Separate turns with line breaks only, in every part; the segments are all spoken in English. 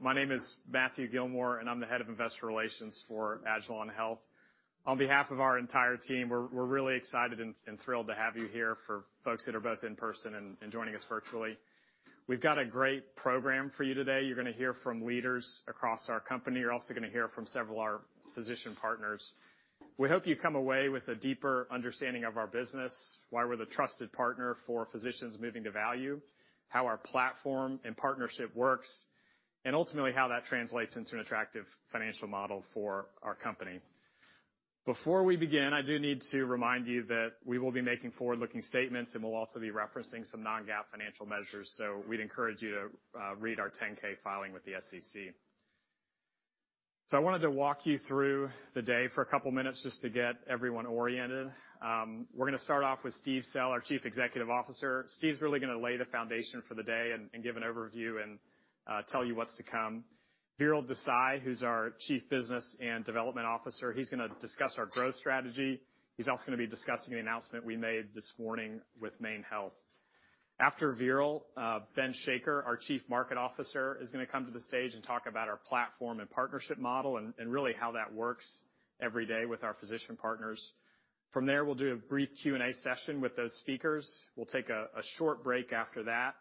My name is Matthew Gillmor, and I'm the Head of Investor Relations for agilon health. On behalf of our entire team, we're really excited and thrilled to have you here for folks that are both in person and joining us virtually. We've got a great program for you today. You're gonna hear from leaders across our company. You're also gonna hear from several of our physician partners. We hope you come away with a deeper understanding of our business, why we're the trusted partner for physicians moving to value, how our platform and partnership works, and ultimately how that translates into an attractive financial model for our company. Before we begin, I do need to remind you that we will be making forward-looking statements, and we'll also be referencing some non-GAAP financial measures. We'd encourage you to read our 10-K filing with the SEC. I wanted to walk you through the day for a couple minutes just to get everyone oriented. We're gonna start off with Steve Sell, our Chief Executive Officer. Steve's really gonna lay the foundation for the day and give an overview and tell you what's to come. Veeral Desai, who's our Chief Business and Development Officer, he's gonna discuss our growth strategy. He's also gonna be discussing the announcement we made this morning with MaineHealth. After Veeral, Ben Shaker, our Chief Markets Officer, is gonna come to the stage and talk about our platform and partnership model and really how that works every day with our physician partners. From there, we'll do a brief Q&A session with those speakers. We'll take a short break after that.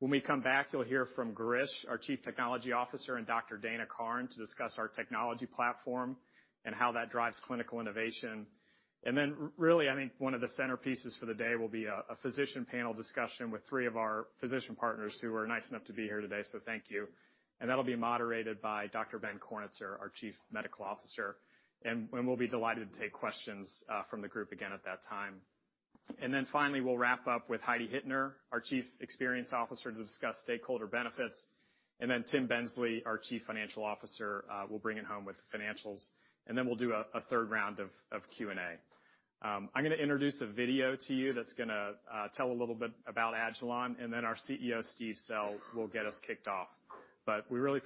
When we come back, you'll hear from Girish, our Chief Technology Officer, and Dr. Dana Carne to discuss our technology platform and how that drives clinical innovation. Really, I think one of the centerpieces for the day will be a physician panel discussion with three of our physician partners who are nice enough to be here today, so thank you. That'll be moderated by Dr. Ben Kornitzer, our Chief Medical Officer. We'll be delighted to take questions from the group again at that time. Finally, we'll wrap up with Heidi Hittner, our Chief Experience Officer, to discuss stakeholder benefits. Tim Bensley, our Chief Financial Officer, will bring it home with financials. We'll do a third round of Q&A. I'm gonna introduce a video to you that's gonna tell a little bit about agilon health, and then our CEO, Steve Sell, will get us kicked off. We really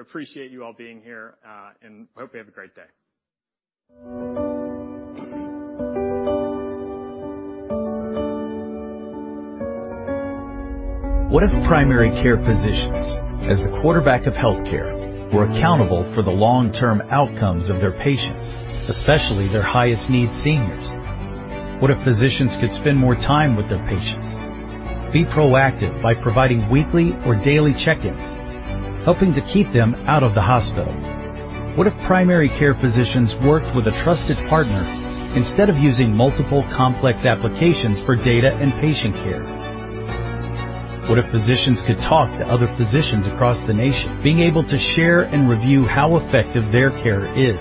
appreciate you all being here, and hope you have a great day.
What if primary care physicians, as the quarterback of healthcare, were accountable for the long-term outcomes of their patients, especially their highest need seniors? What if physicians could spend more time with their patients, be proactive by providing weekly or daily check-ins, helping to keep them out of the hospital? What if primary care physicians worked with a trusted partner instead of using multiple complex applications for data and patient care? What if physicians could talk to other physicians across the nation, being able to share and review how effective their care is?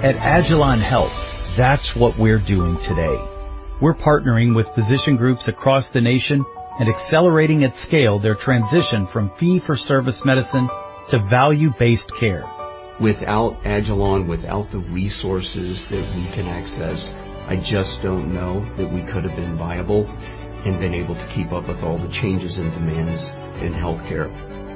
At agilon health, that's what we're doing today. We're partnering with physician groups across the nation and accelerating at scale their transition from fee for service medicine to value-based care.
Without agilon health, without the resources that we can access, I just don't know that we could have been viable and been able to keep up with all the changes and demands in healthcare.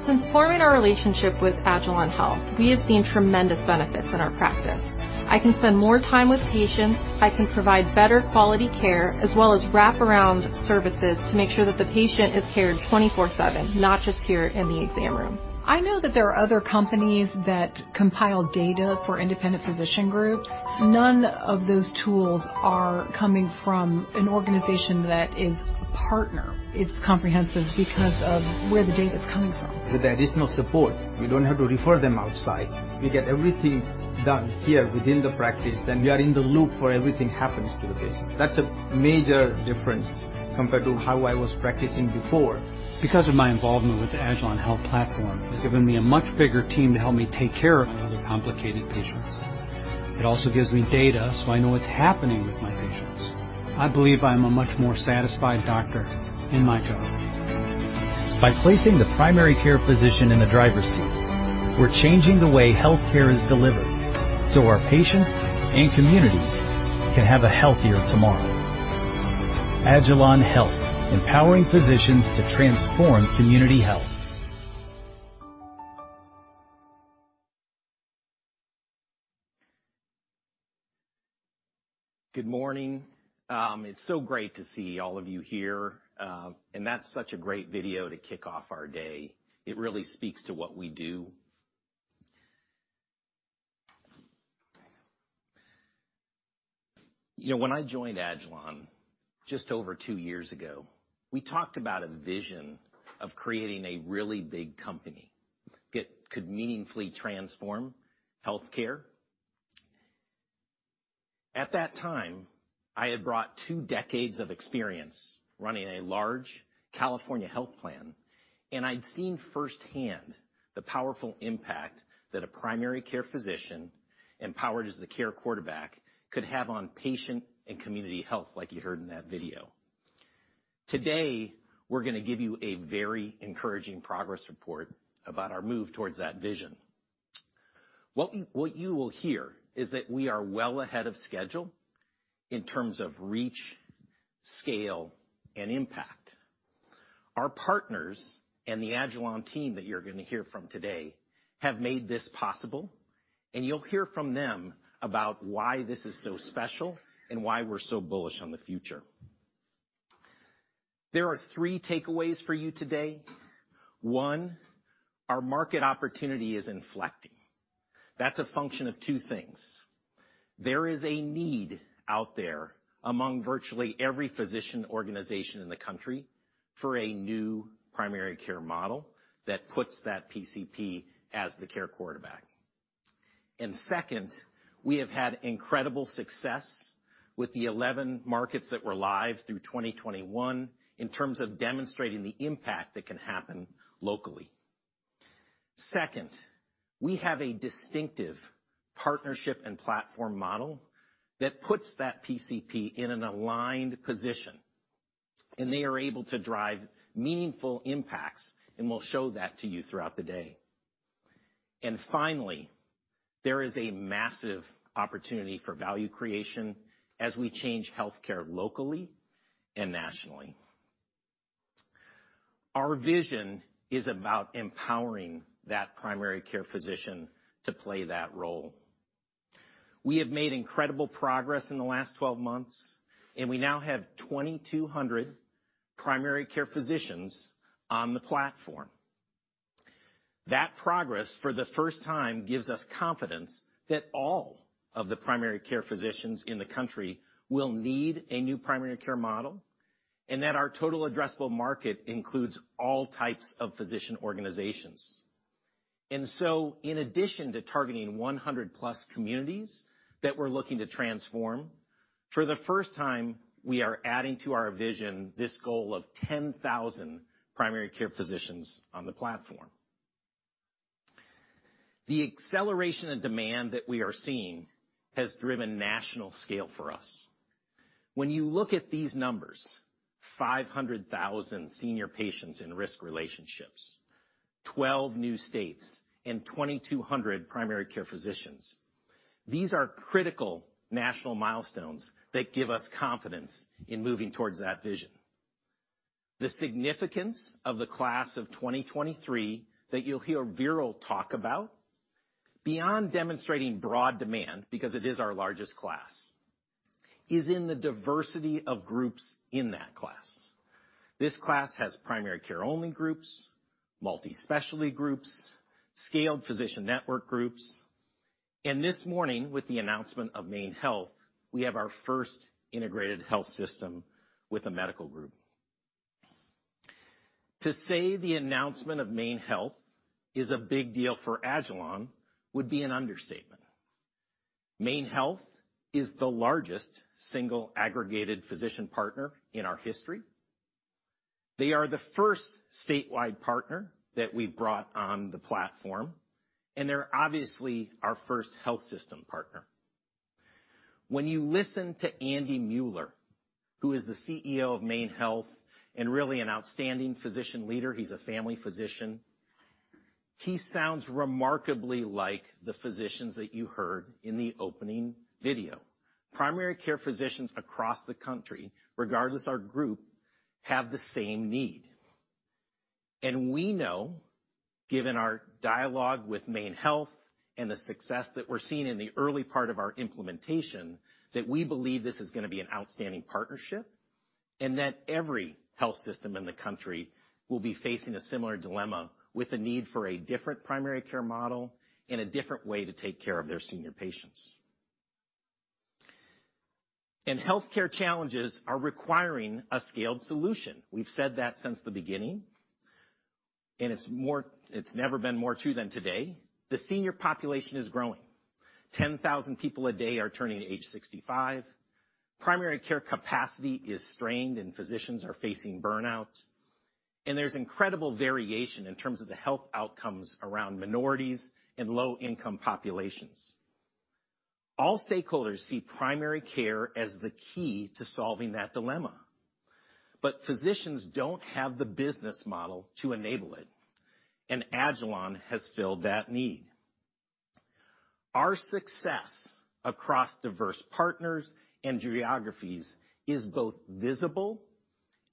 Since forming our relationship with agilon health, we have seen tremendous benefits in our practice. I can spend more time with patients. I can provide better quality care as well as wraparound services to make sure that the patient is cared for 24/7, not just here in the exam room.
I know that there are other companies that compile data for independent physician groups. None of those tools are coming from an organization that is a partner. It's comprehensive because of where the data's coming from.
With the additional support, we don't have to refer them outside. We get everything done here within the practice, and we are in the loop where everything happens to the patient. That's a major difference compared to how I was practicing before.
Because of my involvement with the agilon health platform, it's given me a much bigger team to help me take care of my other complicated patients. It also gives me data so I know what's happening with my patients. I believe I'm a much more satisfied doctor in my job.
By placing the primary care physician in the driver's seat, we're changing the way healthcare is delivered so our patients and communities can have a healthier tomorrow. agilon health, empowering physicians to transform community health.
Good morning. It's so great to see all of you here, and that's such a great video to kick off our day. It really speaks to what we do. You know, when I joined agilon just over two years ago, we talked about a vision of creating a really big company that could meaningfully transform healthcare. At that time, I had brought two decades of experience running a large California health plan, and I'd seen firsthand the powerful impact that a primary care physician, empowered as the care quarterback, could have on patient and community health, like you heard in that video. Today, we're gonna give you a very encouraging progress report about our move towards that vision. What you will hear is that we are well ahead of schedule in terms of reach, scale, and impact. Our partners and the agilon team that you're gonna hear from today have made this possible, and you'll hear from them about why this is so special and why we're so bullish on the future.
There are three takeaways for you today. One, our market opportunity is inflecting. That's a function of two things. There is a need out there among virtually every physician organization in the country for a new primary care model that puts that PCP as the care quarterback. Second, we have had incredible success with the 11 markets that were live through 2021 in terms of demonstrating the impact that can happen locally. Second, we have a distinctive partnership and platform model that puts that PCP in an aligned position, and they are able to drive meaningful impacts, and we'll show that to you throughout the day. Finally, there is a massive opportunity for value creation as we change healthcare locally and nationally. Our vision is about empowering that primary care physician to play that role. We have made incredible progress in the last 12 months, and we now have 2,200 primary care physicians on the platform. That progress, for the first time, gives us confidence that all of the primary care physicians in the country will need a new primary care model and that our total addressable market includes all types of physician organizations. In addition to targeting 100+ communities that we're looking to transform, for the first time, we are adding to our vision this goal of 10,000 primary care physicians on the platform. The acceleration and demand that we are seeing has driven national scale for us. When you look at these numbers, 500,000 senior patients in risk relationships, 12 new states, and 2,200 primary care physicians, these are critical national milestones that give us confidence in moving towards that vision. The significance of the class of 2023 that you'll hear Veeral talk about, beyond demonstrating broad demand, because it is our largest class, is in the diversity of groups in that class. This class has primary care only groups, multi-specialty groups, scaled physician network groups. This morning with the announcement of MaineHealth, we have our first integrated health system with a medical group. To say the announcement of MaineHealth is a big deal for agilon would be an understatement. MaineHealth is the largest single aggregated physician partner in our history. They are the first statewide partner that we've brought on the platform, and they're obviously our first health system partner. When you listen to Andy Mueller, who is the CEO of MaineHealth and really an outstanding physician leader, he's a family physician, he sounds remarkably like the physicians that you heard in the opening video. Primary care physicians across the country, regardless of our group, have the same need. We know, given our dialogue with MaineHealth and the success that we're seeing in the early part of our implementation, that we believe this is gonna be an outstanding partnership and that every health system in the country will be facing a similar dilemma with a need for a different primary care model and a different way to take care of their senior patients. Healthcare challenges are requiring a scaled solution. We've said that since the beginning, and it's never been more true than today. The senior population is growing. 10,000 people a day are turning age 65. Primary care capacity is strained, and physicians are facing burnout. There's incredible variation in terms of the health outcomes around minorities and low-income populations. All stakeholders see primary care as the key to solving that dilemma, but physicians don't have the business model to enable it, and agilon health has filled that need. Our success across diverse partners and geographies is both visible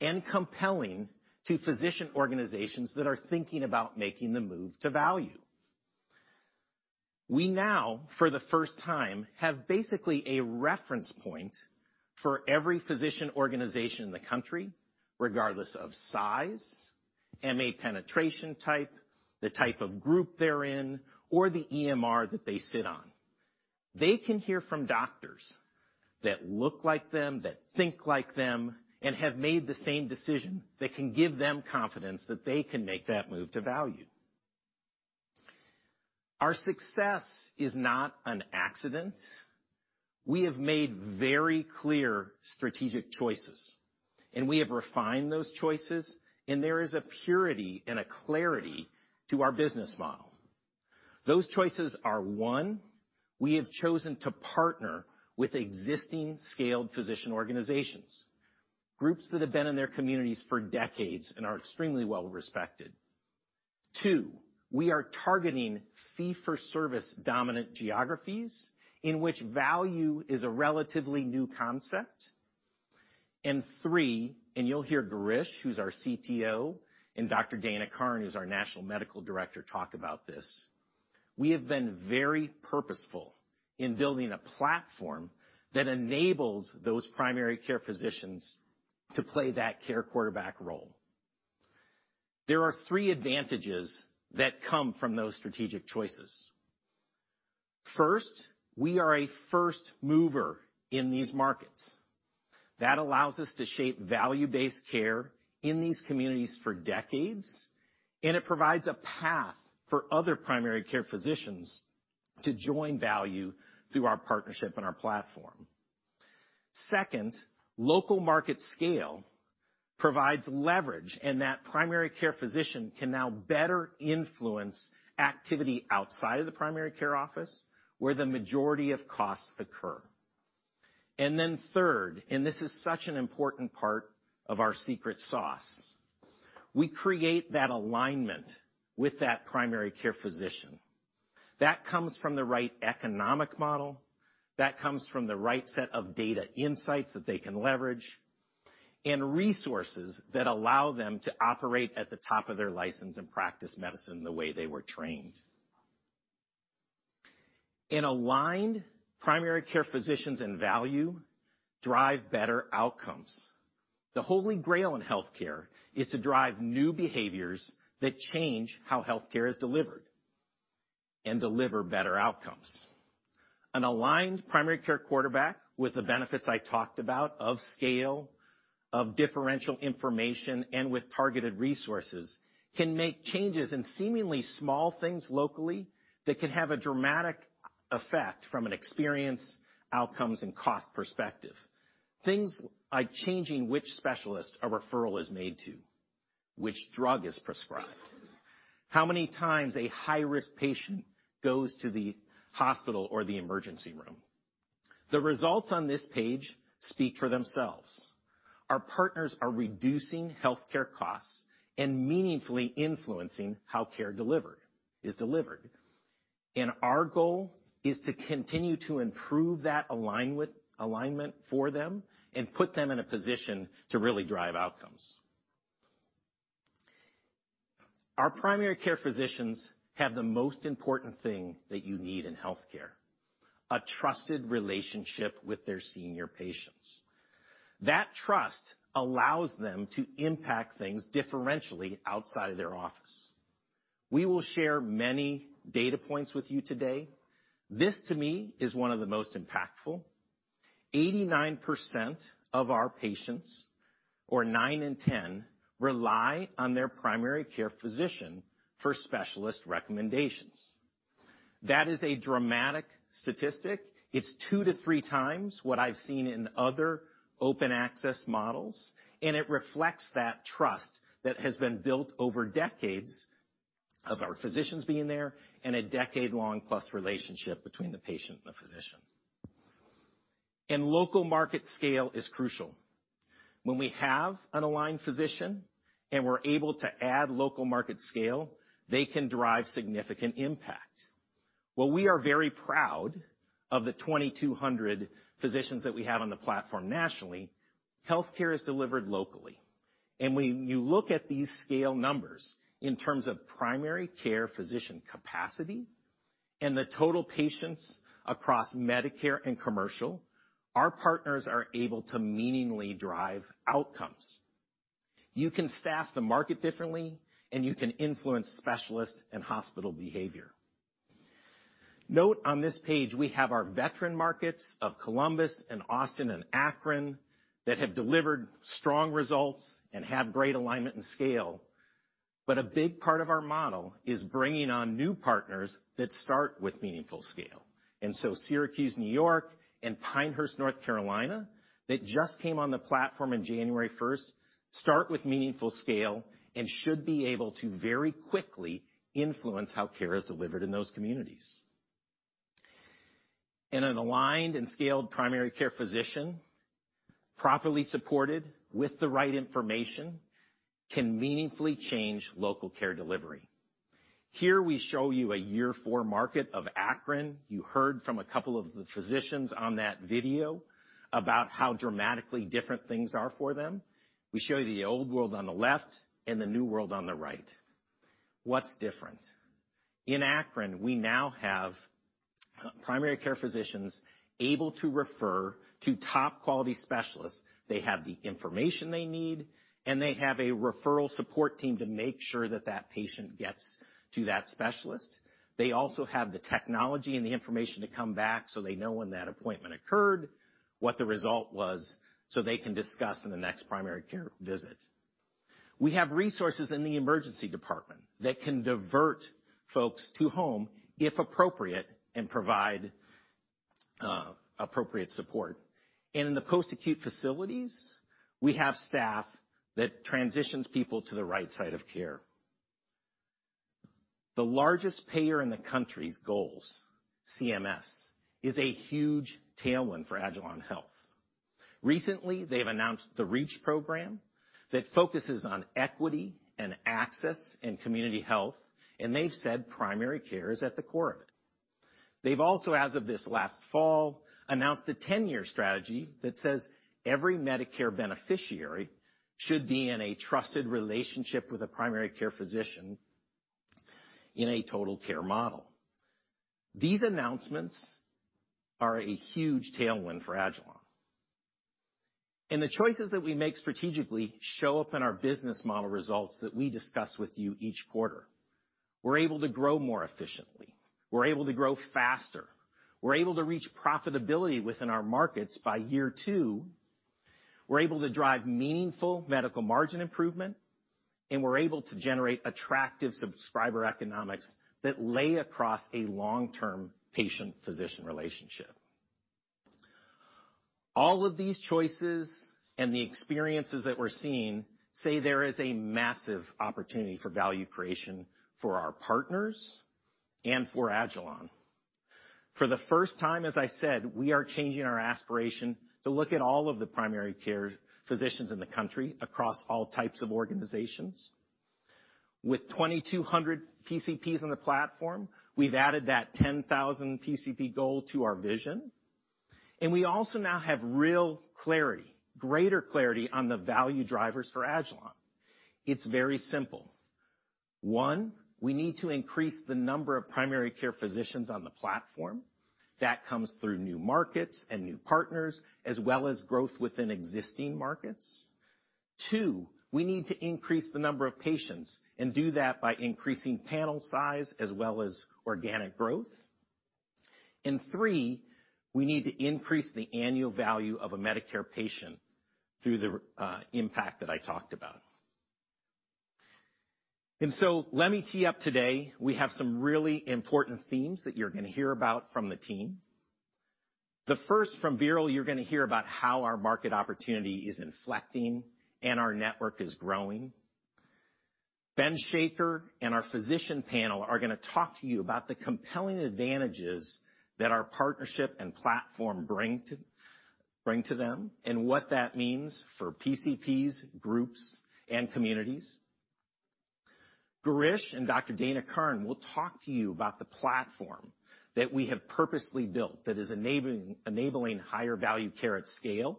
and compelling to physician organizations that are thinking about making the move to value. We now, for the first time, have basically a reference point for every physician organization in the country, regardless of size, MA penetration type, the type of group they're in, or the EMR that they sit on. They can hear from doctors that look like them, that think like them, and have made the same decision that can give them confidence that they can make that move to value. Our success is not an accident. We have made very clear strategic choices, and we have refined those choices, and there is a purity and a clarity to our business model. Those choices are, one, we have chosen to partner with existing scaled physician organizations, groups that have been in their communities for decades and are extremely well respected. Two, we are targeting fee-for-service dominant geographies in which value is a relatively new concept. Three, and you'll hear Girish, who's our CTO, and Dr. Dana Carne, who's our National Medical Director, talk about this. We have been very purposeful in building a platform that enables those primary care physicians to play that care quarterback role. There are three advantages that come from those strategic choices. First, we are a first mover in these markets. That allows us to shape value-based care in these communities for decades, and it provides a path for other primary care physicians to join value through our partnership and our platform. Second, local market scale provides leverage, and that primary care physician can now better influence activity outside of the primary care office where the majority of costs occur. Third, and this is such an important part of our secret sauce, we create that alignment with that primary care physician. That comes from the right economic model, that comes from the right set of data insights that they can leverage, and resources that allow them to operate at the top of their license and practice medicine the way they were trained. An aligned primary care physicians and value drive better outcomes. The Holy Grail in healthcare is to drive new behaviors that change how healthcare is delivered and deliver better outcomes. An aligned primary care quarterback with the benefits I talked about of scale, of differential information, and with targeted resources, can make changes in seemingly small things locally that can have a dramatic effect from an experience, outcomes, and cost perspective. Things like changing which specialist a referral is made to, which drug is prescribed, how many times a high-risk patient goes to the hospital or the emergency room. The results on this page speak for themselves. Our partners are reducing healthcare costs and meaningfully influencing how care is delivered. Our goal is to continue to improve that alignment for them and put them in a position to really drive outcomes. Our primary care physicians have the most important thing that you need in healthcare, a trusted relationship with their senior patients. That trust allows them to impact things differentially outside of their office. We will share many data points with you today. This, to me, is one of the most impactful. 89% of our patients, or 9 in 10, rely on their primary care physician for specialist recommendations. That is a dramatic statistic. It's 2x-3x what I've seen in other open access models, and it reflects that trust that has been built over decades of our physicians being there and a decade-long plus relationship between the patient and the physician. Local market scale is crucial. When we have an aligned physician and we're able to add local market scale, they can derive significant impact. While we are very proud of the 2,200 physicians that we have on the platform nationally, healthcare is delivered locally. When you look at these scale numbers in terms of primary care physician capacity and the total patients across Medicare and commercial, our partners are able to meaningfully derive outcomes. You can staff the market differently, and you can influence specialists and hospital behavior. Note on this page, we have our veteran markets of Columbus and Austin and Akron that have delivered strong results and have great alignment and scale. A big part of our model is bringing on new partners that start with meaningful scale. Syracuse, New York and Pinehurst, North Carolina, that just came on the platform in January 1, start with meaningful scale and should be able to very quickly influence how care is delivered in those communities. In an aligned and scaled primary care, a physician properly supported with the right information can meaningfully change local care delivery. Here we show you a year four market of Akron. You heard from a couple of the physicians on that video about how dramatically different things are for them. We show you the old world on the left and the new world on the right. What's different? In Akron, we now have primary care physicians able to refer to top quality specialists. They have the information they need, and they have a referral support team to make sure that that patient gets to that specialist. They also have the technology and the information to come back so they know when that appointment occurred, what the result was, so they can discuss in the next primary care visit. We have resources in the emergency department that can divert folks to home, if appropriate, and provide appropriate support. In the post-acute facilities, we have staff that transitions people to the right side of care. The largest payer in the country's goals, CMS, is a huge tailwind for agilon health. Recently, they've announced the REACH program that focuses on equity and access and community health, and they've said primary care is at the core of that. They've also, as of this last fall, announced a 10-year strategy that says every Medicare beneficiary should be in a trusted relationship with a primary care physician in a total care model. These announcements are a huge tailwind for agilon health. The choices that we make strategically show up in our business model results that we discuss with you each quarter. We're able to grow more efficiently. We're able to grow faster. We're able to reach profitability within our markets by year two. We're able to drive meaningful medical margin improvement, and we're able to generate attractive subscriber economics that lay across a long-term patient-physician relationship. All of these choices and the experiences that we're seeing say there is a massive opportunity for value creation for our partners and for agilon. For the first time, as I said, we are changing our aspiration to look at all of the primary care physicians in the country across all types of organizations. With 2,200 PCPs on the platform, we've added that 10,000 PCP goal to our vision, and we also now have real clarity, greater clarity on the value drivers for agilon. It's very simple. One, we need to increase the number of primary care physicians on the platform. That comes through new markets and new partners, as well as growth within existing markets. Two, we need to increase the number of patients and do that by increasing panel size as well as organic growth. Three, we need to increase the annual value of a Medicare patient through the impact that I talked about. Let me tee up today, we have some really important themes that you're gonna hear about from the team. The first from Veeral, you're gonna hear about how our market opportunity is inflecting and our network is growing. Ben Shaker and our physician panel are gonna talk to you about the compelling advantages that our partnership and platform bring to them and what that means for PCPs, groups, and communities. Girish and Dr. Dana Carne will talk to you about the platform that we have purposely built that is enabling higher value care at scale.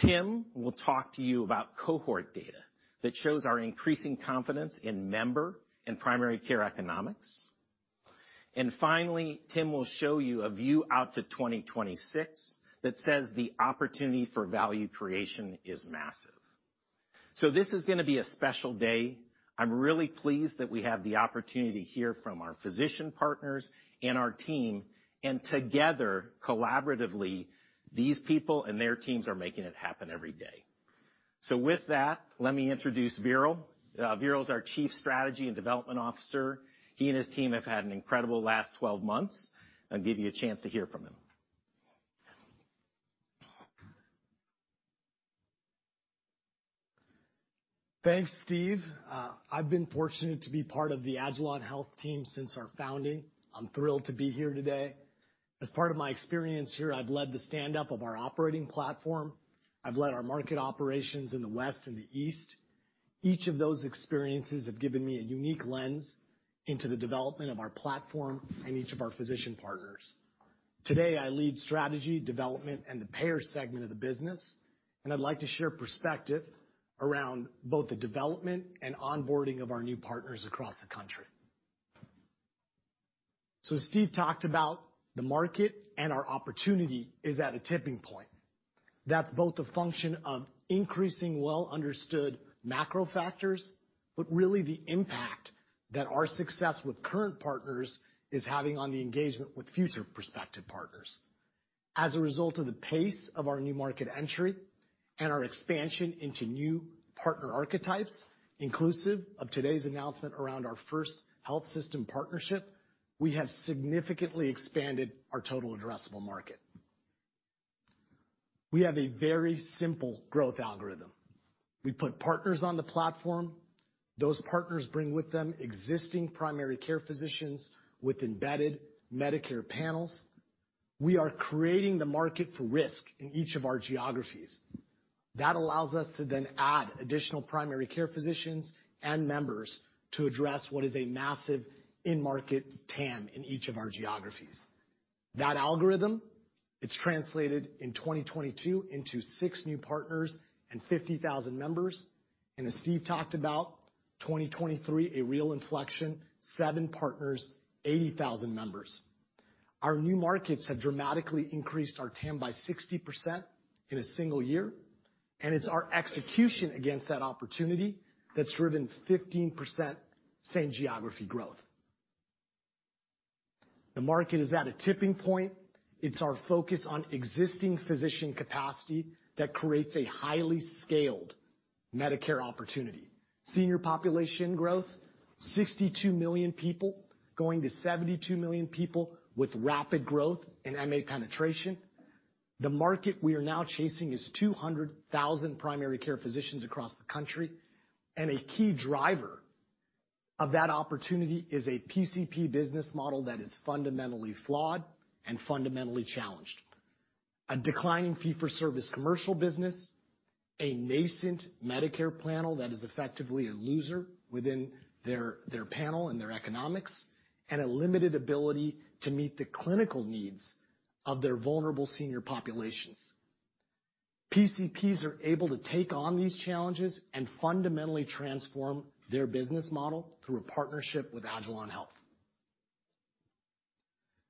Tim will talk to you about cohort data that shows our increasing confidence in member and primary care economics. Finally, Tim will show you a view out to 2026 that says the opportunity for value creation is massive. This is gonna be a special day. I'm really pleased that we have the opportunity to hear from our physician partners and our team, and together, collaboratively, these people and their teams are making it happen every day. With that, let me introduce Veeral. Veeral is our Chief Strategy and Development Officer. He and his team have had an incredible last 12 months. I'll give you a chance to hear from him.
Thanks, Steve. I've been fortunate to be part of the agilon health team since our founding. I'm thrilled to be here today. As part of my experience here, I've led the standup of our operating platform. I've led our market operations in the West and the East. Each of those experiences have given me a unique lens into the development of our platform and each of our physician partners. Today, I lead strategy, development, and the payer segment of the business, and I'd like to share perspective around both the development and onboarding of our new partners across the country. As Steve talked about, the market and our opportunity is at a tipping point. That's both a function of increasing, well-understood macro factors, but really the impact that our success with current partners is having on the engagement with future prospective partners. As a result of the pace of our new market entry and our expansion into new partner archetypes, inclusive of today's announcement around our first health system partnership, we have significantly expanded our total addressable market. We have a very simple growth algorithm. We put partners on the platform. Those partners bring with them existing primary care physicians with embedded Medicare panels. We are creating the market for risk in each of our geographies. That allows us to then add additional primary care physicians and members to address what is a massive in-market TAM in each of our geographies. That algorithm, it's translated in 2022 into 6 new partners and 50,000 members. As Steve talked about, 2023, a real inflection, seven partners, 80,000 members. Our new markets have dramatically increased our TAM by 60% in a single year, and it's our execution against that opportunity that's driven 15% same geography growth. The market is at a tipping point. It's our focus on existing physician capacity that creates a highly scaled Medicare opportunity. Senior population growth, 62 million people going to 72 million people with rapid growth in MA penetration. The market we are now chasing is 200,000 primary care physicians across the country, and a key driver of that opportunity is a PCP business model that is fundamentally flawed and fundamentally challenged. A declining fee-for-service commercial business, a nascent Medicare panel that is effectively a loser within their panel and their economics, and a limited ability to meet the clinical needs of their vulnerable senior populations. PCPs are able to take on these challenges and fundamentally transform their business model through a partnership with agilon health.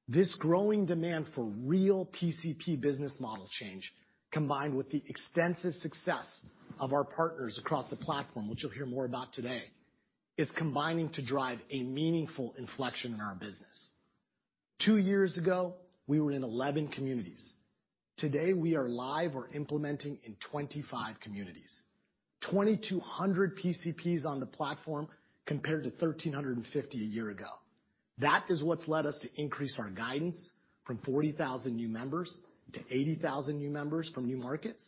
This growing demand for real PCP business model change, combined with the extensive success of our partners across the platform, which you'll hear more about today, is combining to drive a meaningful inflection in our business. Two years ago, we were in 11 communities. Today, we are live or implementing in 25 communities. 2,200 PCPs on the platform compared to 1,350 a year ago. That is what's led us to increase our guidance from 40,000 new members to 80,000 new members from new markets,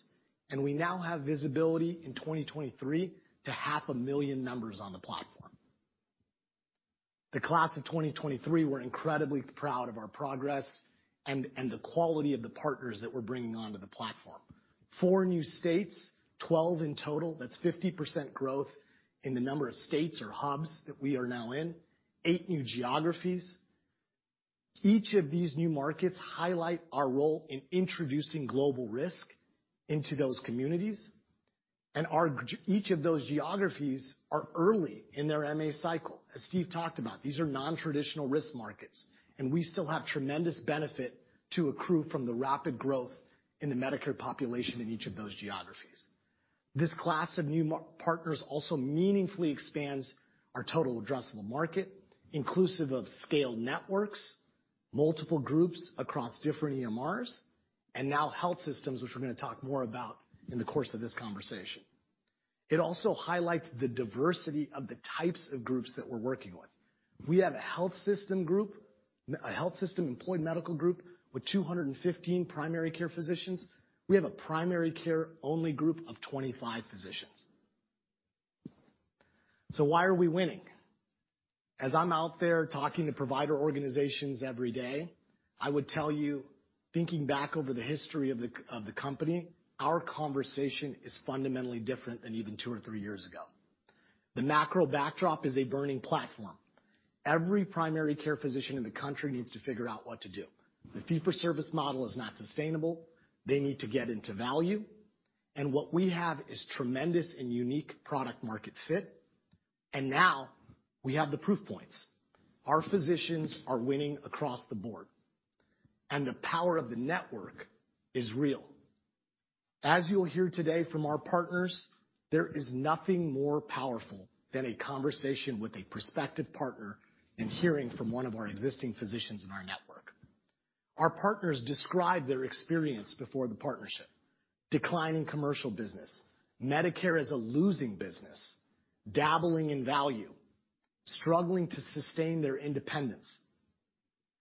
and we now have visibility in 2023 to 500,000 members on the platform. The class of 2023, we're incredibly proud of our progress and the quality of the partners that we're bringing onto the platform. Four new states, 12 in total. That's 50% growth in the number of states or hubs that we are now in. Eight new geographies. Each of these new markets highlight our role in introducing global risk into those communities. Each of those geographies are early in their MA cycle. As Steve talked about, these are nontraditional risk markets, and we still have tremendous benefit to accrue from the rapid growth in the Medicare population in each of those geographies. This class of new partners also meaningfully expands our total addressable market, inclusive of scaled networks, multiple groups across different EMRs, and now health systems, which we're gonna talk more about in the course of this conversation. It also highlights the diversity of the types of groups that we're working with. We have a health system group, a health system-employed medical group with 215 primary care physicians. We have a primary care-only group of 25 physicians. Why are we winning? As I'm out there talking to provider organizations every day, I would tell you, thinking back over the history of the company, our conversation is fundamentally different than even two or three years ago. The macro backdrop is a burning platform. Every primary care physician in the country needs to figure out what to do. The fee-for-service model is not sustainable. They need to get into value, and what we have is tremendous and unique product market fit. Now we have the proof points. Our physicians are winning across the board, and the power of the network is real. As you'll hear today from our partners, there is nothing more powerful than a conversation with a prospective partner and hearing from one of our existing physicians in our network. Our partners describe their experience before the partnership. Decline in commercial business. Medicare is a losing business. Dabbling in value. Struggling to sustain their independence.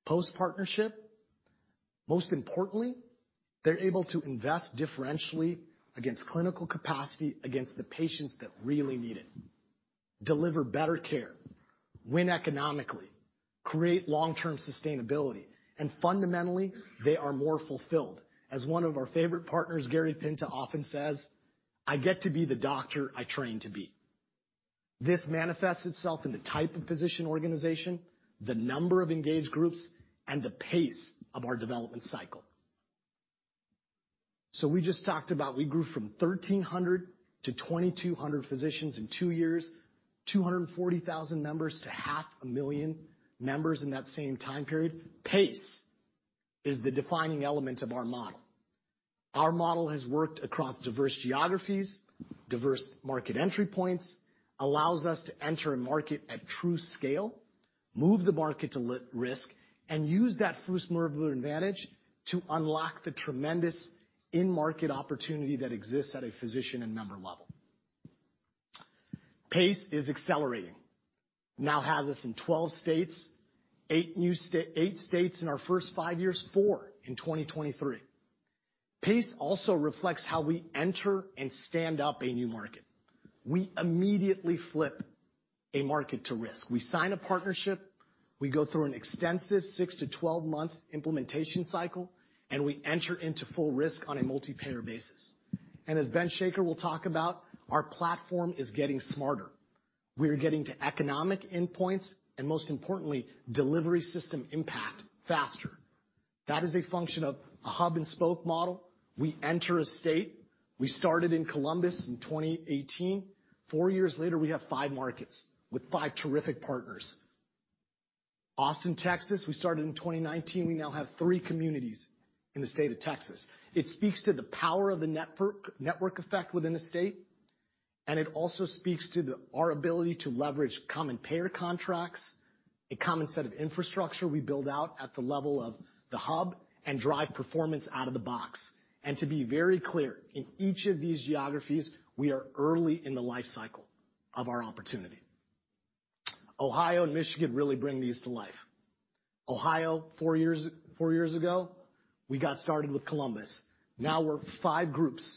Post-partnership, most importantly, they're able to invest differentially against clinical capacity, against the patients that really need it, deliver better care, win economically, create long-term sustainability, and fundamentally, they are more fulfilled. As one of our favorite partners, Gary Pinta, often says, "I get to be the doctor I trained to be." This manifests itself in the type of physician organization, the number of engaged groups, and the pace of our development cycle. We just talked about we grew from 1,300 to 2,200 physicians in two years, 240,000 members to 500,000 members in that same time period. Pace is the defining element of our model. Our model has worked across diverse geographies, diverse market entry points, allows us to enter a market at true scale, move the market to live risk, and use that first-mover advantage to unlock the tremendous in-market opportunity that exists at a physician and member level. Pace is accelerating, now has us in 12 states, eight new states in our first five years, four in 2023. Pace also reflects how we enter and stand up a new market. We immediately flip a market to risk. We sign a partnership, we go through an extensive 6- to 12-month implementation cycle, and we enter into full risk on a multi-payer basis. As Ben Shaker will talk about, our platform is getting smarter. We are getting to economic endpoints and, most importantly, delivery system impact faster. That is a function of a hub and spoke model. We enter a state. We started in Columbus in 2018. Four years later, we have five markets with five terrific partners. Austin, Texas, we started in 2019. We now have three communities in the state of Texas. It speaks to the power of the network effect within a state, and it also speaks to our ability to leverage common payer contracts, a common set of infrastructure we build out at the level of the hub and drive performance out of the box. To be very clear, in each of these geographies, we are early in the life cycle of our opportunity. Ohio and Michigan really bring these to life. Ohio, four years ago, we got started with Columbus. Now we're five groups,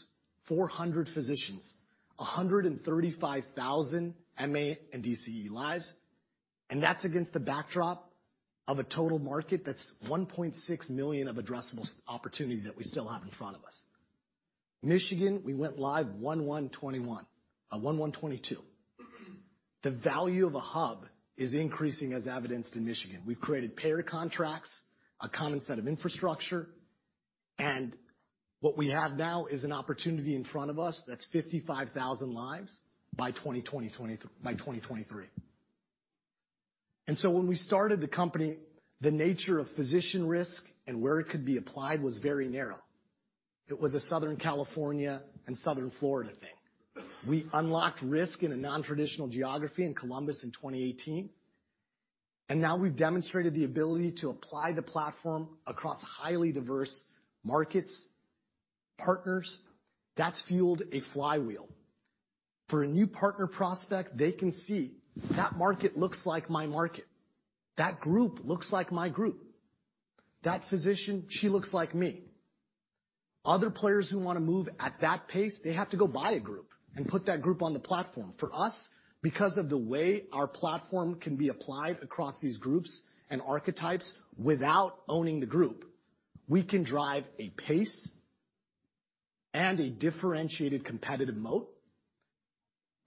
400 physicians, 135,000 MA and DCE lives. That's against the backdrop of a total market that's 1.6 million of addressable opportunity that we still have in front of us. Michigan, we went live 1/1/22. The value of a hub is increasing, as evidenced in Michigan. We've created payer contracts, a common set of infrastructure, and what we have now is an opportunity in front of us that's 55,000 lives by 2023. When we started the company, the nature of physician risk and where it could be applied was very narrow. It was a Southern California and Southern Florida thing. We unlocked risk in a nontraditional geography in Columbus in 2018, and now we've demonstrated the ability to apply the platform across highly diverse markets, partners. That's fueled a flywheel. For a new partner prospect, they can see that market looks like my market. That group looks like my group. That physician, she looks like me. Other players who wanna move at that pace, they have to go buy a group and put that group on the platform. For us, because of the way our platform can be applied across these groups and archetypes without owning the group, we can drive a pace and a differentiated competitive moat.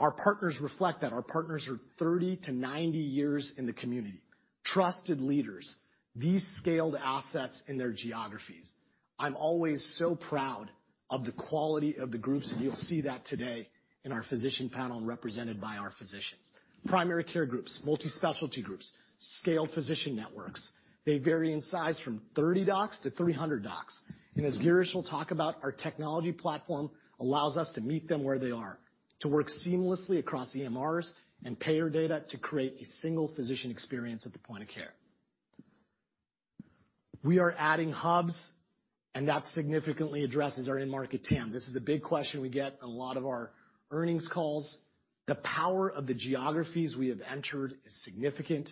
Our partners reflect that. Our partners are 30-90 years in the community, trusted leaders, these scaled assets in their geographies. I'm always so proud of the quality of the groups, and you'll see that today in our physician panel and represented by our physicians. Primary care groups, multi-specialty groups, scaled physician networks, they vary in size from 30 docs to 300 docs. As Girish will talk about, our technology platform allows us to meet them where they are, to work seamlessly across EMRs and payer data to create a single physician experience at the point of care. We are adding hubs, and that significantly addresses our end market TAM. This is a big question we get in a lot of our earnings calls. The power of the geographies we have entered is significant.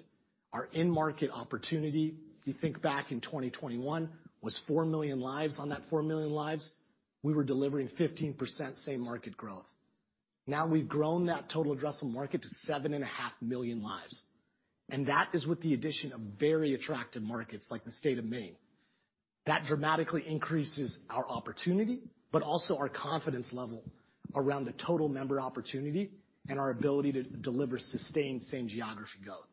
Our end market opportunity, if you think back in 2021, was 4 million lives. On that 4 million lives, we were delivering 15% same market growth. Now we've grown that total addressable market to 7.5 million lives, and that is with the addition of very attractive markets like the state of Maine. That dramatically increases our opportunity, but also our confidence level around the total member opportunity and our ability to deliver sustained same geography growth.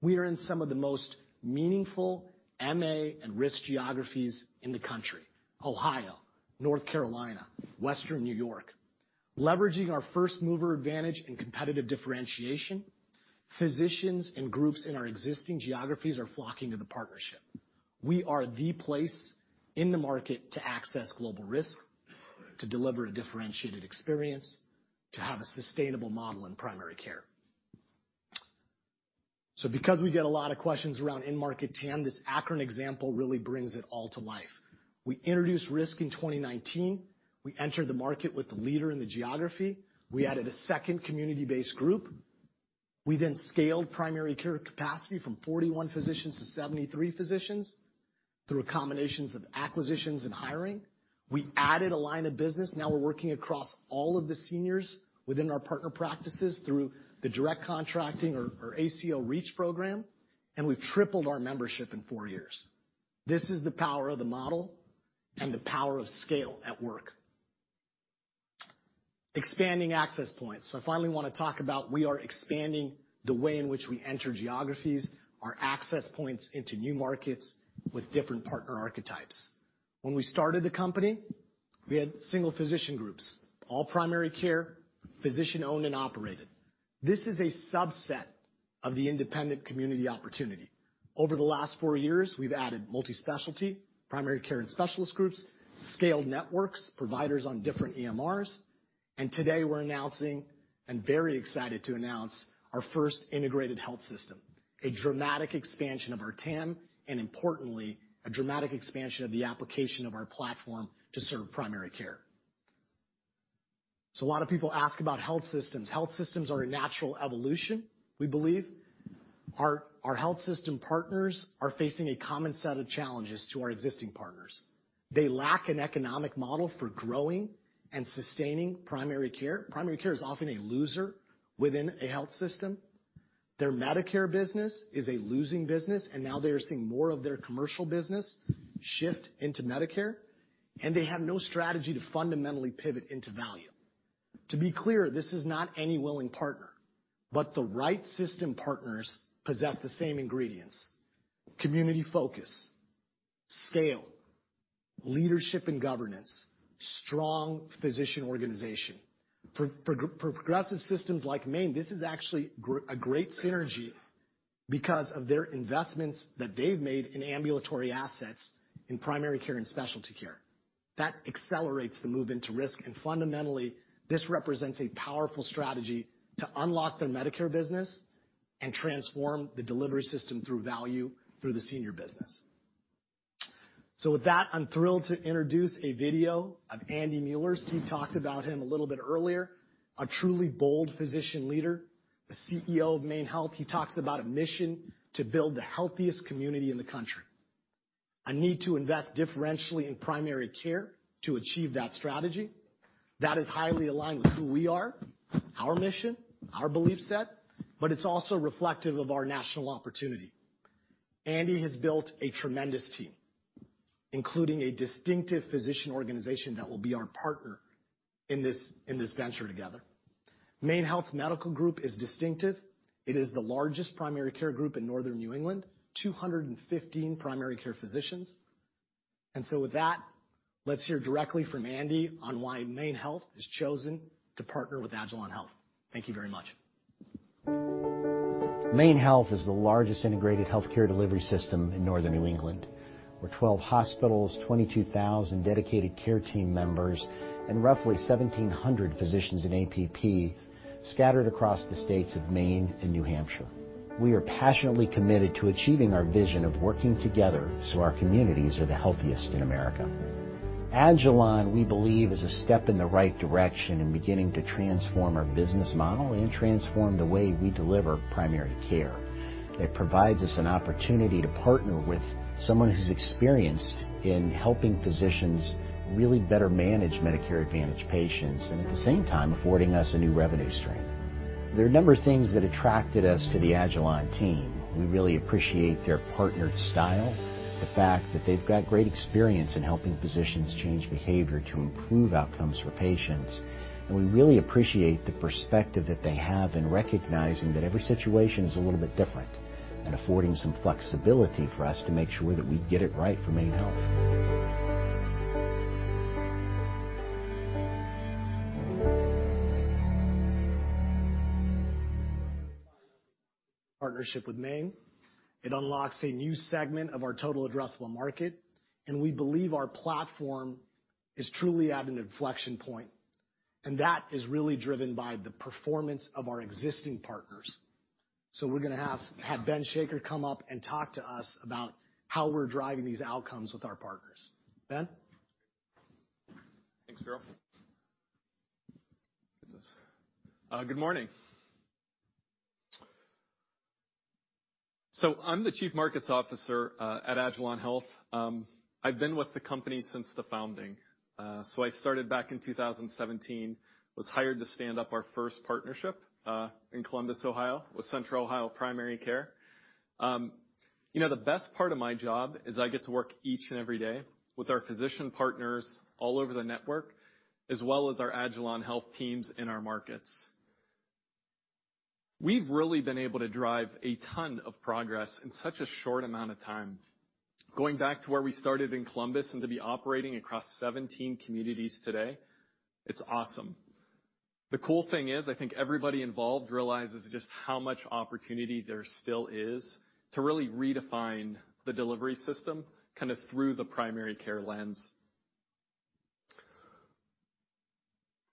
We are in some of the most meaningful MA and risk geographies in the country, Ohio, North Carolina, Western New York. Leveraging our first-mover advantage and competitive differentiation, physicians and groups in our existing geographies are flocking to the partnership. We are the place in the market to access global risk, to deliver a differentiated experience, to have a sustainable model in primary care. Because we get a lot of questions around end market TAM, this Akron example really brings it all to life. We introduced risk in 2019. We entered the market with the leader in the geography. We added a second community-based group. We then scaled primary care capacity from 41 physicians to 73 physicians through a combinations of acquisitions and hiring. We added a line of business. Now we're working across all of the seniors within our partner practices through the direct contracting or ACO REACH program, and we've tripled our membership in four years. This is the power of the model and the power of scale at work. Expanding access points. I finally wanna talk about we are expanding the way in which we enter geographies, our access points into new markets with different partner archetypes. When we started the company, we had single physician groups, all primary care, physician-owned and operated. This is a subset of the independent community opportunity. Over the last four years, we've added multi-specialty, primary care and specialist groups, scaled networks, providers on different EMRs, and today we're announcing, and very excited to announce, our first integrated health system, a dramatic expansion of our TAM, and importantly, a dramatic expansion of the application of our platform to serve primary care. A lot of people ask about health systems. Health systems are a natural evolution, we believe. Our health system partners are facing a common set of challenges to our existing partners. They lack an economic model for growing and sustaining primary care. Primary care is often a loser within a health system. Their Medicare business is a losing business, and now they are seeing more of their commercial business shift into Medicare, and they have no strategy to fundamentally pivot into value. To be clear, this is not any willing partner, but the right system partners possess the same ingredients: community focus, scale, leadership and governance, strong physician organization. For progressive systems like MaineHealth, this is actually a great synergy because of their investments that they've made in ambulatory assets in primary care and specialty care. That accelerates the move into risk, and fundamentally, this represents a powerful strategy to unlock their Medicare business and transform the delivery system through value through the senior business. With that, I'm thrilled to introduce a video of Andy Mueller. Steve talked about him a little bit earlier, a truly bold physician leader, the CEO of MaineHealth. He talks about a mission to build the healthiest community in the country. A need to invest differentially in primary care to achieve that strategy. That is highly aligned with who we are, our mission, our belief set, but it's also reflective of our national opportunity. Andy has built a tremendous team, including a distinctive physician organization that will be our partner in this venture together. MaineHealth's Medical Group is distinctive. It is the largest primary care group in northern New England, 215 primary care physicians. With that, let's hear directly from Andy on why MaineHealth has chosen to partner with agilon health. Thank you very much.
MaineHealth is the largest integrated healthcare delivery system in northern New England, with 12 hospitals, 22,000 dedicated care team members, and roughly 1,700 physicians in APP scattered across the states of Maine and New Hampshire. We are passionately committed to achieving our vision of working together so our communities are the healthiest in America. agilon health, we believe, is a step in the right direction in beginning to transform our business model and transform the way we deliver primary care. It provides us an opportunity to partner with someone who's experienced in helping physicians really better manage Medicare Advantage patients and at the same time affording us a new revenue stream. There are a number of things that attracted us to the agilon health team. We really appreciate their partnered style, the fact that they've got great experience in helping physicians change behavior to improve outcomes for patients. We really appreciate the perspective that they have in recognizing that every situation is a little bit different and affording some flexibility for us to make sure that we get it right for MaineHealth.
Partnership with Maine. It unlocks a new segment of our total addressable market, and we believe our platform is truly at an inflection point, and that is really driven by the performance of our existing partners. We're gonna have Ben Shaker come up and talk to us about how we're driving these outcomes with our partners. Ben.
Thanks, Veeral. Good morning. I'm the Chief Markets Officer at agilon health. I've been with the company since the founding. I started back in 2017, was hired to stand up our first partnership in Columbus, Ohio, with Central Ohio Primary Care. You know, the best part of my job is I get to work each and every day with our physician partners all over the network, as well as our agilon health teams in our markets. We've really been able to drive a ton of progress in such a short amount of time. Going back to where we started in Columbus and to be operating across 17 communities today, it's awesome. The cool thing is, I think everybody involved realizes just how much opportunity there still is to really redefine the delivery system kind of through the primary care lens.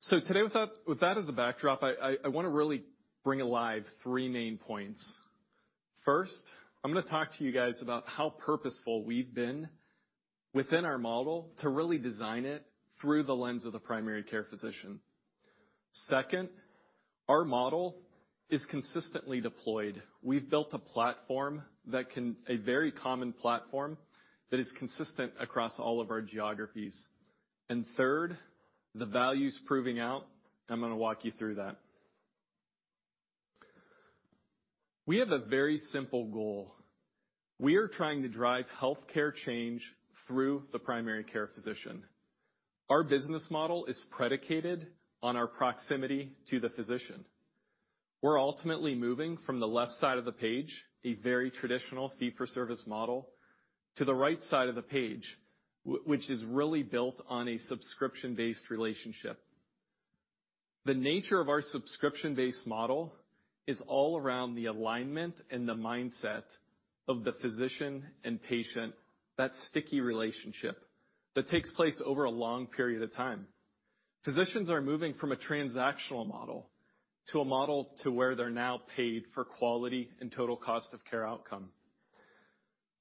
Today, with that as a backdrop, I wanna really bring alive three main points. First, I'm gonna talk to you guys about how purposeful we've been within our model to really design it through the lens of the primary care physician. Second, our model is consistently deployed. We've built a very common platform that is consistent across all of our geographies. Third, the value's proving out. I'm gonna walk you through that. We have a very simple goal. We are trying to drive healthcare change through the primary care physician. Our business model is predicated on our proximity to the physician. We're ultimately moving from the left side of the page, a very traditional fee-for-service model, to the right side of the page, which is really built on a subscription-based relationship. The nature of our subscription-based model is all around the alignment and the mindset of the physician and patient, that sticky relationship that takes place over a long period of time. Physicians are moving from a transactional model to a model to where they're now paid for quality and total cost of care outcome.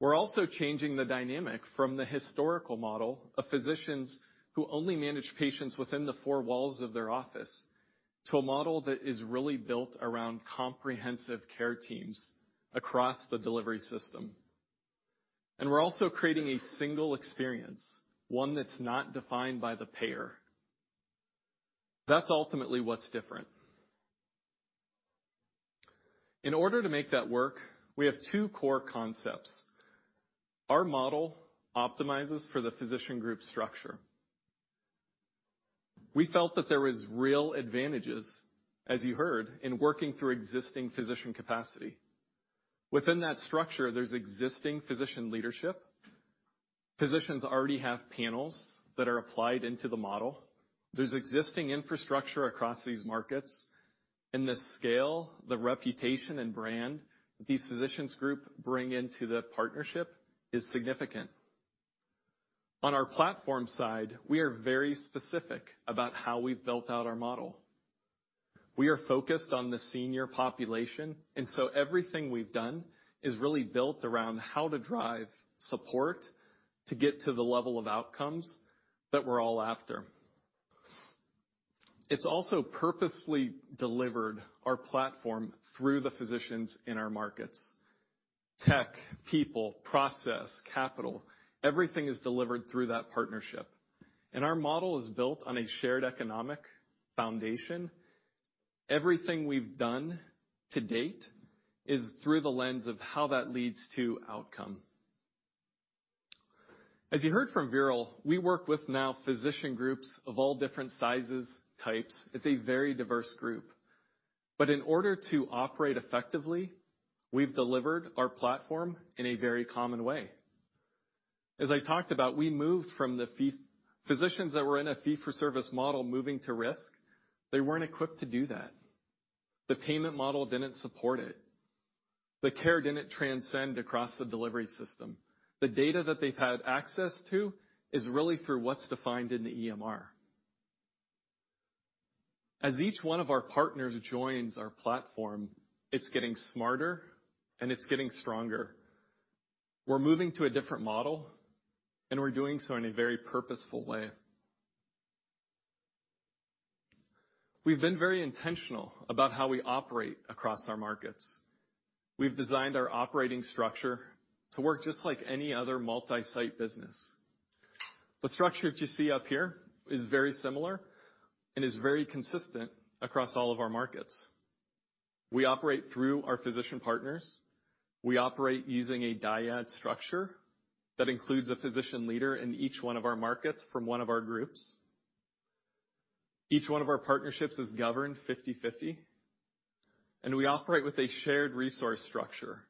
We're also changing the dynamic from the historical model of physicians who only manage patients within the four walls of their office to a model that is really built around comprehensive care teams across the delivery system. We're also creating a single experience, one that's not defined by the payer. That's ultimately what's different. In order to make that work, we have two core concepts. Our model optimizes for the physician group structure. We felt that there was real advantages, as you heard, in working through existing physician capacity. Within that structure, there's existing physician leadership. Physicians already have panels that are applied into the model. There's existing infrastructure across these markets, and the scale, the reputation, and brand these physicians group bring into the partnership is significant. On our platform side, we are very specific about how we've built out our model. We are focused on the senior population, and so everything we've done is really built around how to drive support to get to the level of outcomes that we're all after. It's also purposely delivered our platform through the physicians in our markets. Tech, people, process, capital, everything is delivered through that partnership, and our model is built on a shared economic foundation. Everything we've done to date is through the lens of how that leads to outcome. As you heard from Veeral, we work with now physician groups of all different sizes, types. It's a very diverse group. In order to operate effectively, we've delivered our platform in a very common way. As I talked about, we moved from physicians that were in a fee-for-service model moving to risk, they weren't equipped to do that. The payment model didn't support it. The care didn't transcend across the delivery system. The data that they've had access to is really through what's defined in the EMR. As each one of our partners joins our platform, it's getting smarter, and it's getting stronger. We're moving to a different model, and we're doing so in a very purposeful way. We've been very intentional about how we operate across our markets. We've designed our operating structure to work just like any other multi-site business. The structure that you see up here is very similar and is very consistent across all of our markets. We operate through our physician partners. We operate using a dyad structure that includes a physician leader in each one of our markets from one of our groups. Each one of our partnerships is governed 50/50, and we operate with a shared resource structure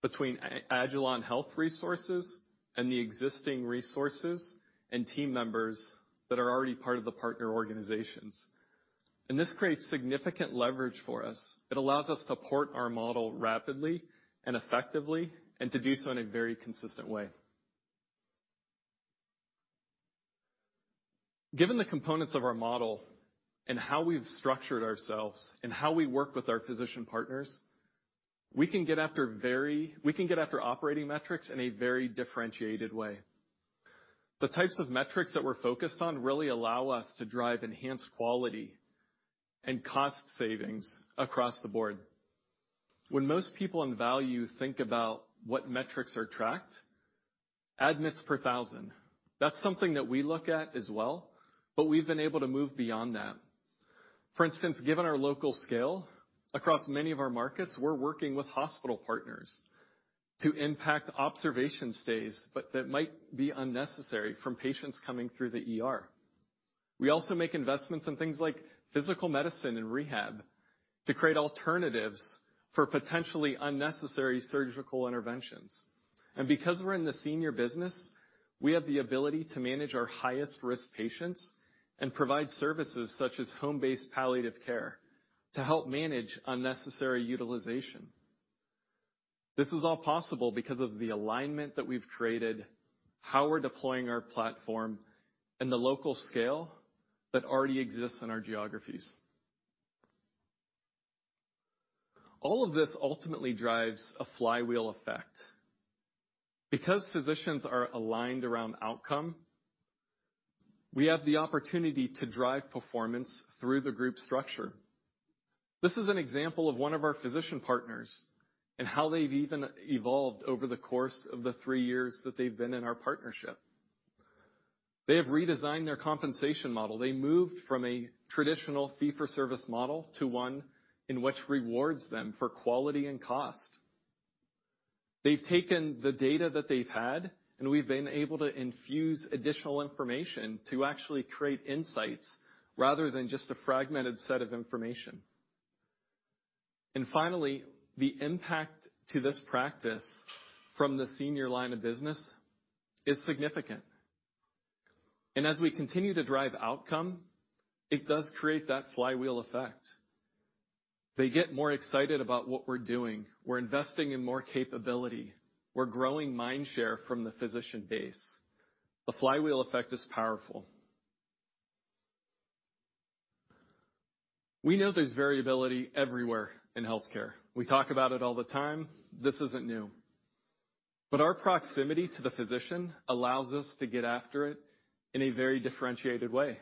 between agilon health resources and the existing resources and team members that are already part of the partner organizations. This creates significant leverage for us. It allows us to port our model rapidly and effectively and to do so in a very consistent way. Given the components of our model and how we've structured ourselves and how we work with our physician partners, we can get after operating metrics in a very differentiated way. The types of metrics that we're focused on really allow us to drive enhanced quality and cost savings across the board. When most people in value think about what metrics are tracked, admits per thousand. That's something that we look at as well, but we've been able to move beyond that. For instance, given our local scale, across many of our markets, we're working with hospital partners to impact observation stays, but that might be unnecessary from patients coming through the ER. We also make investments in things like physical medicine and rehab to create alternatives for potentially unnecessary surgical interventions. Because we're in the senior business, we have the ability to manage our highest-risk patients and provide services such as home-based palliative care to help manage unnecessary utilization. This is all possible because of the alignment that we've created, how we're deploying our platform, and the local scale that already exists in our geographies. All of this ultimately drives a flywheel effect. Because physicians are aligned around outcome, we have the opportunity to drive performance through the group structure. This is an example of one of our physician partners and how they've even evolved over the course of the three years that they've been in our partnership. They have redesigned their compensation model. They moved from a traditional fee-for-service model to one in which rewards them for quality and cost. They've taken the data that they've had, and we've been able to infuse additional information to actually create insights rather than just a fragmented set of information. Finally, the impact to this practice from the senior line of business is significant. As we continue to drive outcome, it does create that flywheel effect. They get more excited about what we're doing. We're investing in more capability. We're growing mind share from the physician base. The flywheel effect is powerful. We know there's variability everywhere in healthcare. We talk about it all the time. This isn't new. Our proximity to the physician allows us to get after it in a very differentiated way.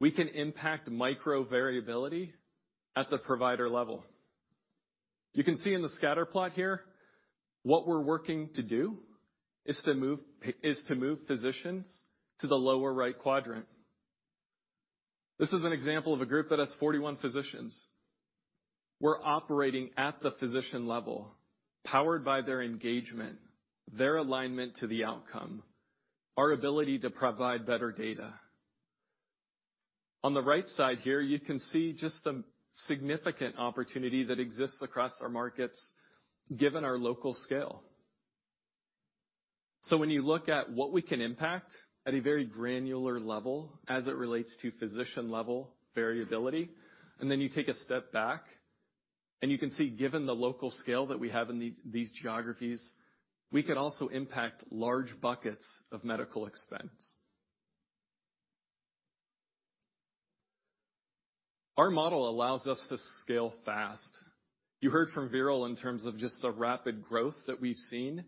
We can impact micro variability at the provider level. You can see in the scatter plot here, what we're working to do is to move physicians to the lower right quadrant. This is an example of a group that has 41 physicians. We're operating at the physician level, powered by their engagement, their alignment to the outcome, our ability to provide better data. On the right side here, you can see just the significant opportunity that exists across our markets, given our local scale. When you look at what we can impact at a very granular level as it relates to physician-level variability, and then you take a step back, and you can see, given the local scale that we have in these geographies, we can also impact large buckets of medical expense. Our model allows us to scale fast. You heard from Veeral in terms of just the rapid growth that we've seen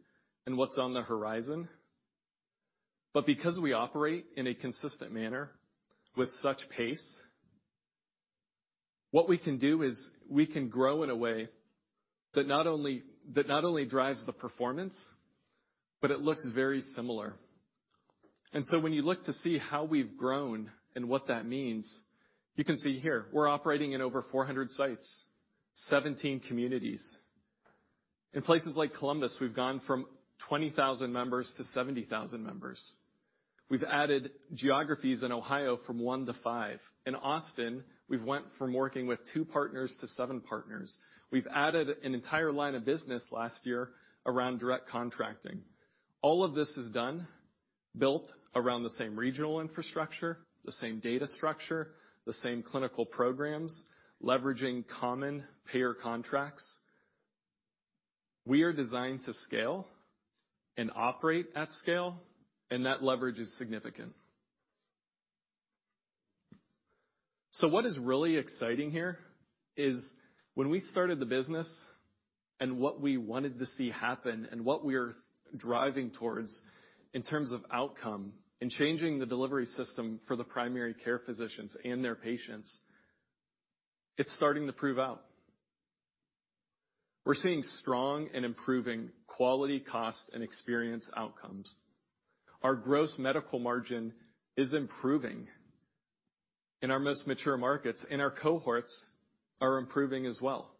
and what's on the horizon. Because we operate in a consistent manner with such pace, what we can do is we can grow in a way that not only drives the performance, but it looks very similar. When you look to see how we've grown and what that means, you can see here we're operating in over 400 sites, 17 communities. In places like Columbus, we've gone from 20,000 members to 70,000 members. We've added geographies in Ohio from one to five. In Austin, we've went from working with two partners to seven partners. We've added an entire line of business last year around direct contracting. All of this is done, built around the same regional infrastructure, the same data structure, the same clinical programs, leveraging common payer contracts. We are designed to scale and operate at scale, and that leverage is significant. What is really exciting here is when we started the business and what we wanted to see happen and what we are driving towards in terms of outcome and changing the delivery system for the primary care physicians and their patients, it's starting to prove out. We're seeing strong and improving quality, cost, and experience outcomes. Our gross medical margin is improving in our most mature markets, and our cohorts are improving as well.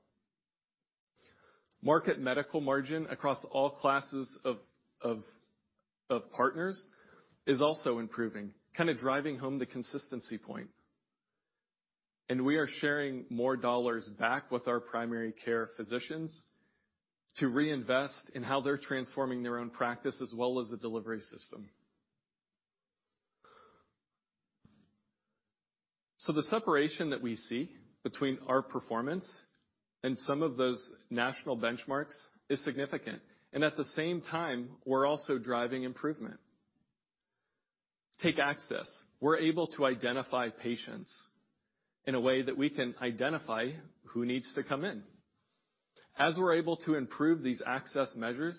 Market medical margin across all classes of partners is also improving, kind of driving home the consistency point. We are sharing more dollars back with our primary care physicians to reinvest in how they're transforming their own practice as well as the delivery system. The separation that we see between our performance and some of those national benchmarks is significant. At the same time, we're also driving improvement. Take access. We're able to identify patients in a way that we can identify who needs to come in. As we're able to improve these access measures,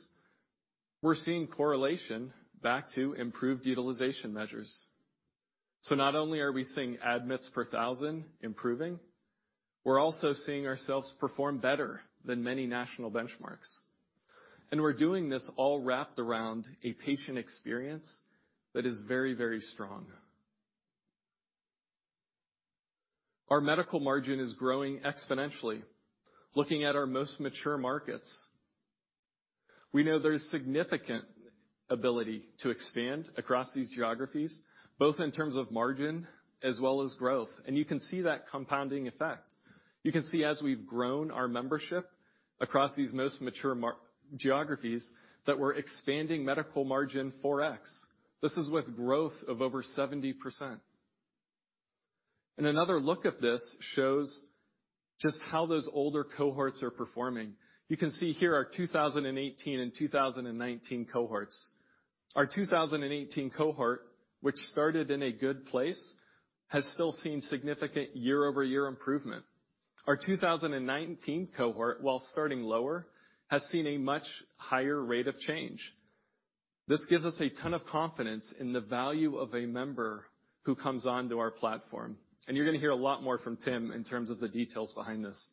we're seeing correlation back to improved utilization measures. Not only are we seeing admits per 1,000 improving, we're also seeing ourselves perform better than many national benchmarks. We're doing this all wrapped around a patient experience that is very, very strong. Our medical margin is growing exponentially. Looking at our most mature markets, we know there's significant ability to expand across these geographies, both in terms of margin as well as growth. You can see that compounding effect. You can see as we've grown our membership across these most mature geographies that we're expanding medical margin 4x. This is with growth of over 70%. Another look at this shows just how those older cohorts are performing. You can see here our 2018 and 2019 cohorts. Our 2018 cohort, which started in a good place, has still seen significant year-over-year improvement. Our 2019 cohort, while starting lower, has seen a much higher rate of change. This gives us a ton of confidence in the value of a member who comes onto our platform, and you're gonna hear a lot more from Tim in terms of the details behind this.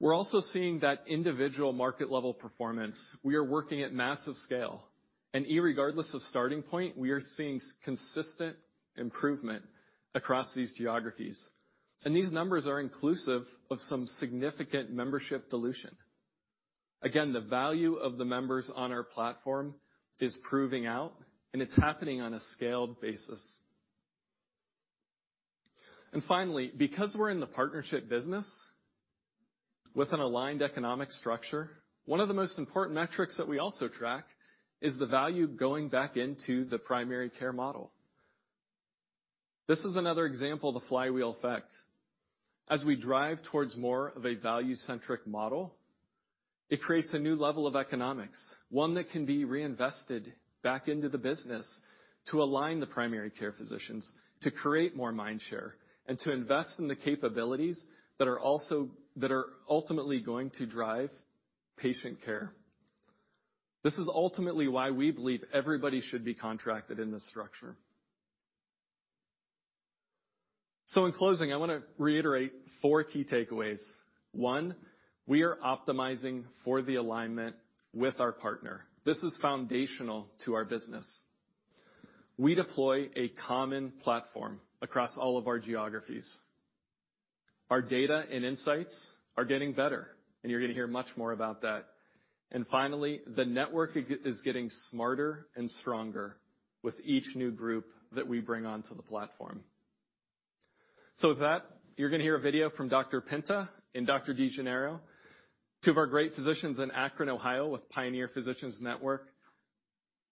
We're also seeing that individual market level performance. We are working at massive scale. Irregardless of starting point, we are seeing consistent improvement across these geographies. These numbers are inclusive of some significant membership dilution. Again, the value of the members on our platform is proving out, and it's happening on a scaled basis. Finally, because we're in the partnership business with an aligned economic structure, one of the most important metrics that we also track is the value going back into the primary care model. This is another example of the flywheel effect. As we drive towards more of a value-centric model, it creates a new level of economics, one that can be reinvested back into the business to align the primary care physicians, to create more mind share, and to invest in the capabilities that are ultimately going to drive patient care. This is ultimately why we believe everybody should be contracted in this structure. In closing, I wanna reiterate four key takeaways. One, we are optimizing for the alignment with our partner. This is foundational to our business. We deploy a common platform across all of our geographies. Our data and insights are getting better, and you're gonna hear much more about that. And finally, the network is getting smarter and stronger with each new group that we bring onto the platform. With that, you're gonna hear a video from Dr. Pinta and Dr. DiGennaro, two of our great physicians in Akron, Ohio, with Pioneer Physicians Network.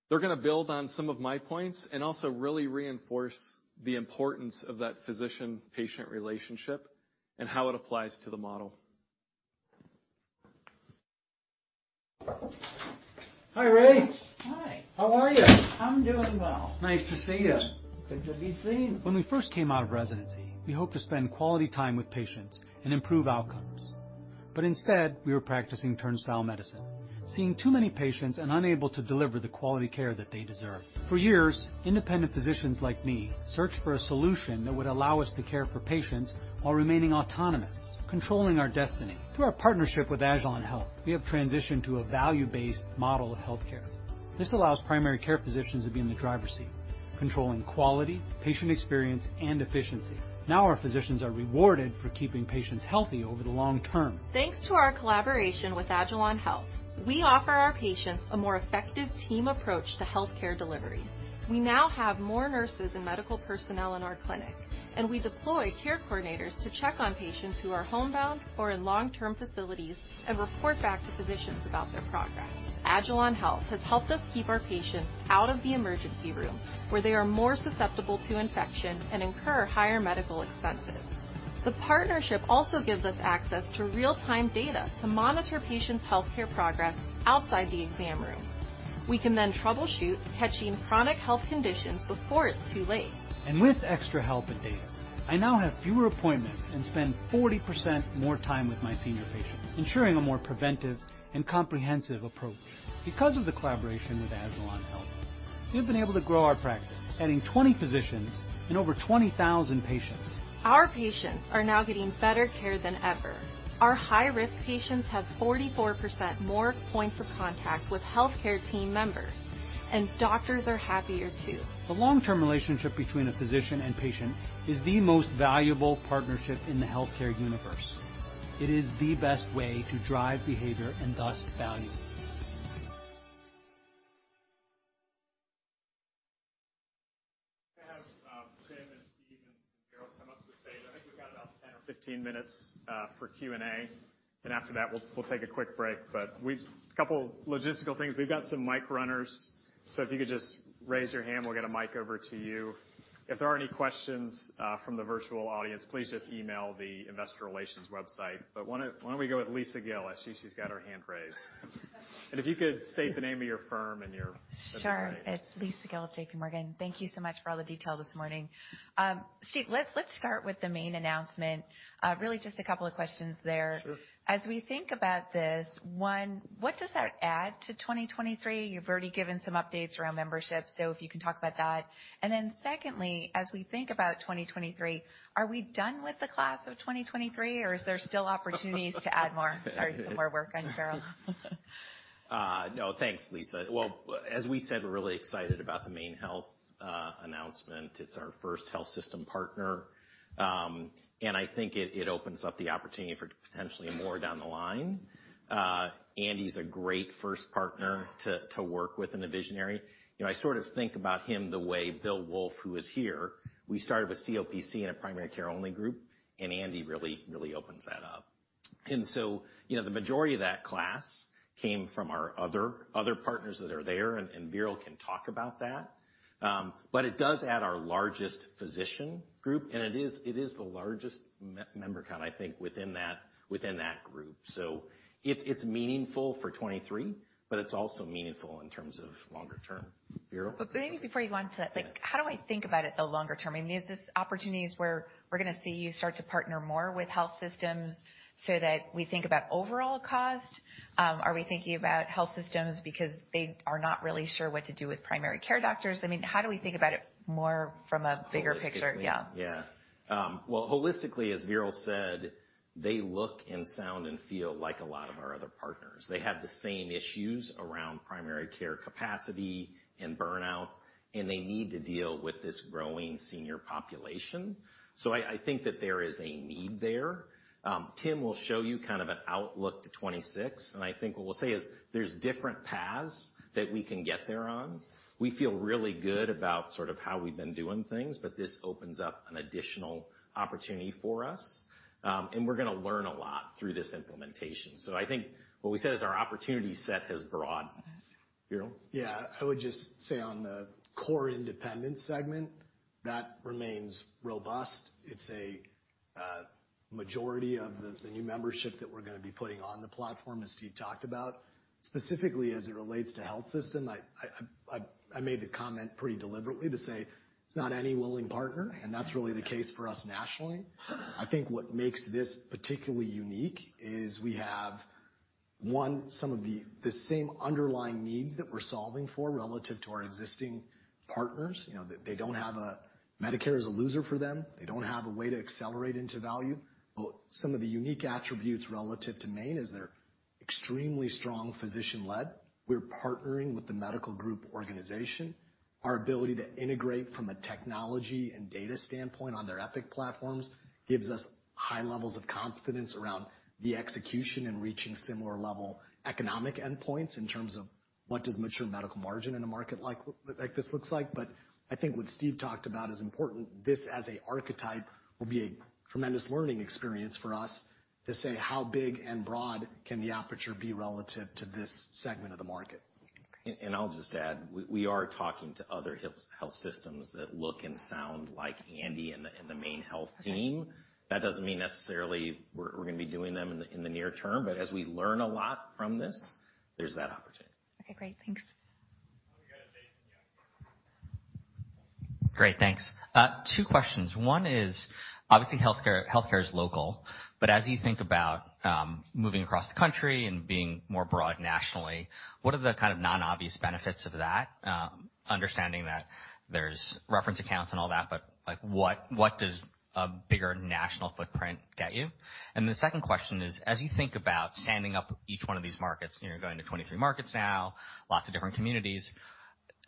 They're gonna build on some of my points and also really reinforce the importance of that physician-patient relationship and how it applies to the model.
Hi, Ray. Hi. How are you? I'm doing well. Nice to see you. Good to be seen. When we first came out of residency, we hoped to spend quality time with patients and improve outcomes.
Instead, we were practicing turnstile medicine, seeing too many patients and unable to deliver the quality care that they deserve. For years, independent physicians like me searched for a solution that would allow us to care for patients while remaining autonomous, controlling our destiny. Through our partnership with agilon health, we have transitioned to a value-based model of healthcare. This allows primary care physicians to be in the driver's seat, controlling quality, patient experience, and efficiency. Now our physicians are rewarded for keeping patients healthy over the long term.
Thanks to our collaboration with agilon health, we offer our patients a more effective team approach to healthcare delivery. We now have more nurses and medical personnel in our clinic, and we deploy care coordinators to check on patients who are homebound or in long-term facilities and report back to physicians about their progress. agilon health has helped us keep our patients out of the emergency room, where they are more susceptible to infection and incur higher medical expenses. The partnership also gives us access to real-time data to monitor patients' healthcare progress outside the exam room. We can then troubleshoot, catching chronic health conditions before it's too late.
With extra help and data, I now have fewer appointments and spend 40% more time with my senior patients, ensuring a more preventive and comprehensive approach. Because of the collaboration with agilon health, we have been able to grow our practice, adding 20 physicians and over 20,000 patients.
Our patients are now getting better care than ever. Our high-risk patients have 44% more points of contact with healthcare team members, and doctors are happier too.
The long-term relationship between a physician and patient is the most valuable partnership in the healthcare universe. It is the best way to drive behavior and thus value.
Can I have Tim and Steve and Veeral come up to the stage? I think we've got about 10 or 15 minutes for Q&A, and after that we'll take a quick break. We've a couple logistical things. We've got some mic runners, so if you could just raise your hand, we'll get a mic over to you. If there are any questions from the virtual audience, please just email the investor relations website. Why don't we go with Lisa Gill? I see she's got her hand raised. If you could state the name of your firm and your affiliate.
It's Lisa Gill, JPMorgan. Thank you so much for all the detail this morning. Steve, let's start with the main announcement. Really just a couple of questions there.
Sure.
As we think about this, one, what does that add to 2023? You've already given some updates around membership, so if you can talk about that. Secondly, as we think about 2023, are we done with the class of 2023, or is there still opportunities to add more? Sorry to put more work on you, Veeral.
No. Thanks, Lisa. Well, as we said, we're really excited about the MaineHealth announcement. It's our first health system partner. I think it opens up the opportunity for potentially more down the line. Andy's a great first partner to work with and a visionary. You know, I sort of think about him the way Bill Wulf, who is here. We started with COPC and a primary care only group, and Andy really opens that up. You know, the majority of that class came from our other partners that are there, and Veeral can talk about that. It does add our largest physician group, and it is the largest member count, I think, within that group. It's meaningful for 2023, but it's also meaningful in terms of longer term. Veeral?
Maybe before you go on to that.
Yeah.
Like, how do I think about it though longer term? I mean, is this opportunities where we're gonna see you start to partner more with health systems so that we think about overall cost? Are we thinking about health systems because they are not really sure what to do with primary care doctors? I mean, how do we think about it more from a bigger picture?
Holistically.
Yeah.
Yeah. Well, holistically, as Veeral said, they look and sound and feel like a lot of our other partners. They have the same issues around primary care capacity and burnout, and they need to deal with this growing senior population. I think that there is a need there. Tim will show you kind of an outlook to 2026, and I think what we'll say is there's different paths that we can get there on. We feel really good about sort of how we've been doing things, but this opens up an additional opportunity for us, and we're gonna learn a lot through this implementation. I think what we said is our opportunity set has broadened. Veeral?
Yeah. I would just say on the core independent segment, that remains robust. It's a majority of the new membership that we're gonna be putting on the platform, as Steve talked about. Specifically as it relates to health system, I made the comment pretty deliberately to say it's not any willing partner, and that's really the case for us nationally. I think what makes this particularly unique is we have one, some of the same underlying needs that we're solving for relative to our existing partners. You know, Medicare is a loser for them. They don't have a way to accelerate into value. Some of the unique attributes relative to Maine is they're extremely strong physician-led. We're partnering with the medical group organization. Our ability to integrate from a technology and data standpoint on their Epic platforms gives us high levels of confidence around the execution and reaching similar level economic endpoints in terms of what does mature medical margin in a market like this looks like. I think what Steve talked about is important. This, as a archetype, will be a tremendous learning experience for us to say how big and broad can the aperture be relative to this segment of the market.
Okay.
I'll just add, we are talking to other health systems that look and sound like Andy and the MaineHealth team.
Okay.
That doesn't mean necessarily we're gonna be doing them in the near term, but as we learn a lot from this, there's that opportunity.
Okay, great. Thanks.
Great. Thanks. Two questions. One is obviously healthcare is local, but as you think about moving across the country and being more broad nationally, what are the kind of non-obvious benefits of that? Understanding that there's reference accounts and all that, but like what does a bigger national footprint get you? And the second question is, as you think about standing up each one of these markets, you're going to 23 markets now, lots of different communities,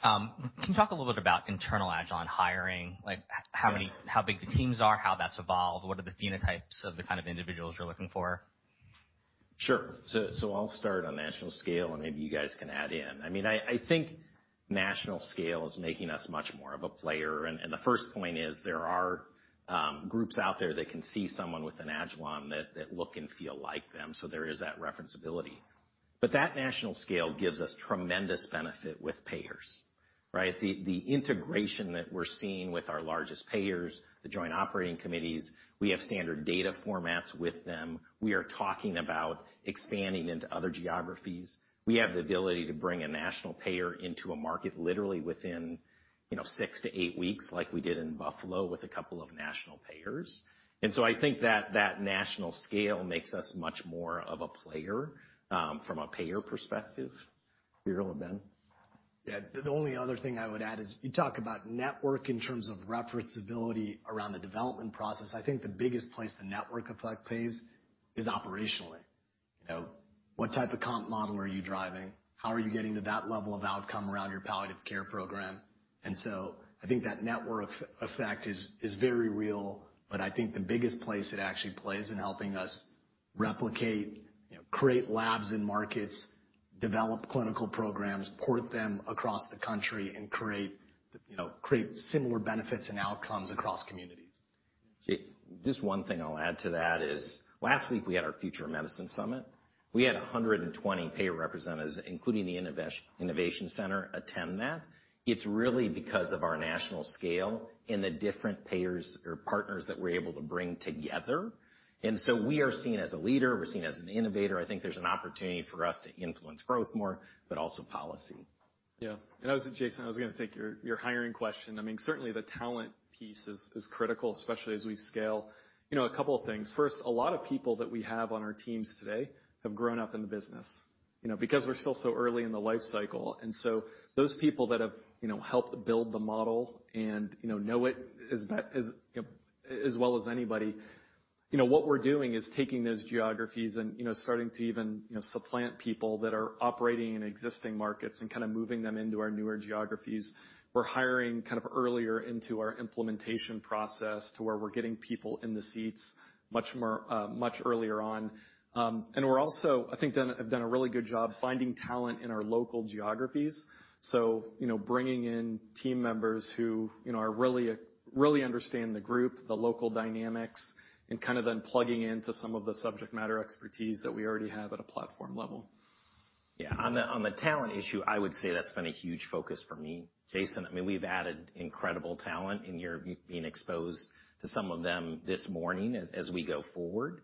can you talk a little bit about internal agilon hiring? Like how many-
Yeah.
How big the teams are, how that's evolved? What are the phenotypes of the kind of individuals you're looking for?
Sure. I'll start on national scale, and maybe you guys can add in. I mean, I think national scale is making us much more of a player. The first point is there are groups out there that can see someone with an agilon that look and feel like them, so there is that referenceability. That national scale gives us tremendous benefit with payers, right? The integration that we're seeing with our largest payers, the joint operating committees, we have standard data formats with them. We are talking about expanding into other geographies. We have the ability to bring a national payer into a market literally within, you know, 6-8 weeks like we did in Buffalo with a couple of national payers. I think that national scale makes us much more of a player, from a payer perspective. Veeral or Ben?
Yeah. The only other thing I would add is you talk about network in terms of referenceability around the development process. I think the biggest place the network effect plays is operationally. You know, what type of comp model are you driving? How are you getting to that level of outcome around your palliative care program? I think that network effect is very real, but I think the biggest place it actually plays in helping us replicate, you know, create labs in markets, develop clinical programs, port them across the country and create similar benefits and outcomes across communities.
Just one thing I'll add to that is last week we had our Future of Medicine Summit. We had 120 payer representatives, including the Innovation Center, attend that. It's really because of our national scale and the different payers or partners that we're able to bring together. We are seen as a leader. We're seen as an innovator. I think there's an opportunity for us to influence growth more, but also policy.
Yeah. Jason, I was gonna take your hiring question. I mean, certainly the talent piece is critical, especially as we scale. You know, a couple of things. First, a lot of people that we have on our teams today have grown up in the business, you know, because we're still so early in the life cycle. Those people that have, you know, helped build the model and, you know it as well as anybody, you know, what we're doing is taking those geographies and, you know, starting to even, you know, supplant people that are operating in existing markets and kinda moving them into our newer geographies. We're hiring kind of earlier into our implementation process to where we're getting people in the seats much more much earlier on. We're also, I think, have done a really good job finding talent in our local geographies. You know, bringing in team members who, you know, really understand the group, the local dynamics, and kinda then plugging into some of the subject matter expertise that we already have at a platform level.
Yeah. On the talent issue, I would say that's been a huge focus for me. Jason, I mean, we've added incredible talent, and you're being exposed to some of them this morning as we go forward.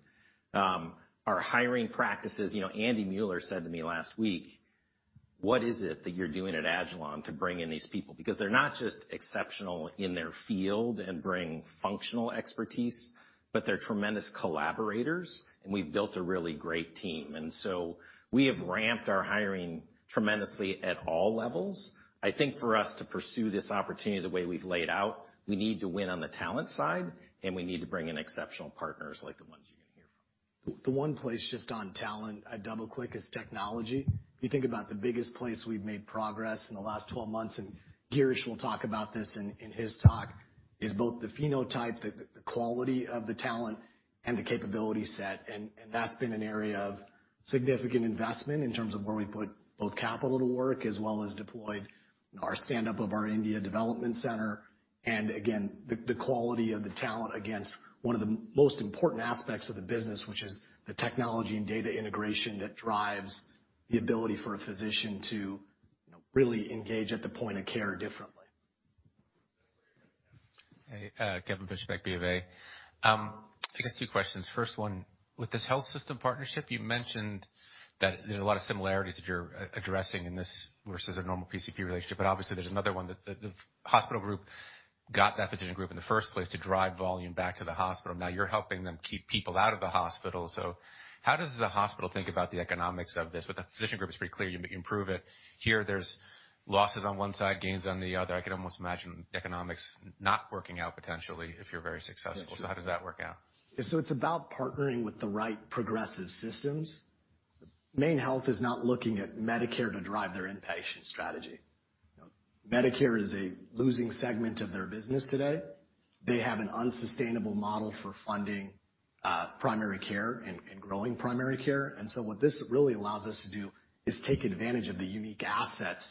Our hiring practices, you know, Andy Mueller said to me last week, "What is it that you're doing at agilon to bring in these people?" Because they're not just exceptional in their field and bring functional expertise, but they're tremendous collaborators, and we've built a really great team. We have ramped our hiring tremendously at all levels. I think for us to pursue this opportunity the way we've laid out, we need to win on the talent side, and we need to bring in exceptional partners like the ones you're gonna hear from.
The one place just on talent I double click is technology. If you think about the biggest place we've made progress in the last 12 months, and Girish will talk about this in his talk, is both the phenotype, the quality of the talent and the capability set, and that's been an area of significant investment in terms of where we put both capital to work as well as deployed our stand-up of our India development center. Again, the quality of the talent against one of the most important aspects of the business, which is the technology and data integration that drives the ability for a physician to, you know, really engage at the point of care differently.
Hey, Kevin Fischbeck, Bank of America. I guess two questions. First one, with this health system partnership, you mentioned that there's a lot of similarities that you're addressing in this versus a normal PCP relationship, but obviously there's another one that the hospital group got that physician group in the first place to drive volume back to the hospital. Now you're helping them keep people out of the hospital. How does the hospital think about the economics of this? With the physician group, it's pretty clear you improve it. Here, there's losses on one side, gains on the other. I can almost imagine economics not working out potentially if you're very successful.
Yeah, sure.
How does that work out?
It's about partnering with the right progressive systems. MaineHealth is not looking at Medicare to drive their inpatient strategy. Medicare is a losing segment of their business today. They have an unsustainable model for funding primary care and growing primary care. What this really allows us to do is take advantage of the unique assets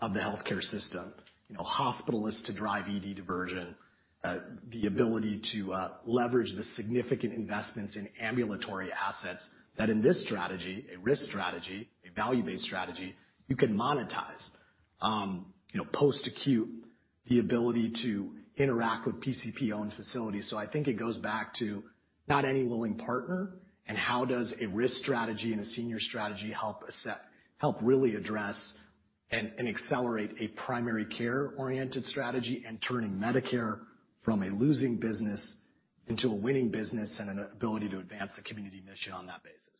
of the healthcare system, you know, hospitalists to drive ED diversion, the ability to leverage the significant investments in ambulatory assets that in this strategy, a risk strategy, a value-based strategy, you can monetize, you know, post-acute, the ability to interact with PCP-owned facilities. I think it goes back to not any willing partner. How does a risk strategy and a senior strategy help really address and accelerate a primary care-oriented strategy and turning Medicare from a losing business into a winning business and an ability to advance the community mission on that basis?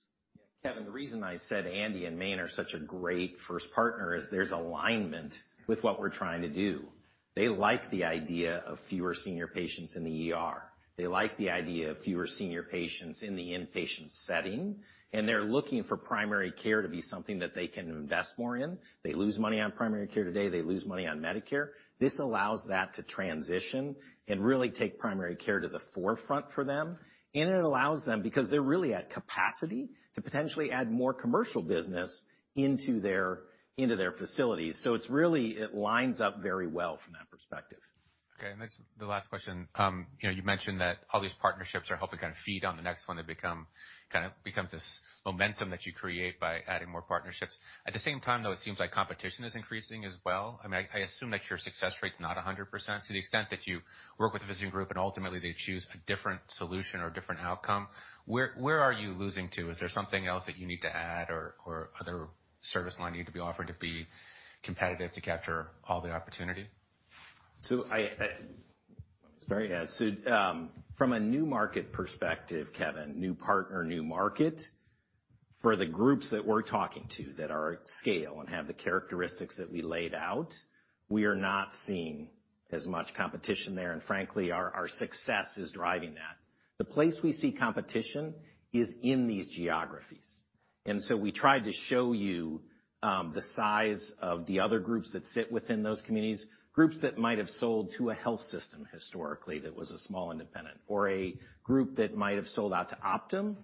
Kevin, the reason I said Andy and Maine are such a great first partner is there's alignment with what we're trying to do. They like the idea of fewer senior patients in the ER. They like the idea of fewer senior patients in the inpatient setting, and they're looking for primary care to be something that they can invest more in. They lose money on primary care today, they lose money on Medicare. This allows that to transition and really take primary care to the forefront for them. It allows them, because they're really at capacity, to potentially add more commercial business into their facilities. It's really, it lines up very well from that perspective.
Okay. This is the last question. You know, you mentioned that all these partnerships are helping kind of feed on the next one. They kind of become this momentum that you create by adding more partnerships. At the same time, though, it seems like competition is increasing as well. I mean, I assume that your success rate's not 100% to the extent that you work with a physician group and ultimately they choose a different solution or a different outcome. Where are you losing to? Is there something else that you need to add or other service line need to be offered to be competitive to capture all the opportunity?
From a new market perspective, Kevin, new partner, new market, for the groups that we're talking to that are at scale and have the characteristics that we laid out, we are not seeing as much competition there. Frankly, our success is driving that. The place we see competition is in these geographies. We tried to show you the size of the other groups that sit within those communities, groups that might have sold to a health system historically that was a small independent or a group that might have sold out to Optum.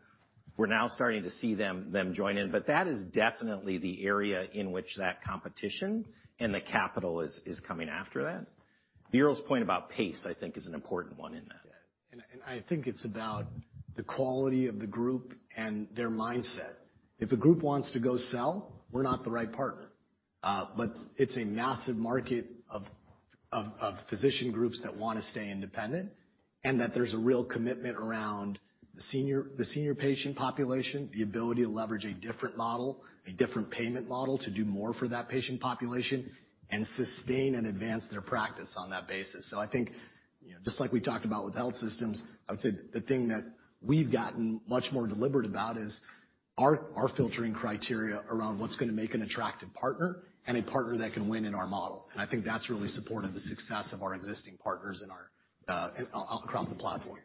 We're now starting to see them join in. That is definitely the area in which that competition and the capital is coming after that. Veeral's point about pace, I think is an important one in that.
Yeah. I think it's about the quality of the group and their mindset. If a group wants to go sell, we're not the right partner. But it's a massive market of physician groups that wanna stay independent, and that there's a real commitment around the senior patient population, the ability to leverage a different model, a different payment model to do more for that patient population and sustain and advance their practice on that basis. I think, you know, just like we talked about with health systems, I would say the thing that we've gotten much more deliberate about is our filtering criteria around what's gonna make an attractive partner and a partner that can win in our model. I think that's really supported the success of our existing partners in our across the platform.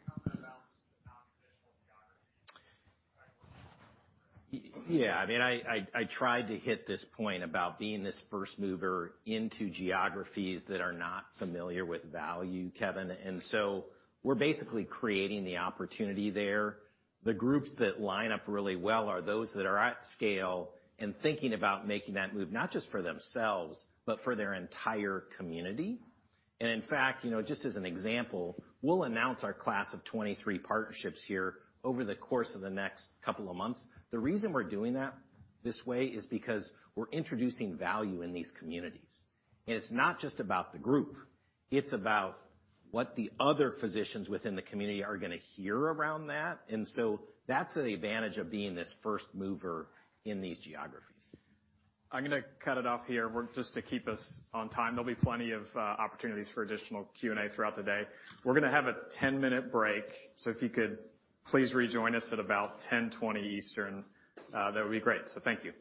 Yeah. I mean, I tried to hit this point about being this first mover into geographies that are not familiar with value, Kevin. We're basically creating the opportunity there. The groups that line up really well are those that are at scale and thinking about making that move not just for themselves, but for their entire community. In fact, you know, just as an example, we'll announce our class of 23 partnerships here over the course of the next couple of months. The reason we're doing that this way is because we're introducing value in these communities. It's not just about the group, it's about what the other physicians within the community are gonna hear around that. That's the advantage of being this first mover in these geographies.
I'm gonna cut it off here. We're just to keep us on time. There'll be plenty of opportunities for additional Q&A throughout the day. We're gonna have a 10-minute break, so if you could please rejoin us at about 10:20 Eastern, that would be great. Thank you.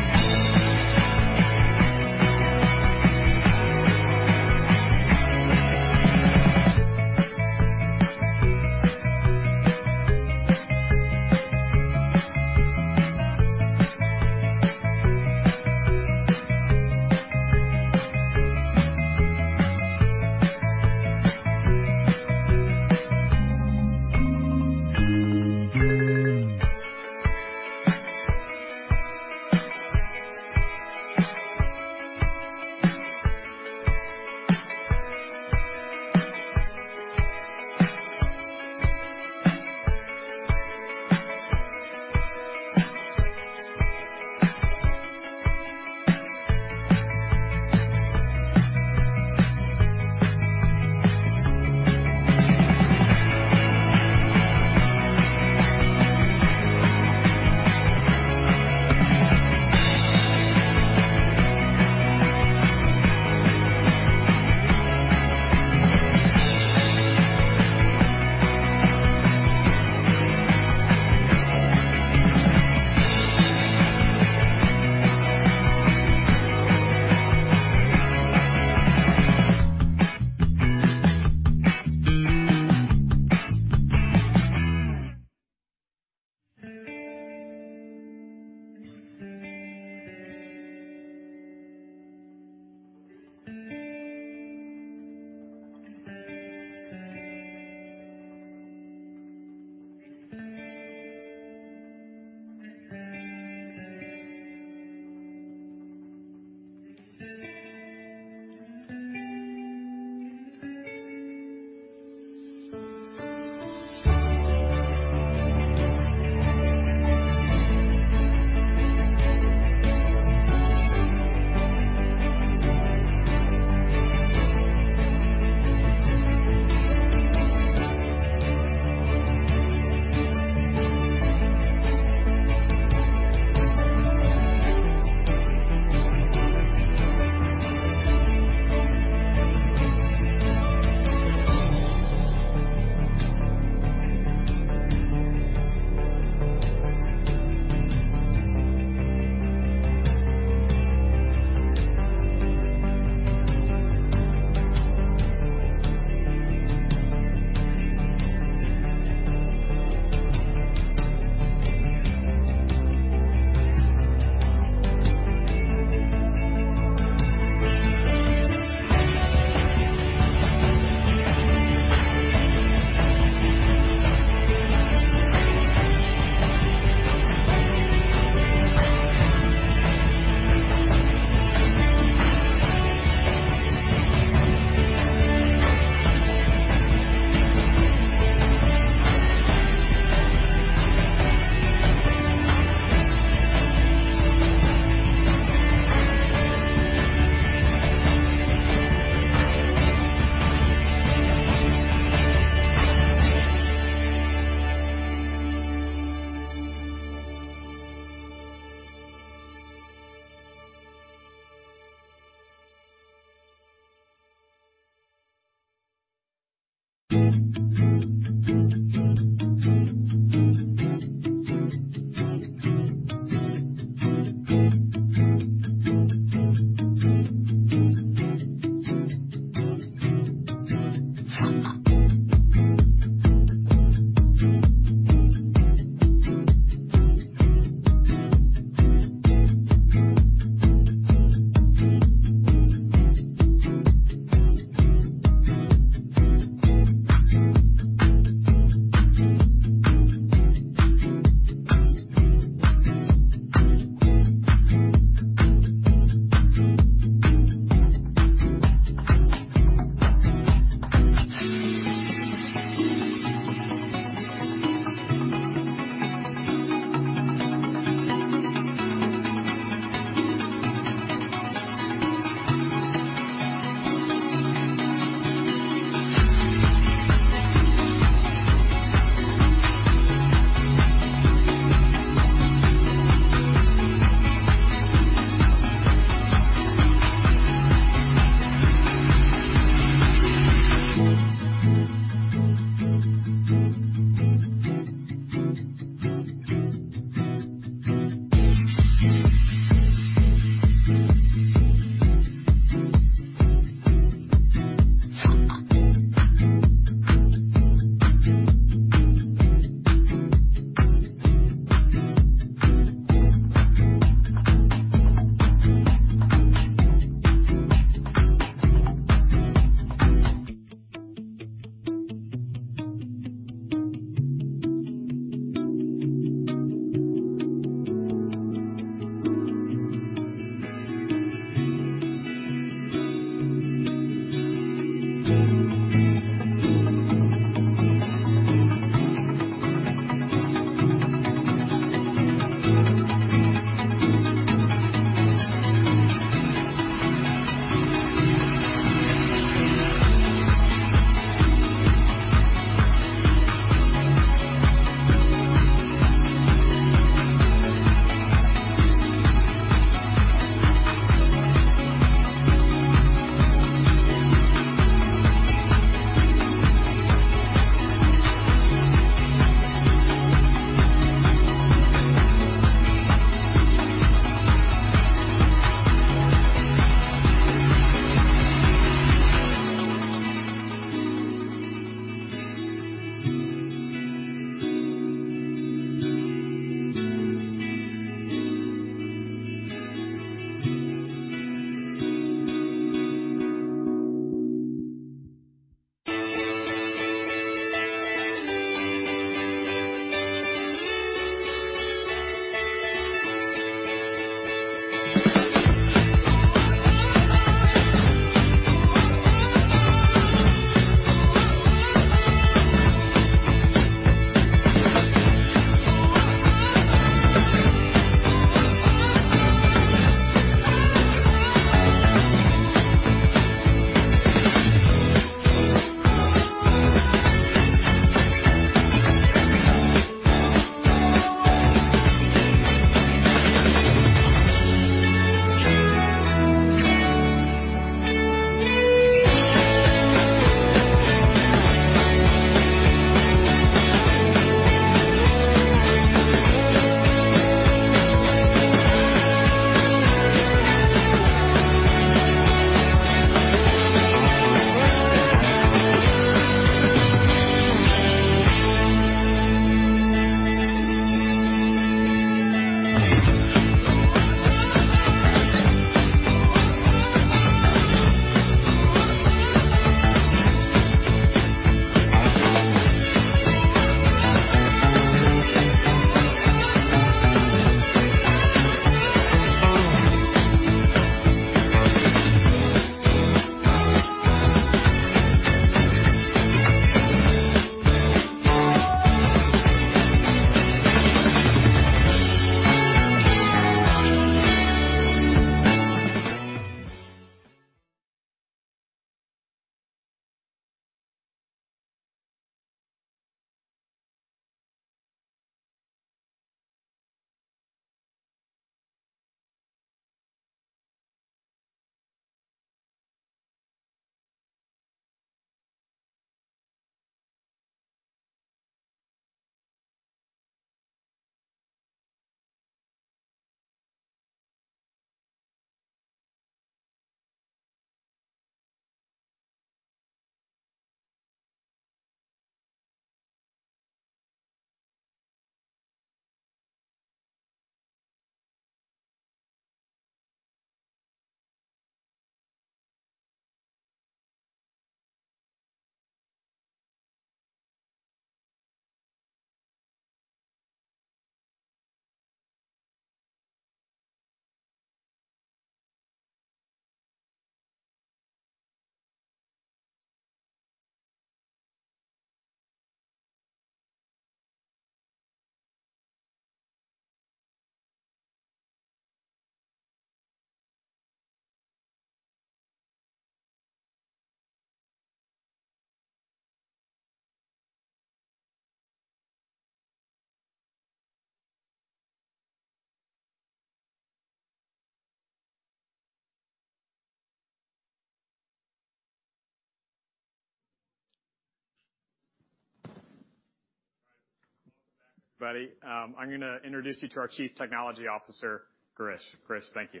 Welcome back, everybody. I'm gonna introduce you to our Chief Technology Officer, Girish. Girish, thank you.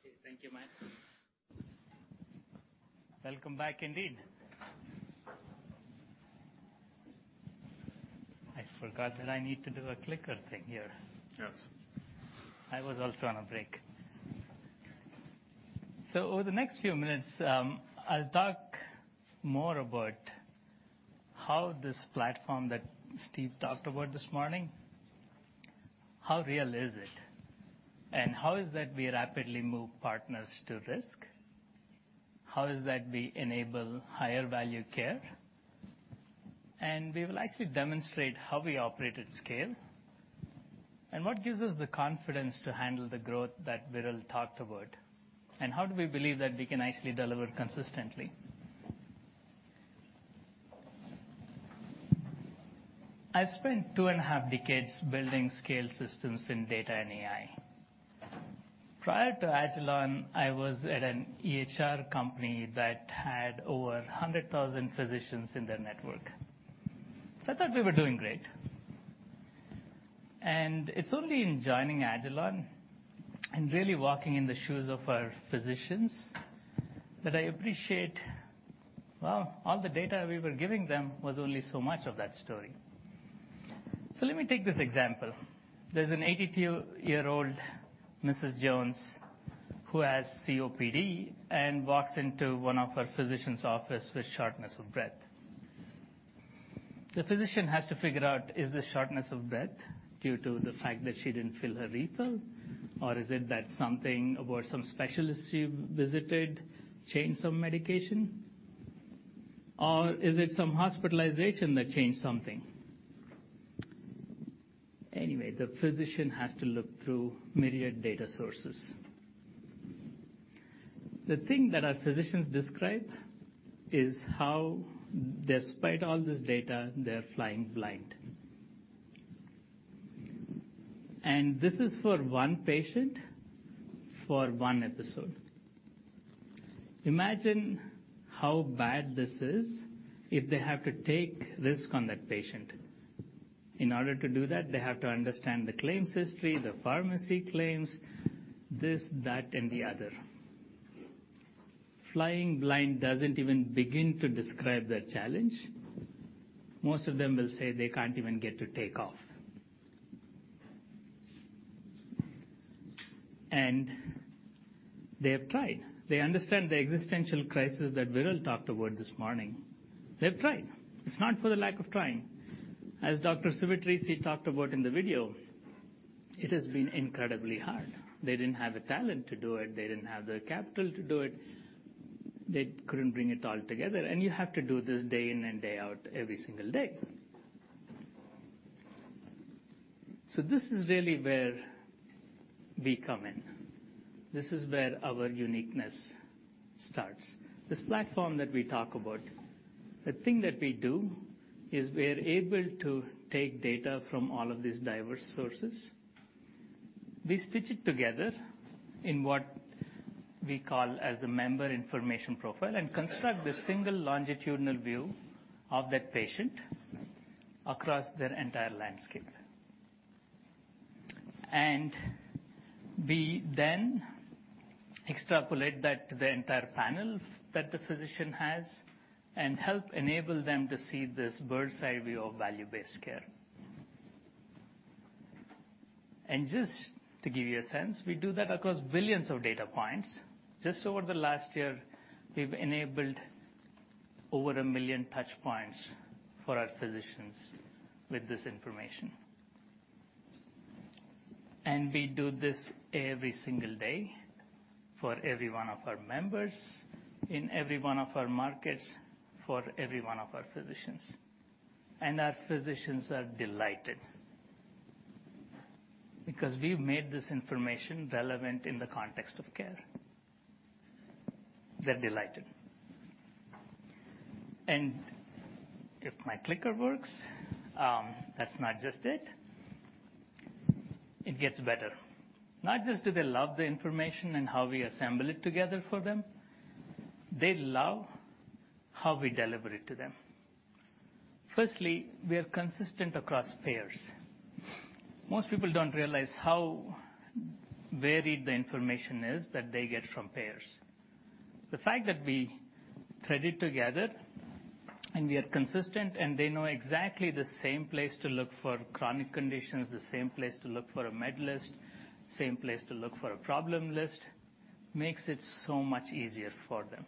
Okay. Thank you, Mike. Welcome back indeed. I forgot that I need to do a clicker thing here.
Yes.
I was also on a break. Over the next few minutes, I'll talk more about how this platform that Steve talked about this morning, how real is it? How is that we rapidly move partners to risk? How is that we enable higher value care? We will actually demonstrate how we operate at scale and what gives us the confidence to handle the growth that Veeral talked about, and how do we believe that we can actually deliver consistently. I've spent two and a half decades building scale systems in data and AI. Prior to agilon, I was at an EHR company that had over 100,000 physicians in their network. I thought we were doing great. It's only in joining agilon health and really walking in the shoes of our physicians that I appreciate, wow, all the data we were giving them was only so much of that story. Let me take this example. There's an 82-year-old Mrs. Jones who has COPD and walks into one of her physician's office with shortness of breath. The physician has to figure out is the shortness of breath due to the fact that she didn't fill her refill, or is it that something about some specialist she visited changed some medication? Or is it some hospitalization that changed something? Anyway, the physician has to look through myriad data sources. The thing that our physicians describe is how despite all this data, they're flying blind. This is for one patient for one episode. Imagine how bad this is if they have to take risk on that patient. In order to do that, they have to understand the claims history, the pharmacy claims, this, that, and the other. Flying blind doesn't even begin to describe the challenge. Most of them will say they can't even get to take off. They have tried. They understand the existential crisis that Veeral talked about this morning. They've tried. It's not for the lack of trying. As Dr. Civitarese talked about in the video, it has been incredibly hard. They didn't have a talent to do it. They didn't have the capital to do it. They couldn't bring it all together. You have to do this day in and day out every single day. This is really where we come in. This is where our uniqueness starts. This platform that we talk about, the thing that we do is we're able to take data from all of these diverse sources. We stitch it together in what we call as the member information profile, and construct the single longitudinal view of that patient across their entire landscape. We then extrapolate that to the entire panel that the physician has and help enable them to see this bird's-eye view of value-based care. Just to give you a sense, we do that across billions of data points. Just over the last year, we've enabled over 1 million touchpoints for our physicians with this information. We do this every single day for every one of our members in every one of our markets, for every one of our physicians. Our physicians are delighted because we've made this information relevant in the context of care. They're delighted. If my clicker works, that's not just it. It gets better. Not just do they love the information and how we assemble it together for them, they love how we deliver it to them. Firstly, we are consistent across payers. Most people don't realize how varied the information is that they get from payers. The fact that we thread it together and we are consistent, and they know exactly the same place to look for chronic conditions, the same place to look for a med list, same place to look for a problem list, makes it so much easier for them.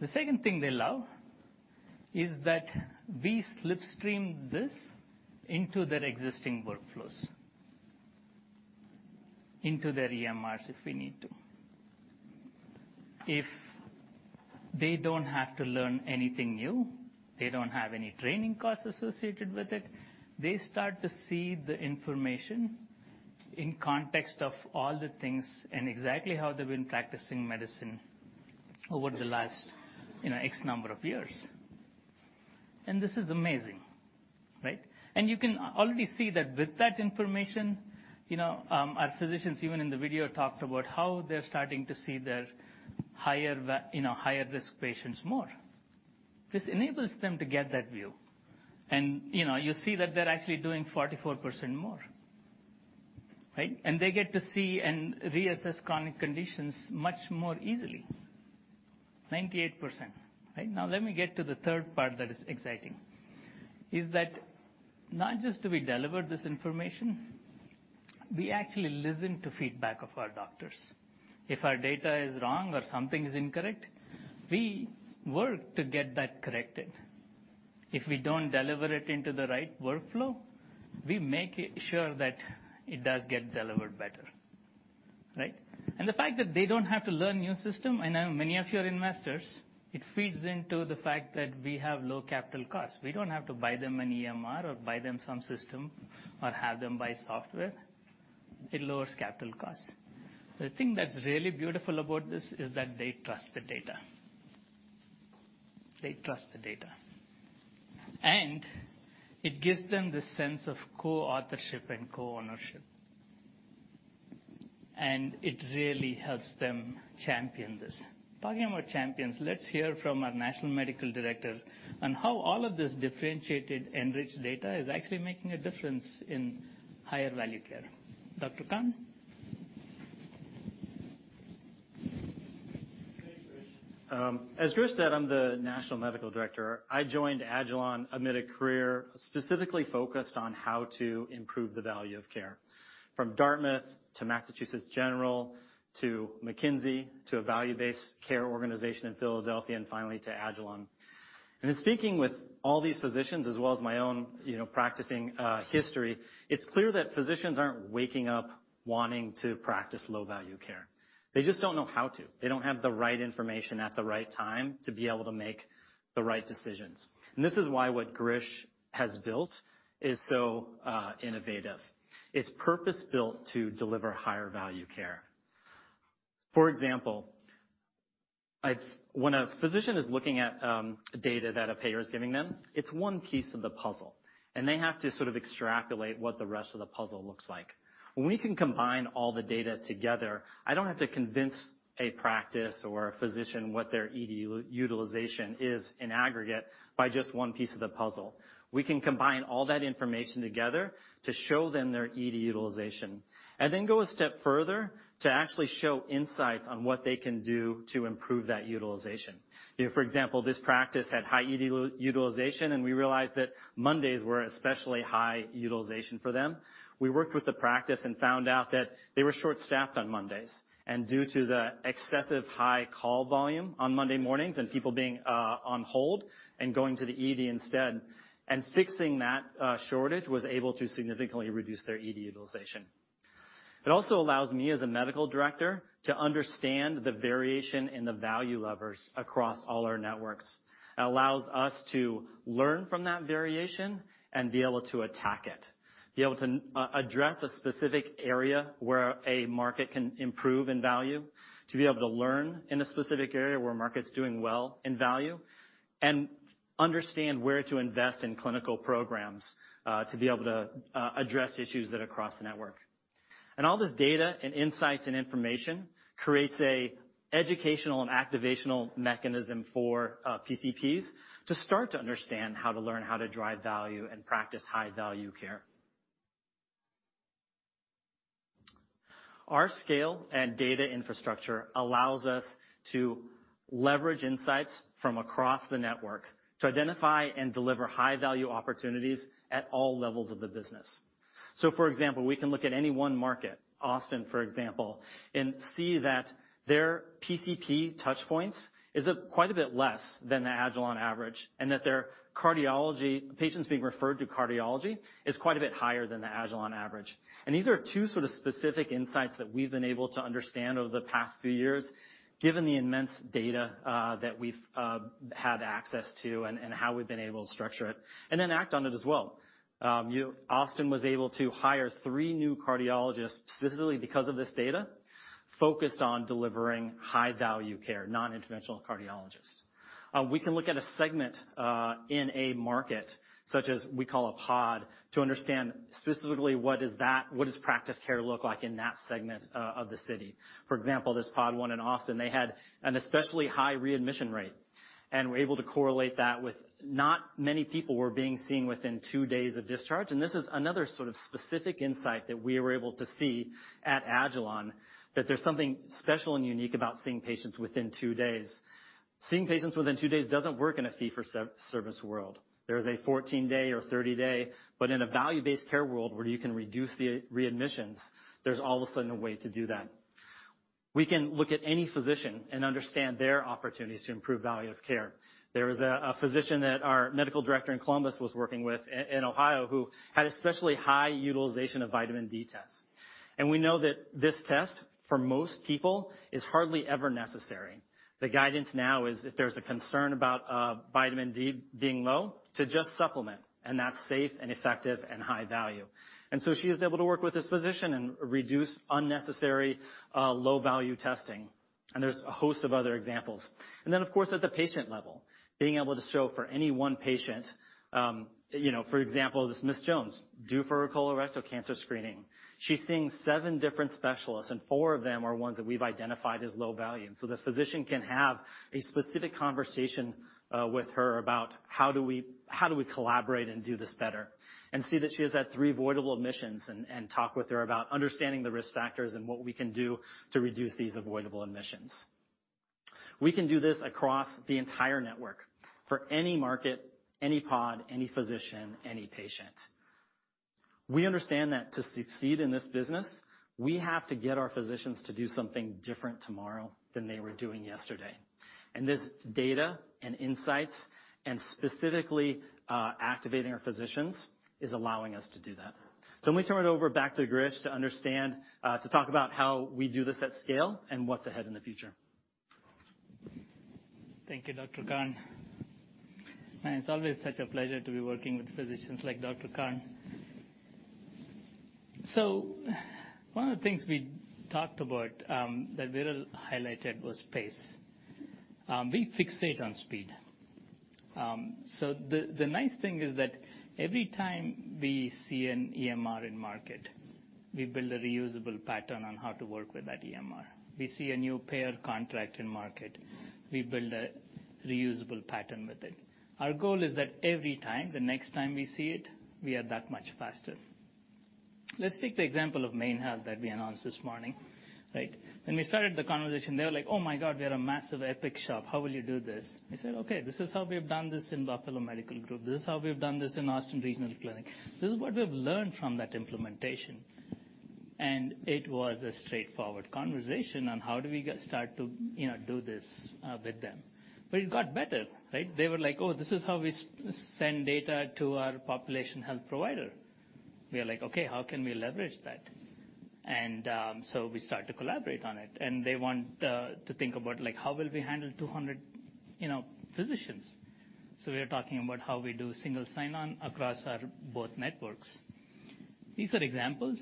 The second thing they love is that we slipstream this into their existing workflows, into their EMRs if we need to. If they don't have to learn anything new, they don't have any training costs associated with it, they start to see the information in context of all the things and exactly how they've been practicing medicine over the last, you know, X number of years. This is amazing, right? You can already see that with that information, you know, our physicians, even in the video, talked about how they're starting to see their higher risk patients more. This enables them to get that view. You know, you see that they're actually doing 44% more, right? They get to see and reassess chronic conditions much more easily. 98%, right? Now let me get to the third part that is exciting, is that not just do we deliver this information, we actually listen to feedback of our doctors. If our data is wrong or something's incorrect, we work to get that corrected. If we don't deliver it into the right workflow, we make sure that it does get delivered better, right? The fact that they don't have to learn new system, I know many of you are investors. It feeds into the fact that we have low capital costs. We don't have to buy them an EMR or buy them some system or have them buy software. It lowers capital costs. The thing that's really beautiful about this is that they trust the data. They trust the data. It gives them the sense of co-authorship and co-ownership, and it really helps them champion this. Talking about champions, let's hear from our National Medical Director on how all of this differentiated, enriched data is actually making a difference in higher value care. Dr. Carne.
Thanks, Girish. As Girish said, I'm the National Medical Director. I joined agilon health amid a career specifically focused on how to improve the value of care, from Dartmouth to Massachusetts General to McKinsey to a value-based care organization in Philadelphia, and finally to agilon health. In speaking with all these physicians as well as my own, you know, practicing history, it's clear that physicians aren't waking up wanting to practice low-value care. They just don't know how to. They don't have the right information at the right time to be able to make the right decisions. This is why what Girish has built is so innovative. It's purpose-built to deliver higher value care. For example, when a physician is looking at data that a payer is giving them, it's one piece of the puzzle. They have to sort of extrapolate what the rest of the puzzle looks like. When we can combine all the data together, I don't have to convince a practice or a physician what their ED utilization is in aggregate by just one piece of the puzzle. We can combine all that information together to show them their ED utilization, and then go a step further to actually show insights on what they can do to improve that utilization. You know, for example, this practice had high ED utilization, and we realized that Mondays were especially high utilization for them. We worked with the practice and found out that they were short-staffed on Mondays, and due to the excessive high call volume on Monday mornings and people being on hold and going to the ED instead, and fixing that shortage was able to significantly reduce their ED utilization. It also allows me as a medical director to understand the variation in the value levers across all our networks. It allows us to learn from that variation and be able to attack it, address a specific area where a market can improve in value, to be able to learn in a specific area where a market's doing well in value, and understand where to invest in clinical programs, to be able to address issues that are across the network. All this data and insights and information creates an educational and activational mechanism for PCPs to start to understand how to learn how to drive value and practice high-value care. Our scale and data infrastructure allows us to leverage insights from across the network to identify and deliver high-value opportunities at all levels of the business. For example, we can look at any one market, Austin, for example, and see that their PCP touch points is quite a bit less than the agilon average, and that their cardiology patients being referred to cardiology is quite a bit higher than the agilon average. These are two sort of specific insights that we've been able to understand over the past few years, given the immense data that we've had access to and how we've been able to structure it and then act on it as well. You know, Austin was able to hire three new cardiologists specifically because of this data, focused on delivering high-value care, non-interventional cardiologists. We can look at a segment in a market, such as we call a pod, to understand specifically what does practice care look like in that segment of the city. For example, this pod one in Austin, they had an especially high readmission rate, and we're able to correlate that with not many people were being seen within two days of discharge, and this is another sort of specific insight that we were able to see at agilon, that there's something special and unique about seeing patients within two days. Seeing patients within two days doesn't work in a fee-for-service world. There is a 14-day or 30-day, but in a value-based care world where you can reduce the readmissions, there's all of a sudden a way to do that. We can look at any physician and understand their opportunities to improve value of care. There was a physician that our medical director in Columbus was working with in Ohio who had especially high utilization of vitamin D tests. We know that this test, for most people, is hardly ever necessary. The guidance now is if there's a concern about vitamin D being low, to just supplement, and that's safe and effective and high value. She was able to work with this physician and reduce unnecessary low-value testing, and there's a host of other examples. Of course, at the patient level, being able to show for any one patient, for example, this Mrs. Jones due for a colorectal cancer screening, she's seeing seven different specialists, and four of them are ones that we've identified as low value. The physician can have a specific conversation with her about how do we collaborate and do this better, and see that she has had three avoidable admissions and talk with her about understanding the risk factors and what we can do to reduce these avoidable admissions. We can do this across the entire network for any market, any pod, any physician, any patient. We understand that to succeed in this business, we have to get our physicians to do something different tomorrow than they were doing yesterday. This data and insights and specifically activating our physicians is allowing us to do that. Let me turn it over back to Girish to talk about how we do this at scale and what's ahead in the future.
Thank you, Dr. Carne. It's always such a pleasure to be working with physicians like Dr. Carne. One of the things we talked about, that Veeral highlighted was pace. We fixate on speed. The nice thing is that every time we see an EMR in market, we build a reusable pattern on how to work with that EMR. We see a new payer contract in market, we build a reusable pattern with it. Our goal is that every time, the next time we see it, we are that much faster. Let's take the example of MaineHealth that we announced this morning, right? When we started the conversation, they were like, "Oh my God, we are a massive Epic shop. How will you do this?" I said, "Okay, this is how we have done this in Buffalo Medical Group. This is how we have done this in Austin Regional Clinic. This is what we have learned from that implementation." It was a straightforward conversation on how do we start to, you know, do this with them. It got better, right? They were like, "Oh, this is how we send data to our population health provider." We are like, "Okay, how can we leverage that?" We start to collaborate on it, and they want to think about, like, how will we handle 200, you know, physicians? We are talking about how we do single sign-on across our both networks. These are examples,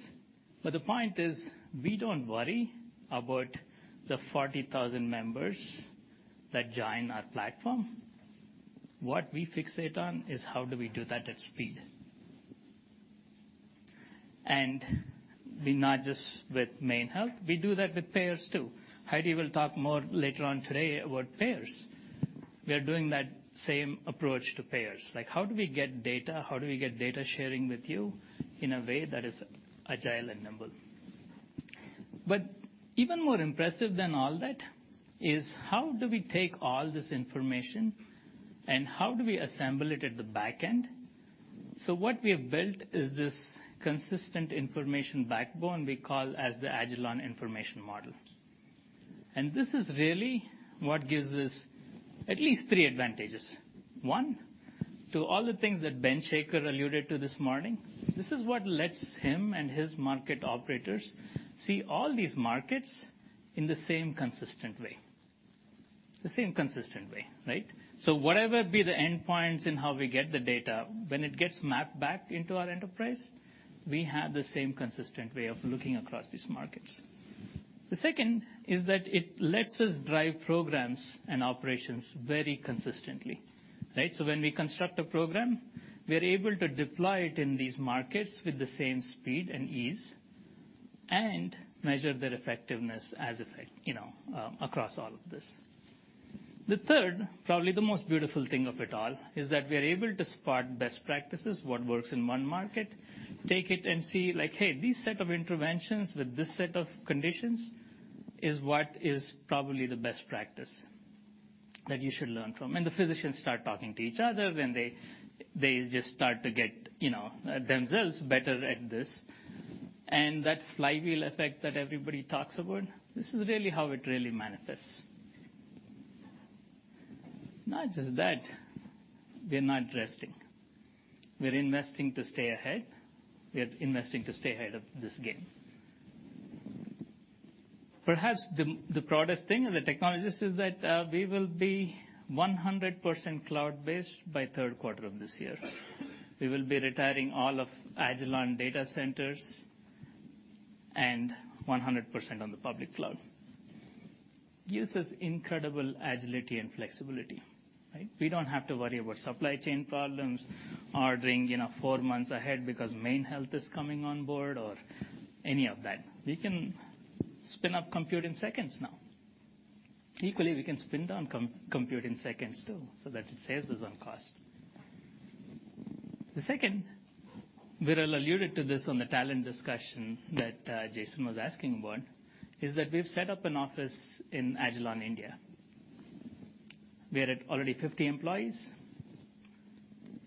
but the point is we don't worry about the 40,000 members that join our platform. What we fixate on is how do we do that at speed? We're not just with MaineHealth, we do that with payers too. Heidi will talk more later on today about payers. We are doing that same approach to payers. Like how do we get data? How do we get data sharing with you in a way that is agile and nimble? Even more impressive than all that is how do we take all this information, and how do we assemble it at the back end? What we have built is this consistent information backbone we call the Agilon Information Model. This is really what gives us at least three advantages. One, to all the things that Ben Shaker alluded to this morning, this is what lets him and his market operators see all these markets in the same consistent way. The same consistent way, right? Whatever be the endpoints in how we get the data, when it gets mapped back into our enterprise, we have the same consistent way of looking across these markets. The second is that it lets us drive programs and operations very consistently, right? When we construct a program, we are able to deploy it in these markets with the same speed and ease and measure their effectiveness as effect, you know, across all of this. The third, probably the most beautiful thing of it all, is that we are able to spot best practices, what works in one market, take it and see, like, hey, these set of interventions with this set of conditions is what is probably the best practice that you should learn from. The physicians start talking to each other when they just start to get, you know, themselves better at this. That flywheel effect that everybody talks about, this is really how it really manifests. Not just that, we're not resting. We're investing to stay ahead. We are investing to stay ahead of this game. Perhaps the proudest thing as the technologist is that, we will be 100% cloud-based by third quarter of this year. We will be retiring all of agilon data centers and 100% on the public cloud. Gives us incredible agility and flexibility, right? We don't have to worry about supply chain problems, ordering, you know, four months ahead because MaineHealth is coming on board or any of that. We can spin up compute in seconds now. Equally, we can spin down compute in seconds too, so that it saves us on cost. The second, Veeral alluded to this on the talent discussion that Jason was asking about, is that we've set up an office in agilon, India. We're already at 50 employees.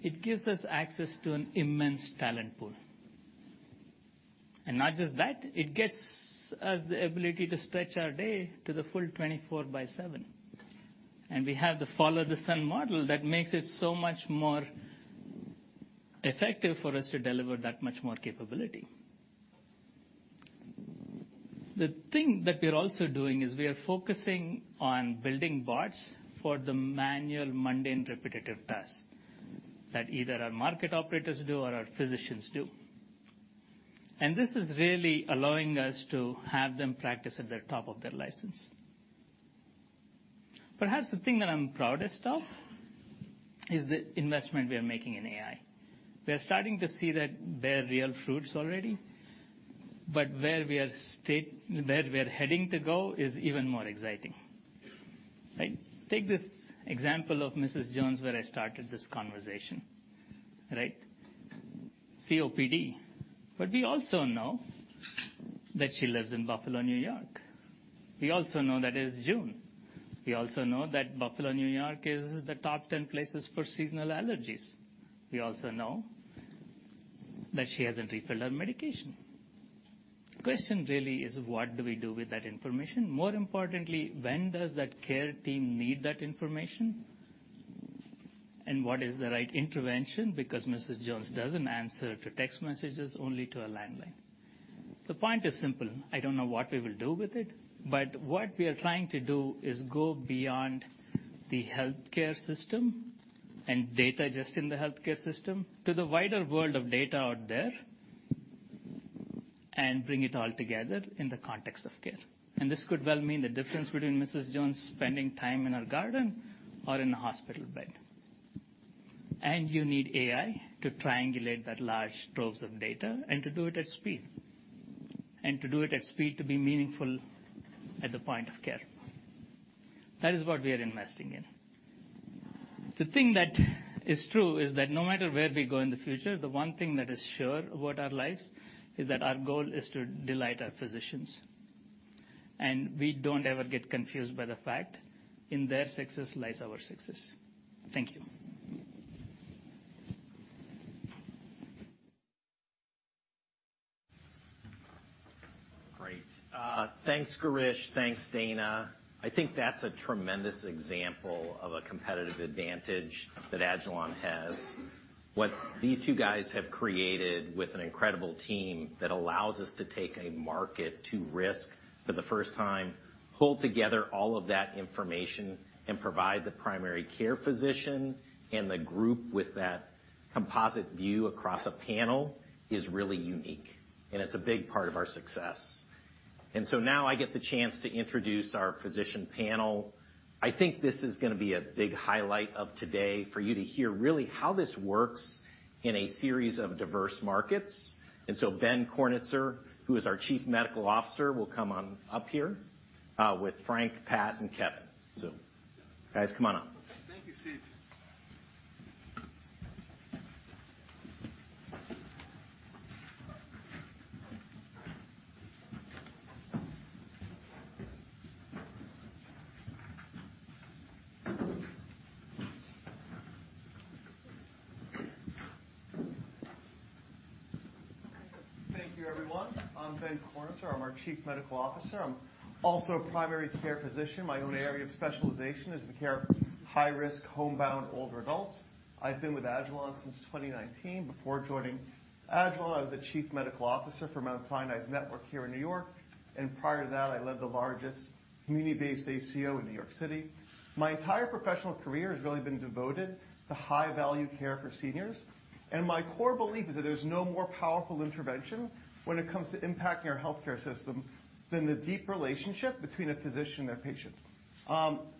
It gives us access to an immense talent pool. Not just that, it gets us the ability to stretch our day to the full 24/7. We have the follow the sun model that makes it so much more effective for us to deliver that much more capability. The thing that we're also doing is we are focusing on building bots for the manual, mundane, repetitive tasks that either our market operators do or our physicians do. This is really allowing us to have them practice at the top of their license. Perhaps the thing that I'm proudest of is the investment we are making in AI. We are starting to see that bear real fruit already, but where we are heading to go is even more exciting. Right? Take this example of Mrs. Jones, where I started this conversation, right? COPD. We also know that she lives in Buffalo, New York. We also know that it is June. We also know that Buffalo, New York, is the top 10 places for seasonal allergies. We also know that she hasn't refilled her medication. The question really is what do we do with that information? More importantly, when does that care team need that information? What is the right intervention? Because Mrs. Jones doesn't answer to text messages, only to a landline. The point is simple. I don't know what we will do with it, but what we are trying to do is go beyond the healthcare system and data just in the healthcare system to the wider world of data out there and bring it all together in the context of care. This could well mean the difference between Mrs. Jones spending time in her garden or in a hospital bed. You need AI to triangulate that large troves of data and to do it at speed to be meaningful at the point of care. That is what we are investing in. The thing that is true is that no matter where we go in the future, the one thing that is sure about our lives is that our goal is to delight our physicians. We don't ever get confused by the fact in their success lies our success. Thank you.
Great. Thanks, Girish. Thanks, Dana. I think that's a tremendous example of a competitive advantage that agilon has. What these two guys have created with an incredible team that allows us to take a market to risk for the first time, pull together all of that information, and provide the primary care physician and the group with that composite view across a panel is really unique, and it's a big part of our success. Now I get the chance to introduce our physician panel. I think this is gonna be a big highlight of today for you to hear really how this works in a series of diverse markets. Ben Kornitzer, who is our Chief Medical Officer, will come on up here with Frank, Pat, and Kevin. Guys, come on up.
Thank you, Steve. Thank you everyone. I'm Ben Kornitzer. I'm our Chief Medical Officer. I'm also a primary care physician. My own area of specialization is the care of high-risk, homebound older adults. I've been with agilon since 2019. Before joining agilon, I was the Chief Medical Officer for Mount Sinai's network here in New York, and prior to that, I led the largest community-based ACO in New York City. My entire professional career has really been devoted to high-value care for seniors, and my core belief is that there's no more powerful intervention when it comes to impacting our healthcare system than the deep relationship between a physician and patient.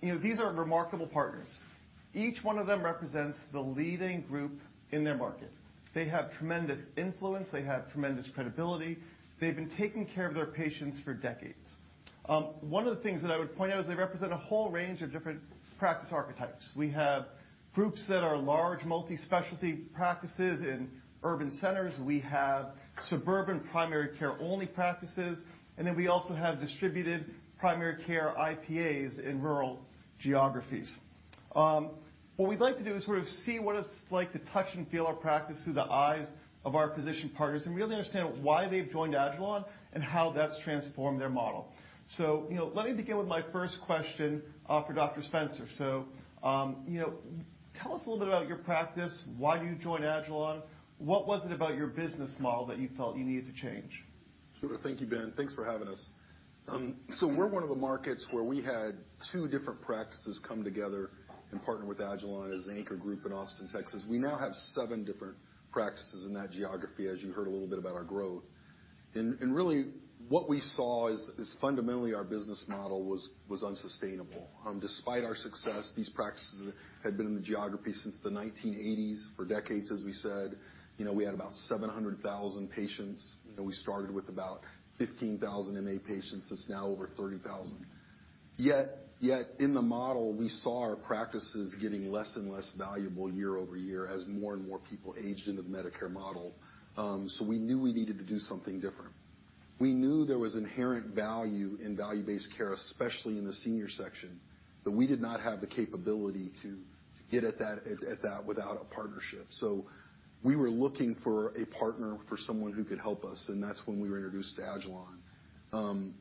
You know, these are remarkable partners. Each one of them represents the leading group in their market. They have tremendous influence. They have tremendous credibility. They've been taking care of their patients for decades. One of the things that I would point out is they represent a whole range of different practice archetypes. We have groups that are large multi-specialty practices in urban centers. We have suburban primary care only practices, and then we also have distributed primary care IPAs in rural geographies. What we'd like to do is sort of see what it's like to touch and feel our practice through the eyes of our physician partners and really understand why they've joined agilon and how that's transformed their model. You know, let me begin with my first question for Dr. Spencer. You know, tell us a little bit about your practice. Why you joined agilon? What was it about your business model that you felt you needed to change?
Sure. Thank you, Ben. Thanks for having us. We're one of the markets where we had two different practices come together and partner with agilon as an anchor group in Austin, Texas. We now have seven different practices in that geography, as you heard a little bit about our growth. Really what we saw is fundamentally our business model was unsustainable. Despite our success, these practices had been in the geography since the 1980s for decades, as we said. You know, we had about 700,000 patients, and we started with about 15,000 MA patients. It's now over 30,000. Yet in the model, we saw our practices getting less and less valuable year over year as more and more people aged into the Medicare model. We knew we needed to do something different. We knew there was inherent value in value-based care, especially in the senior section, but we did not have the capability to get at that without a partnership. We were looking for a partner, for someone who could help us, and that's when we were introduced to agilon.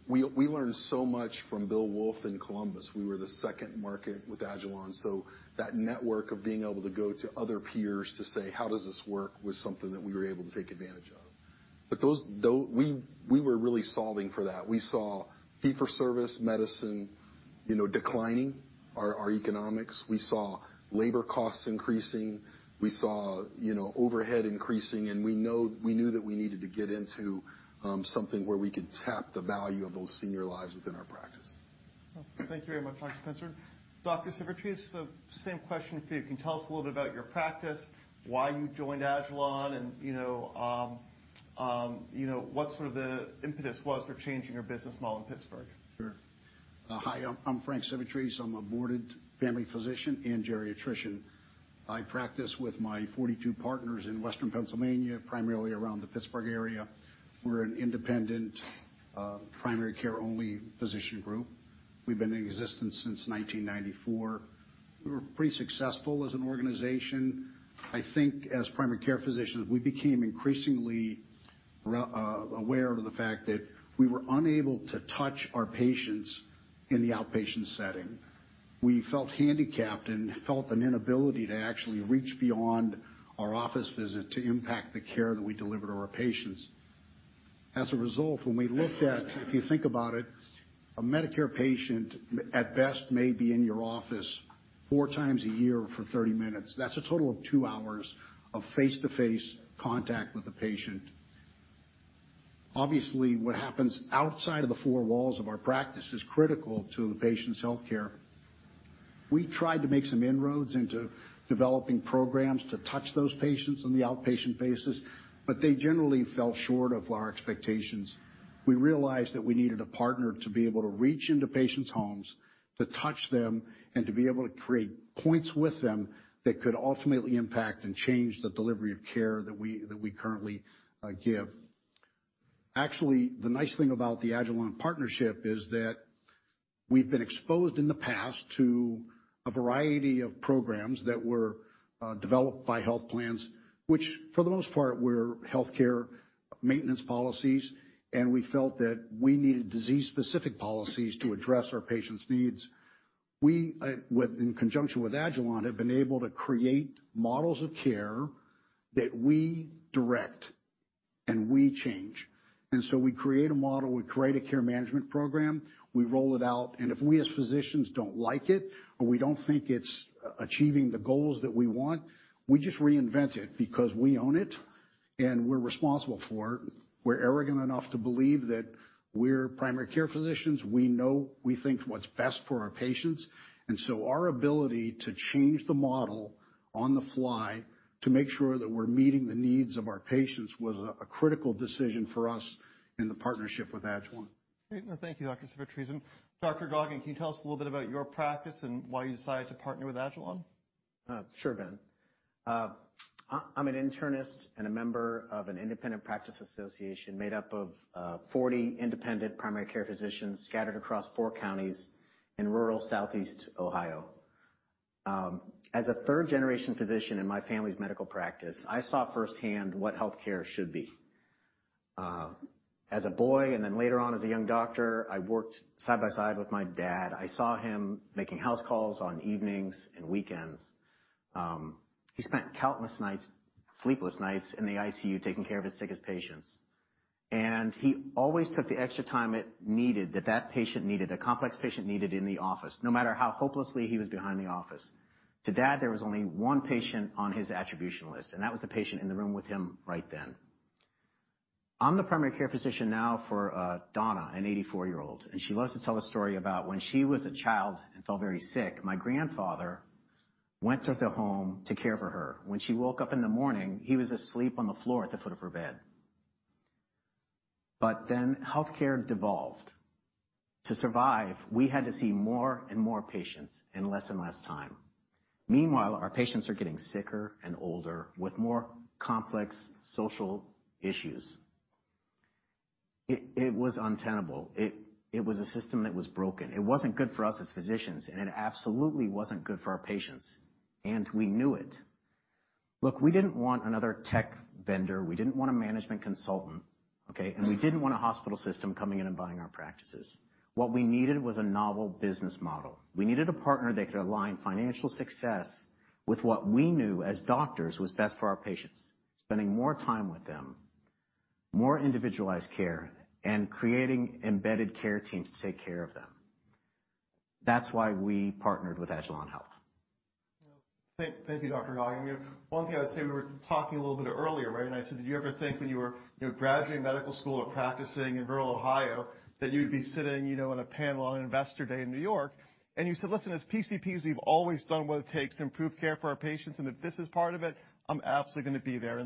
We learned so much from Bill Wulf in Columbus. We were the second market with agilon. That network of being able to go to other peers to say, "How does this work?" was something that we were able to take advantage of. But we were really solving for that. We saw fee for service medicine, you know, declining our economics. We saw labor costs increasing. We saw, you know, overhead increasing, and we know. We knew that we needed to get into something where we could tap the value of those senior lives within our practice.
Thank you very much, Dr. Spencer. Dr. Civitarese, the same question for you. Can you tell us a little bit about your practice, why you joined agilon, and, you know, what sort of the impetus was for changing your business model in Pittsburgh?
Sure. Hi, I'm Frank Civitarese. I'm a board-certified family physician and geriatrician. I practice with my 42 partners in Western Pennsylvania, primarily around the Pittsburgh area. We're an independent primary care only physician group. We've been in existence since 1994. We were pretty successful as an organization. I think as primary care physicians, we became increasingly aware of the fact that we were unable to touch our patients in the outpatient setting. We felt handicapped and felt an inability to actually reach beyond our office visit to impact the care that we delivered to our patients. As a result, when we looked at if you think about it, a Medicare patient at best may be in your office 4x a year for 30 minutes. That's a total of two hours of face-to-face contact with the patient. Obviously, what happens outside of the four walls of our practice is critical to the patient's healthcare. We tried to make some inroads into developing programs to touch those patients on the outpatient basis, but they generally fell short of our expectations. We realized that we needed a partner to be able to reach into patients' homes, to touch them, and to be able to create points with them that could ultimately impact and change the delivery of care that we currently give. Actually, the nice thing about the agilon partnership is that we've been exposed in the past to a variety of programs that were developed by health plans, which for the most part were healthcare maintenance policies, and we felt that we needed disease-specific policies to address our patients' needs. We, with, in conjunction with agilon health, have been able to create models of care that we direct and we change. We create a model, we create a care management program, we roll it out, and if we as physicians don't like it, or we don't think it's achieving the goals that we want, we just reinvent it because we own it, and we're responsible for it. We're arrogant enough to believe that we're primary care physicians. We know we think what's best for our patients. Our ability to change the model on the fly to make sure that we're meeting the needs of our patients was a critical decision for us in the partnership with agilon health.
Great. Well, thank you, Dr. Civitarese. Dr. Goggin, can you tell us a little bit about your practice and why you decided to partner with agilon?
Sure, Ben. I'm an internist and a member of an independent practice association made up of 40 independent primary care physicians scattered across four counties in rural Southeast Ohio. As a third-generation physician in my family's medical practice, I saw firsthand what healthcare should be. As a boy, and then later on as a young doctor, I worked side by side with my dad. I saw him making house calls on evenings and weekends. He spent countless nights, sleepless nights in the ICU taking care of his sickest patients. He always took the extra time it needed, that patient needed, the complex patient needed in the office, no matter how hopelessly he was behind the office. To dad, there was only one patient on his attribution list, and that was the patient in the room with him right then. I'm the primary care physician now for Donna, an 84-year-old, and she loves to tell a story about when she was a child and felt very sick. My grandfather went to the home to care for her. When she woke up in the morning, he was asleep on the floor at the foot of her bed. Healthcare devolved. To survive, we had to see more and more patients in less and less time. Meanwhile, our patients are getting sicker and older with more complex social issues. It was untenable. It was a system that was broken. It wasn't good for us as physicians, and it absolutely wasn't good for our patients, and we knew it. Look, we didn't want another tech vendor. We didn't want a management consultant, okay? We didn't want a hospital system coming in and buying our practices. What we needed was a novel business model. We needed a partner that could align financial success with what we knew as doctors was best for our patients, spending more time with them, more individualized care, and creating embedded care teams to take care of them. That's why we partnered with agilon health.
Thank you, Dr. Goggin. One thing I would say, we were talking a little bit earlier, right? I said, "Did you ever think when you were, you know, graduating medical school or practicing in rural Ohio, that you'd be sitting, you know, on a panel on Investor Day in New York?" You said, "Listen, as PCPs, we've always done what it takes to improve care for our patients, and if this is part of it, I'm absolutely gonna be there."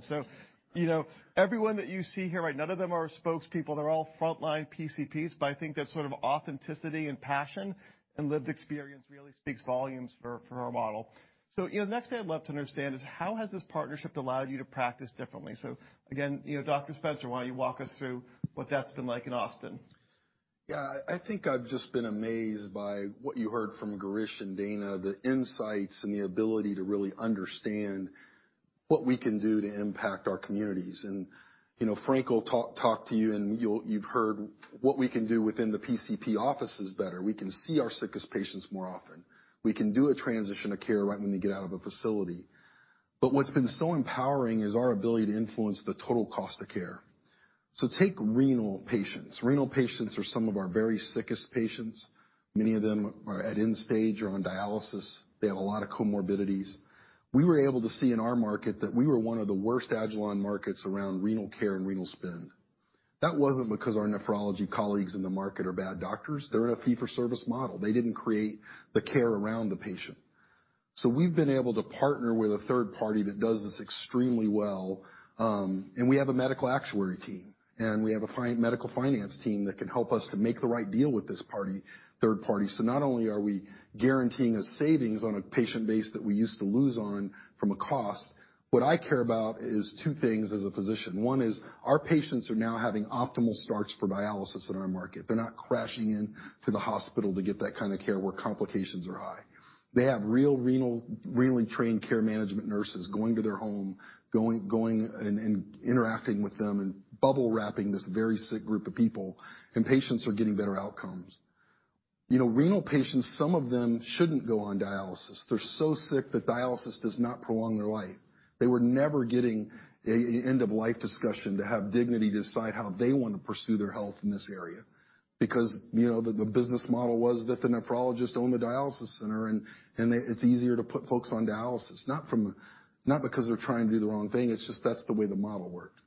You know, everyone that you see here, right, none of them are spokespeople. They're all frontline PCPs, but I think that sort of authenticity and passion and lived experience really speaks volumes for our model. You know, the next thing I'd love to understand is how has this partnership allowed you to practice differently? Again, you know, Dr. Spencer, why don't you walk us through what that's been like in Austin?
Yeah. I think I've just been amazed by what you heard from Girish and Dana, the insights and the ability to really understand what we can do to impact our communities. You know, Frank will talk to you and you'll, you've heard what we can do within the PCP office is better. We can see our sickest patients more often. We can do a transition to care right when they get out of a facility. What's been so empowering is our ability to influence the total cost of care. Take renal patients. Renal patients are some of our very sickest patients. Many of them are at end stage or on dialysis. They have a lot of comorbidities. We were able to see in our market that we were one of the worst agilon markets around renal care and renal spend. That wasn't because our nephrology colleagues in the market are bad doctors. They're in a fee-for-service model. They didn't create the care around the patient. We've been able to partner with a third party that does this extremely well, and we have a medical actuary team, and we have a medical finance team that can help us to make the right deal with this party, third party. Not only are we guaranteeing a savings on a patient base that we used to lose on from a cost, what I care about is two things as a physician. One is our patients are now having optimal starts for dialysis in our market. They're not crashing into the hospital to get that kind of care where complications are high. They have real renal, renally trained care management nurses going to their home and interacting with them and bubble wrapping this very sick group of people, and patients are getting better outcomes. You know, renal patients, some of them shouldn't go on dialysis. They're so sick that dialysis does not prolong their life. They were never getting an end-of-life discussion to have dignity to decide how they wanna pursue their health in this area because, you know, the business model was that the nephrologists own the dialysis center and it's easier to put folks on dialysis, not because they're trying to do the wrong thing, it's just that's the way the model worked.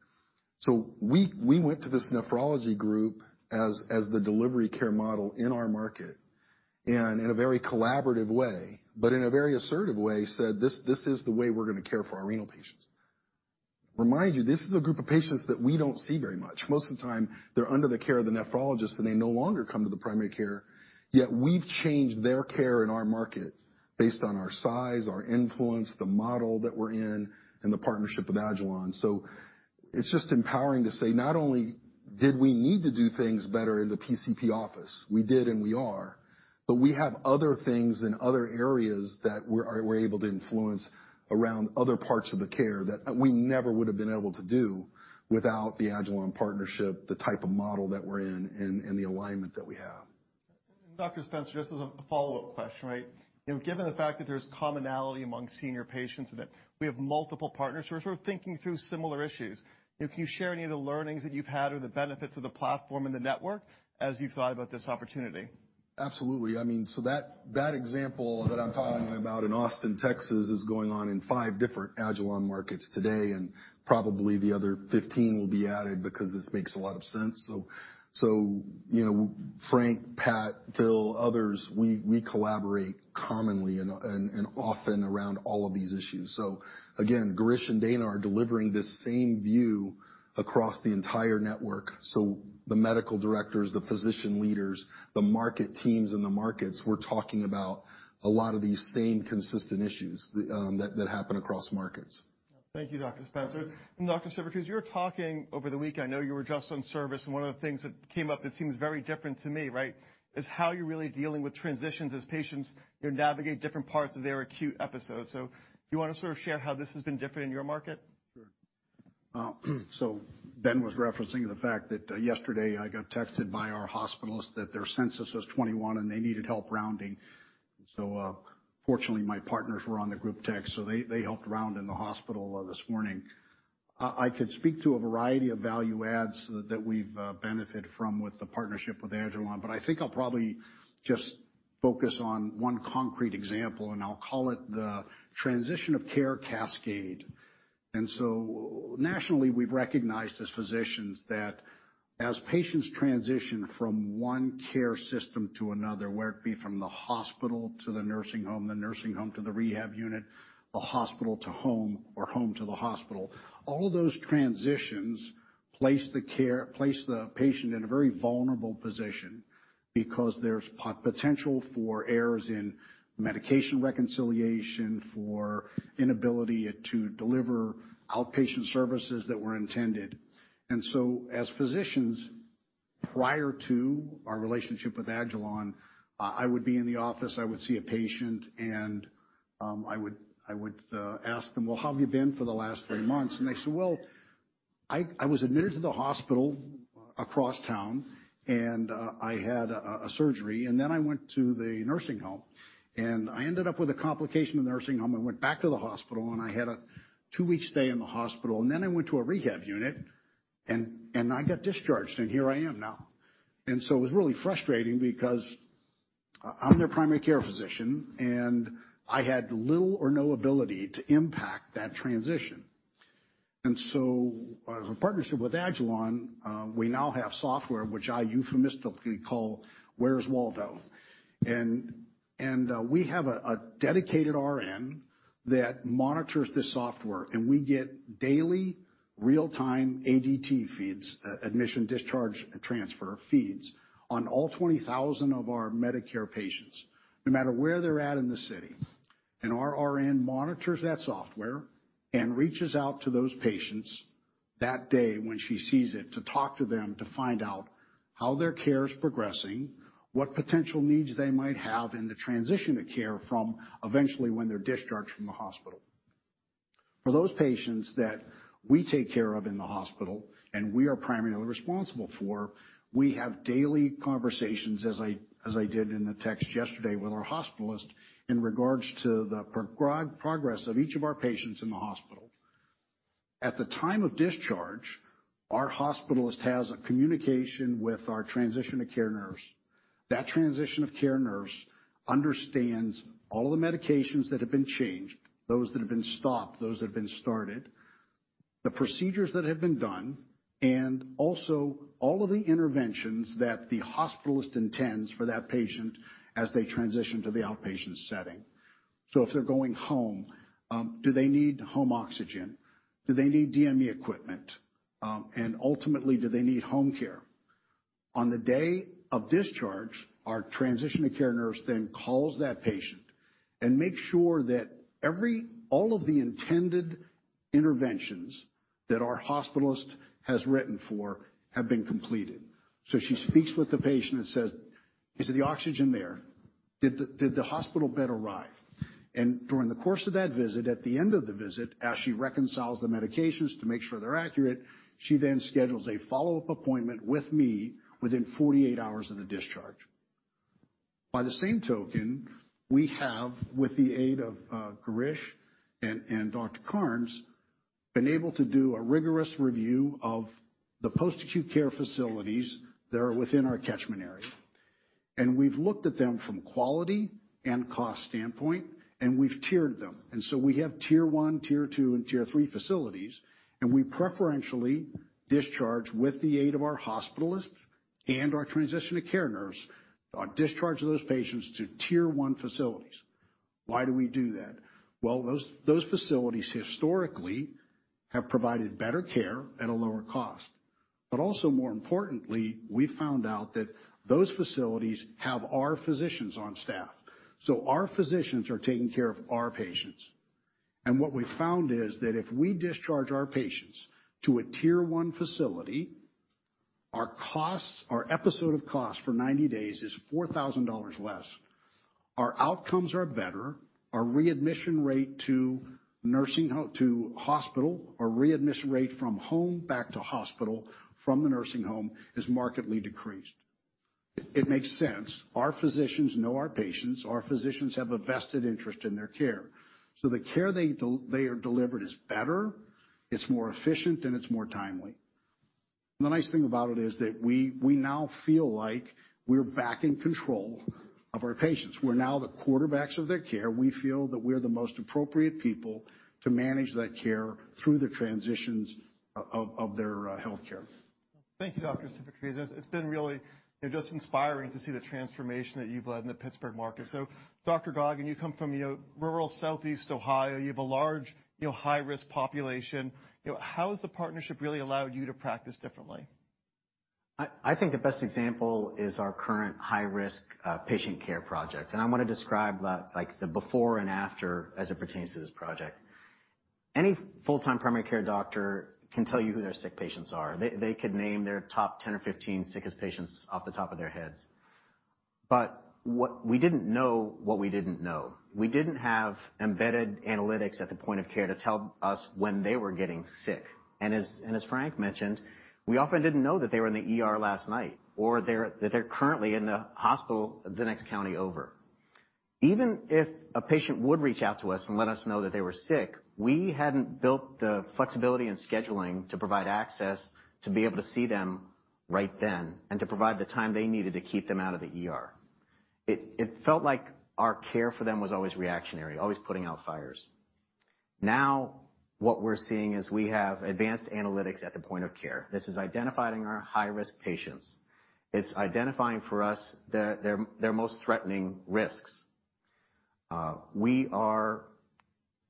We went to this nephrology group as the delivery care model in our market, and in a very collaborative way, but in a very assertive way, said, "This is the way we're gonna care for our renal patients." Remind you, this is a group of patients that we don't see very much. Most of the time, they're under the care of the nephrologist, so they no longer come to the primary care. Yet we've changed their care in our market based on our size, our influence, the model that we're in, and the partnership with agilon. It's just empowering to say, not only did we need to do things better in the PCP office, we did and we are, but we have other things in other areas that we're able to influence around other parts of the care that we never would have been able to do without the agilon partnership, the type of model that we're in, and the alignment that we have.
Dr. Spencer, this is a follow-up question, right? You know, given the fact that there's commonality among senior patients and that we have multiple partners who are sort of thinking through similar issues, can you share any of the learnings that you've had or the benefits of the platform and the network as you thought about this opportunity?
Absolutely. I mean, that example that I'm talking about in Austin, Texas, is going on in five different agilon markets today, and probably the other 15 will be added because this makes a lot of sense. You know, Frank, Pat, Phil, others, we collaborate commonly and often around all of these issues. Again, Girish and Dana are delivering the same view across the entire network. The medical directors, the physician leaders, the market teams in the markets, we're talking about a lot of these same consistent issues that happen across markets.
Thank you, Dr. Spencer. Dr. Civitarese, you were talking over the week, I know you were just on service, and one of the things that came up that seems very different to me, right, is how you're really dealing with transitions as patients navigate different parts of their acute episode. Do you wanna sort of share how this has been different in your market?
Sure, so Ben was referencing the fact that yesterday I got texted by our hospitals that their census was 21 and they needed help rounding. Fortunately, my partners were on the group text, so they helped round in the hospital this morning. I could speak to a variety of value adds that we've benefited from with the partnership with agilon, but I think I'll probably just focus on one concrete example, and I'll call it the transition of care cascade. Nationally, we've recognized as physicians that as patients transition from one care system to another, whether it be from the hospital to the nursing home, the nursing home to the rehab unit, the hospital to home or home to the hospital, all of those transitions place the patient in a very vulnerable position because there's potential for errors in medication reconciliation, for inability to deliver outpatient services that were intended. As physicians, prior to our relationship with agilon, I would be in the office, I would see a patient, and I would ask them, "Well, how have you been for the last three months?" They say, "Well, I was admitted to the hospital across town, and I had a surgery, and then I went to the nursing home, and I ended up with a complication in the nursing home and went back to the hospital, and I had a two-week stay in the hospital, and then I went to a rehab unit, and I got discharged, and here I am now." It was really frustrating because I'm their primary care physician, and I had little or no ability to impact that transition. As a partnership with agilon, we now have software which I euphemistically call Where's Waldo. We have a dedicated RN that monitors this software, and we get daily real-time ADT feeds, admission, discharge, and transfer feeds, on all 20,000 of our Medicare patients, no matter where they're at in the city. An RN monitors that software and reaches out to those patients that day when she sees it to talk to them to find out how their care is progressing, what potential needs they might have in the transition of care from eventually when they're discharged from the hospital. For those patients that we take care of in the hospital, and we are primarily responsible for, we have daily conversations, as I did in the text yesterday with our hospitalist, in regards to the progress of each of our patients in the hospital. At the time of discharge, our hospitalist has a communication with our transition of care nurse. That transition of care nurse understands all the medications that have been changed, those that have been stopped, those that have been started, the procedures that have been done, and also all of the interventions that the hospitalist intends for that patient as they transition to the outpatient setting. If they're going home, do they need home oxygen? Do they need DME equipment? And ultimately, do they need home care? On the day of discharge, our transition of care nurse then calls that patient and makes sure that all of the intended interventions that our hospitalist has written for have been completed. She speaks with the patient and says, "Is the oxygen there? Did the hospital bed arrive?" During the course of that visit, at the end of the visit, as she reconciles the medications to make sure they're accurate, she then schedules a follow-up appointment with me within 48 hours of the discharge. By the same token, we have, with the aid of Girish and Dr. Carnes, been able to do a rigorous review of the post-acute care facilities that are within our catchment area. We've looked at them from quality and cost standpoint, and we've tiered them. We have tier one, tier two, and tier three facilities, and we preferentially discharge with the aid of our hospitalists and our transition of care nurse, discharge those patients to tier one facilities. Why do we do that? Well, those facilities historically have provided better care at a lower cost. Also, more importantly, we found out that those facilities have our physicians on staff, so our physicians are taking care of our patients. What we found is that if we discharge our patients to a tier one facility, our costs, our episode of cost for 90 days is $4,000 less. Our outcomes are better. Our readmission rate to hospital, our readmission rate from home back to hospital from the nursing home is markedly decreased. It makes sense. Our physicians know our patients. Our physicians have a vested interest in their care. The care they deliver is better, it's more efficient, and it's more timely. The nice thing about it is that we now feel like we're back in control of our patients. We're now the quarterbacks of their care. We feel that we're the most appropriate people to manage that care through the transitions of their healthcare.
Thank you, Dr. Civitarese. It's been really, you know, just inspiring to see the transformation that you've led in the Pittsburgh market. Dr. Goggin, you come from, you know, rural Southeastern Ohio. You have a large, you know, high-risk population. You know, how has the partnership really allowed you to practice differently?
I think the best example is our current high-risk patient care project. I wanna describe the, like, the before and after as it pertains to this project. Any full-time primary care doctor can tell you who their sick patients are. They could name their top 10 or 15 sickest patients off the top of their heads. We didn't know what we didn't know. We didn't have embedded analytics at the point of care to tell us when they were getting sick. As Frank mentioned, we often didn't know that they were in the ER last night or that they're currently in the hospital the next county over. Even if a patient would reach out to us and let us know that they were sick, we hadn't built the flexibility in scheduling to provide access to be able to see them right then and to provide the time they needed to keep them out of the ER. It felt like our care for them was always reactionary, always putting out fires. Now what we're seeing is we have advanced analytics at the point of care. This is identifying our high-risk patients. It's identifying for us their most threatening risks. We are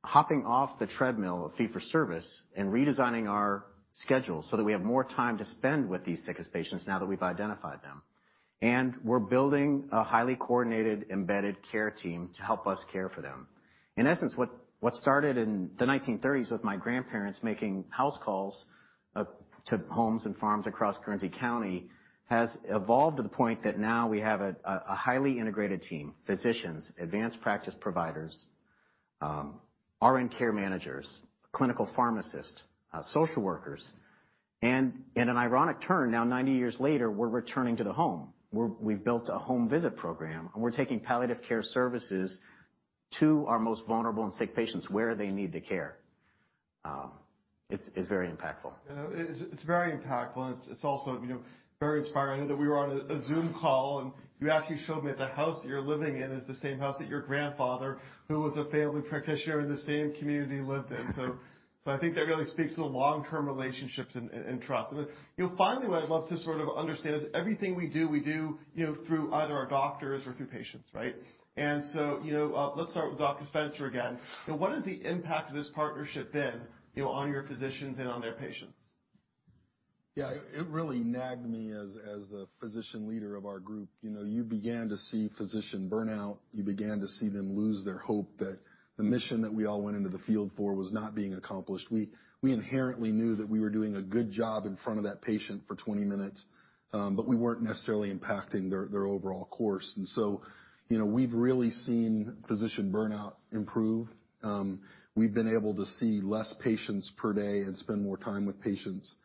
hopping off the treadmill of fee for service and redesigning our schedule so that we have more time to spend with these sickest patients now that we've identified them. We're building a highly coordinated embedded care team to help us care for them. In essence, what started in the 1930s with my grandparents making house calls to homes and farms across Guernsey County has evolved to the point that now we have a highly integrated team, physicians, advanced practice providers, RN care managers, clinical pharmacists, social workers. In an ironic turn, now 90 years later, we're returning to the home. We've built a home visit program, and we're taking palliative care services to our most vulnerable and sick patients where they need the care. It's very impactful.
You know, it's very impactful, and it's also, you know, very inspiring. I know that we were on a Zoom call, and you actually showed me that the house that you're living in is the same house that your grandfather, who was a family practitioner in the same community, lived in. I think that really speaks to the long-term relationships and trust. Then, you know, finally, what I'd love to sort of understand is everything we do, you know, through either our doctors or through patients, right? You know, let's start with Dr. Spencer again. You know, what has the impact of this partnership been, you know, on your physicians and on their patients?
Yeah, it really nagged me as the physician leader of our group. You know, you began to see physician burnout. You began to see them lose their hope that the mission that we all went into the field for was not being accomplished. We inherently knew that we were doing a good job in front of that patient for 20 minutes, but we weren't necessarily impacting their overall course. You know, we've really seen physician burnout improve. We've been able to see less patients per day and spend more time with patients.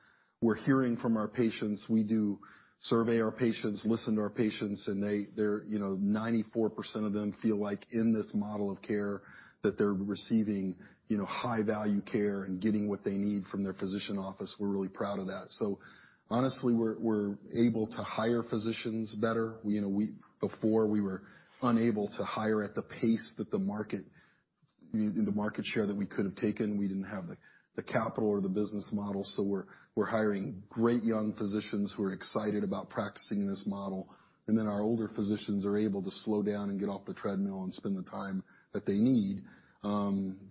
We're hearing from our patients. We do survey our patients, listen to our patients, and they're, you know, 94% of them feel like in this model of care, that they're receiving, you know, high-value care and getting what they need from their physician office. We're really proud of that. Honestly, we're able to hire physicians better. You know, Before, we were unable to hire at the pace that the market share that we could have taken. We didn't have the capital or the business model. We're hiring great young physicians who are excited about practicing in this model. Our older physicians are able to slow down and get off the treadmill and spend the time that they need,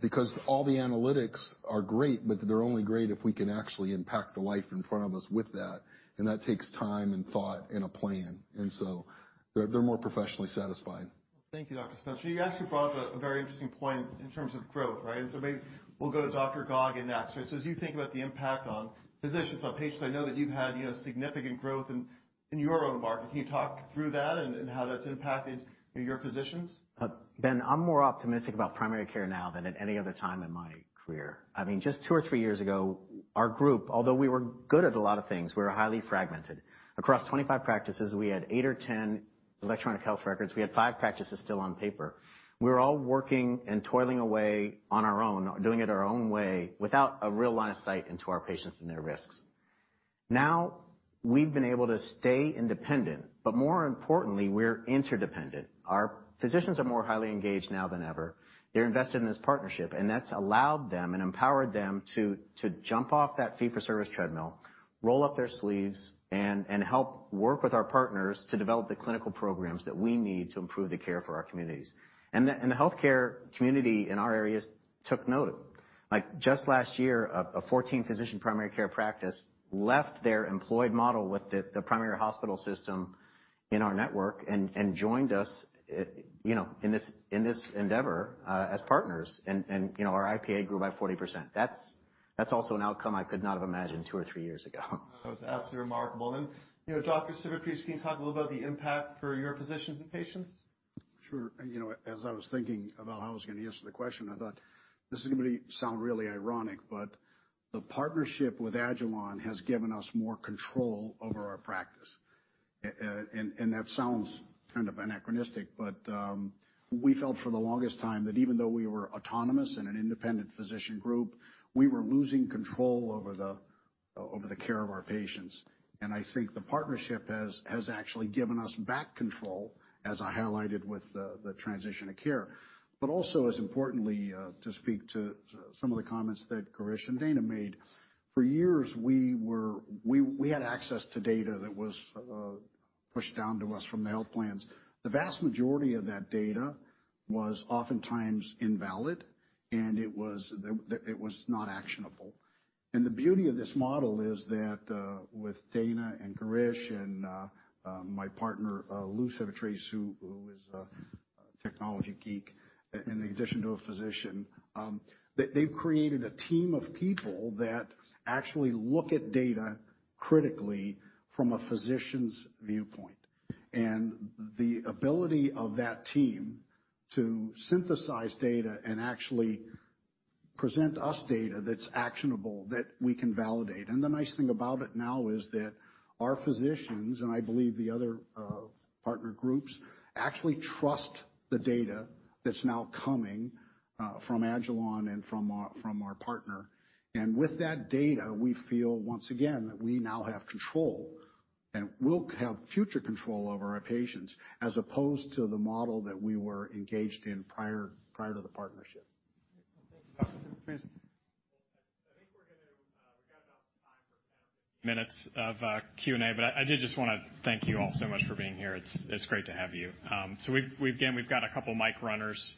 because all the analytics are great, but they're only great if we can actually impact the life in front of us with that, and that takes time and thought and a plan. They're more professionally satisfied.
Thank you, Dr. Spencer. You actually brought up a very interesting point in terms of growth, right? Maybe we'll go to Dr. Goggin next. As you think about the impact on physicians, on patients, I know that you've had, you know, significant growth in your own market. Can you talk through that and how that's impacted your physicians?
Ben, I'm more optimistic about primary care now than at any other time in my career. I mean, just two or three years ago, our group, although we were good at a lot of things, we were highly fragmented. Across 25 practices, we had eight or 10 electronic health records. We had five practices still on paper. We were all working and toiling away on our own, doing it our own way, without a real line of sight into our patients and their risks. Now, we've been able to stay independent, but more importantly, we're interdependent. Our physicians are more highly engaged now than ever. They're invested in this partnership, and that's allowed them and empowered them to jump off that fee for service treadmill, roll up their sleeves, and help work with our partners to develop the clinical programs that we need to improve the care for our communities. The healthcare community in our areas took note. Like, just last year, a 14-physician primary care practice left their employed model with the primary hospital system in our network and joined us, you know, in this endeavor as partners. You know, our IPA grew by 40%. That's also an outcome I could not have imagined two or three years ago.
That was absolutely remarkable. You know, Dr. Civitarese, can you talk a little about the impact for your physicians and patients?
Sure. You know, as I was thinking about how I was gonna answer the question, I thought, this is gonna sound really ironic, but the partnership with agilon has given us more control over our practice. And that sounds kind of anachronistic, but we felt for the longest time that even though we were autonomous in an independent physician group, we were losing control over the care of our patients. I think the partnership has actually given us back control, as I highlighted with the transition of care. Also, as importantly, to speak to some of the comments that Girish and Dana made, for years, we had access to data that was pushed down to us from the health plans. The vast majority of that data was oftentimes invalid, and it was not actionable. The beauty of this model is that, with Dana and Girish and my partner, Lou Civitarese, who is a technology geek in addition to a physician, they've created a team of people that actually look at data critically from a physician's viewpoint. The ability of that team to synthesize data and actually present us data that's actionable, that we can validate. The nice thing about it now is that our physicians, and I believe the other partner groups, actually trust the data that's now coming from agilon and from our partner. With that data, we feel, once again, that we now have control, and we'll have future control over our patients, as opposed to the model that we were engaged in prior to the partnership.
Great. Well, thank you. Girish?
Well, I think we're gonna, we've got about 10 or 15 minutes of Q&A, but I did just wanna thank you all so much for being here. It's great to have you. So we've again got a couple mic runners,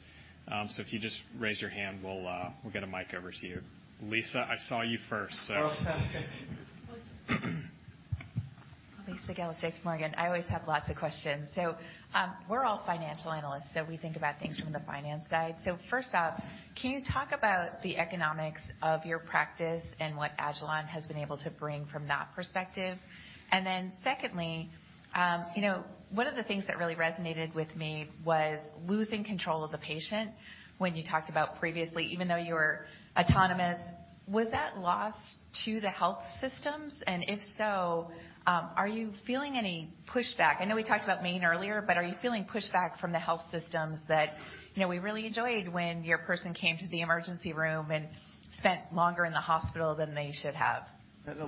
so if you just raise your hand, we'll get a mic over to you. Lisa, I saw you first, so
Oh, fantastic.
Lisa Gill, JPMorgan. I always have lots of questions. We're all financial analysts, so we think about things from the finance side. First off, can you talk about the economics of your practice and what agilon has been able to bring from that perspective? Then secondly, you know, one of the things that really resonated with me was losing control of the patient when you talked about previously, even though you were autonomous. Was that lost to the health systems? And if so, are you feeling any pushback? I know we talked about Maine earlier, but are you feeling pushback from the health systems that, you know, we really enjoyed when your person came to the emergency room and spent longer in the hospital than they should have?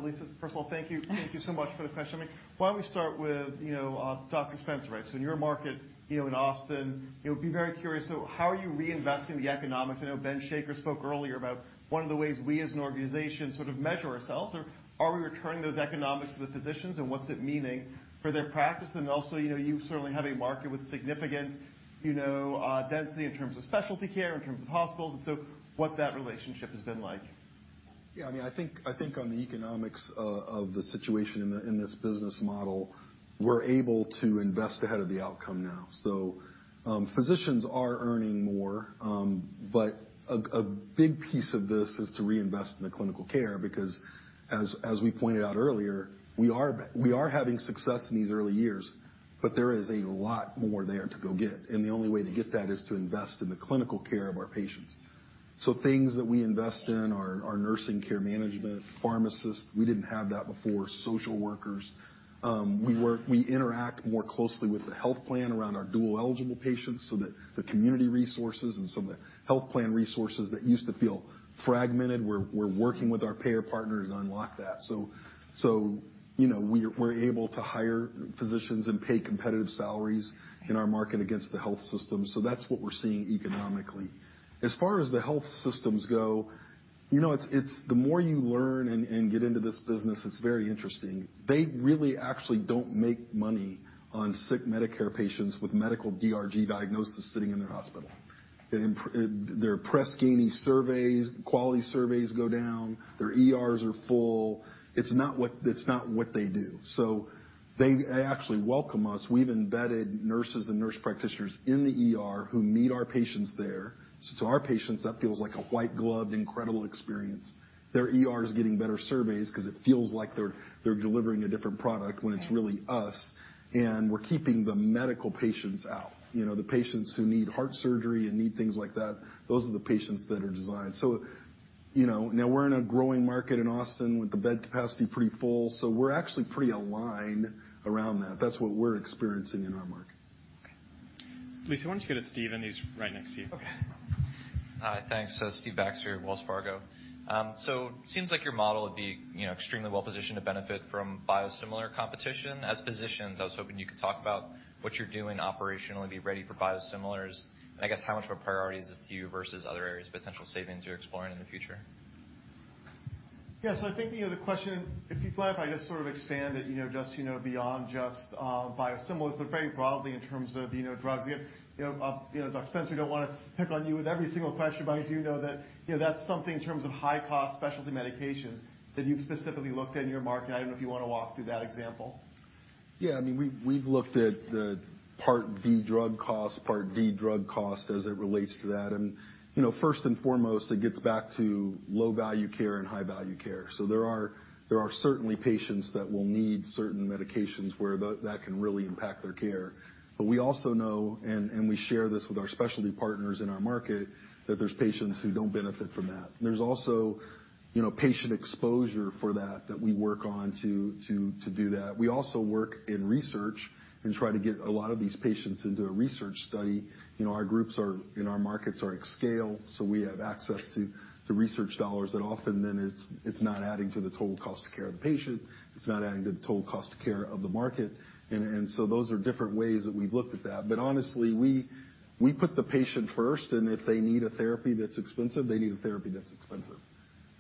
Lisa, first of all, thank you. Thank you so much for the question. Why don't we start with, you know, Dr. Spencer, right? In your market, you know, in Austin, you know, be very curious to how are you reinvesting the economics? I know Ben Shaker spoke earlier about one of the ways we as an organization sort of measure ourselves, are we returning those economics to the physicians and what's it meaning for their practice? Also, you know, you certainly have a market with significant, you know, density in terms of specialty care, in terms of hospitals, and so what that relationship has been like.
Yeah, I mean, I think on the economics of the situation in this business model, we're able to invest ahead of the outcome now. Physicians are earning more, but a big piece of this is to reinvest in the clinical care because as we pointed out earlier, we are having success in these early years, but there is a lot more there to go get, and the only way to get that is to invest in the clinical care of our patients. Things that we invest in are nursing care management, pharmacists, we didn't have that before, social workers. We work We interact more closely with the health plan around our dual-eligible patients so that the community resources and some of the health plan resources that used to feel fragmented, we're working with our payer partners to unlock that. You know, we're able to hire physicians and pay competitive salaries in our market against the health system. That's what we're seeing economically. As far as the health systems go, you know, it's the more you learn and get into this business, it's very interesting. They really actually don't make money on sick Medicare patients with medical DRG diagnosis sitting in their hospital. Their Press Ganey surveys, quality surveys go down, their ERs are full. It's not what they do. They actually welcome us. We've embedded nurses and nurse practitioners in the ER who meet our patients there. To our patients, that feels like a white-gloved, incredible experience. Their ER is getting better surveys 'cause it feels like they're delivering a different product when it's really us, and we're keeping the medical patients out. You know, the patients who need heart surgery and need things like that, those are the patients that are destined. You know, now we're in a growing market in Austin with the bed capacity pretty full, so we're actually pretty aligned around that. That's what we're experiencing in our market.
Okay. Lisa, why don't you go to Stephen, and he's right next to you.
Okay.
Hi. Thanks. Stephen Baxter, Wells Fargo. It seems like your model would be, you know, extremely well-positioned to benefit from biosimilar competition. As physicians, I was hoping you could talk about what you're doing operationally to be ready for biosimilars, and I guess how much of a priority is this to you versus other areas of potential savings you're exploring in the future?
Yeah. I think, you know, the question, if you don't mind, if I just sort of expand it, you know, just, you know, beyond just biosimilars, but very broadly in terms of, you know, drugs. Again, you know, you know, Dr. Spencer, don't wanna pick on you with every single question, but I do know that, you know, that's something in terms of high cost specialty medications that you've specifically looked at in your market. I don't know if you wanna walk through that example.
Yeah, I mean, we've looked at the Part D drug costs as it relates to that. You know, first and foremost, it gets back to low-value care and high-value care. There are certainly patients that will need certain medications where that can really impact their care. We also know, and we share this with our specialty partners in our market, that there's patients who don't benefit from that. There's also, you know, patient exposure for that that we work on to do that. We also work in research and try to get a lot of these patients into a research study. You know, our groups in our markets are at scale, so we have access to research dollars that often then it's not adding to the total cost of care of the patient, it's not adding to the total cost of care of the market. Those are different ways that we've looked at that. Honestly, we put the patient first, and if they need a therapy that's expensive, they need a therapy that's expensive.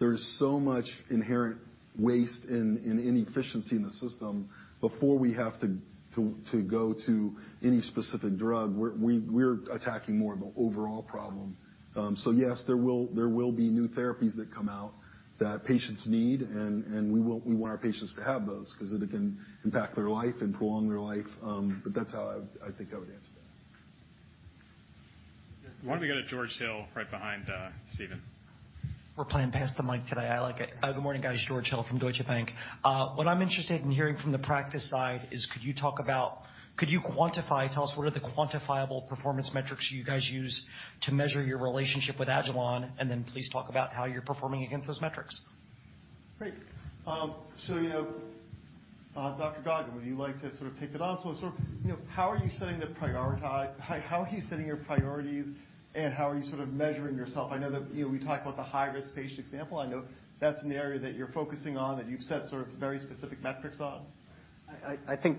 There's so much inherent waste and inefficiency in the system before we have to go to any specific drug. We're attacking more of an overall problem. Yes, there will be new therapies that come out that patients need, and we want our patients to have those 'cause it can impact their life and prolong their life. That's how I think I would answer that.
Why don't we go to George Hill right behind Steven.
We're playing pass the mic today. I like it. Good morning, guys. George Hill from Deutsche Bank. What I'm interested in hearing from the practice side is, could you quantify, tell us what are the quantifiable performance metrics you guys use to measure your relationship with agilon? Please talk about how you're performing against those metrics.
Great. You know, Dr. Goggin, would you like to sort of take that on? Sort of, you know, how are you setting your priorities, and how are you sort of measuring yourself? I know that, you know, we talk about the high-risk patient example. I know that's an area that you're focusing on, that you've set sort of very specific metrics on.
I think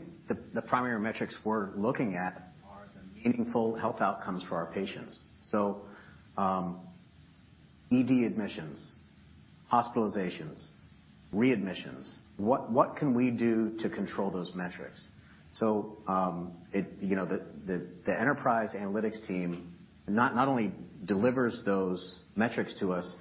the primary metrics we're looking at are the meaningful health outcomes for our patients. ED admissions, hospitalizations, readmissions. What can we do to control those metrics? It, you know, the enterprise analytics team not only delivers those metrics to us,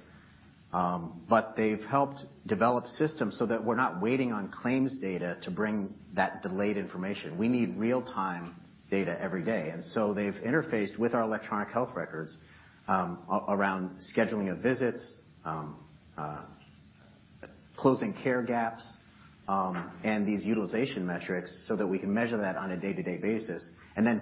but they've helped develop systems so that we're not waiting on claims data to bring that delayed information. We need real-time data every day. They've interfaced with our electronic health records, around scheduling of visits, closing care gaps, and these utilization metrics, so that we can measure that on a day-to-day basis.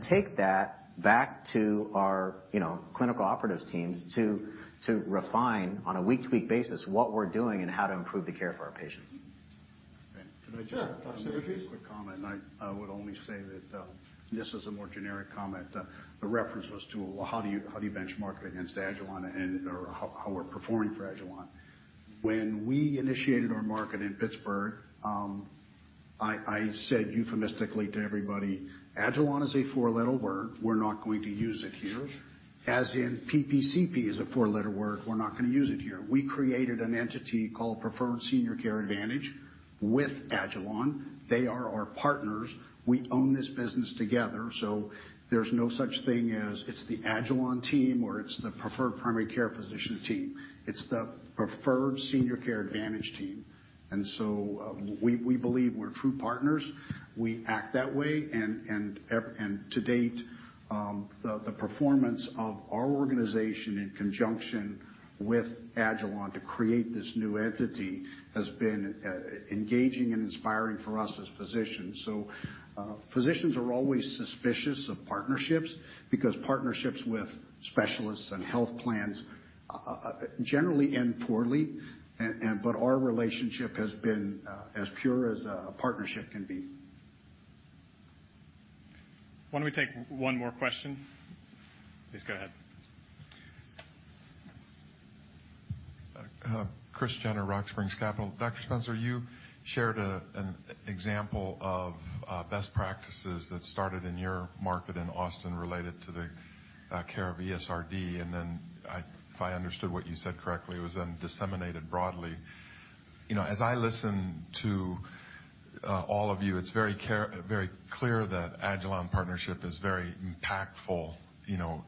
Take that back to our, you know, clinical operations teams to refine on a week-to-week basis what we're doing and how to improve the care for our patients.
Okay.
Can I just-
Yeah. Absolutely.
A quick comment. I would only say that this is a more generic comment. The reference was to, well, how do you benchmark against agilon health and/or how we're performing for agilon health. When we initiated our market in Pittsburgh, I said euphemistically to everybody, "agilon health is a four-letter word. We're not going to use it here. As in PPCP is a four-letter word, we're not gonna use it here." We created an entity called Preferred Senior Care Advantage with agilon health. They are our partners. We own this business together, so there's no such thing as it's the agilon health team or it's the Preferred Primary Care Physicians team. It's the Preferred Senior Care Advantage team. We believe we're true partners. We act that way. To date, the performance of our organization in conjunction with agilon to create this new entity has been engaging and inspiring for us as physicians. Physicians are always suspicious of partnerships because partnerships with specialists and health plans generally end poorly. Our relationship has been as pure as a partnership can be.
Why don't we take one more question? Please go ahead.
Kris Jenner, Rock Springs Capital. Dr. Spencer, you shared an example of best practices that started in your market in Austin related to the care of ESRD, and then, if I understood what you said correctly, it was then disseminated broadly. You know, as I listen to all of you, it's very clear that agilon partnership is very impactful, you know,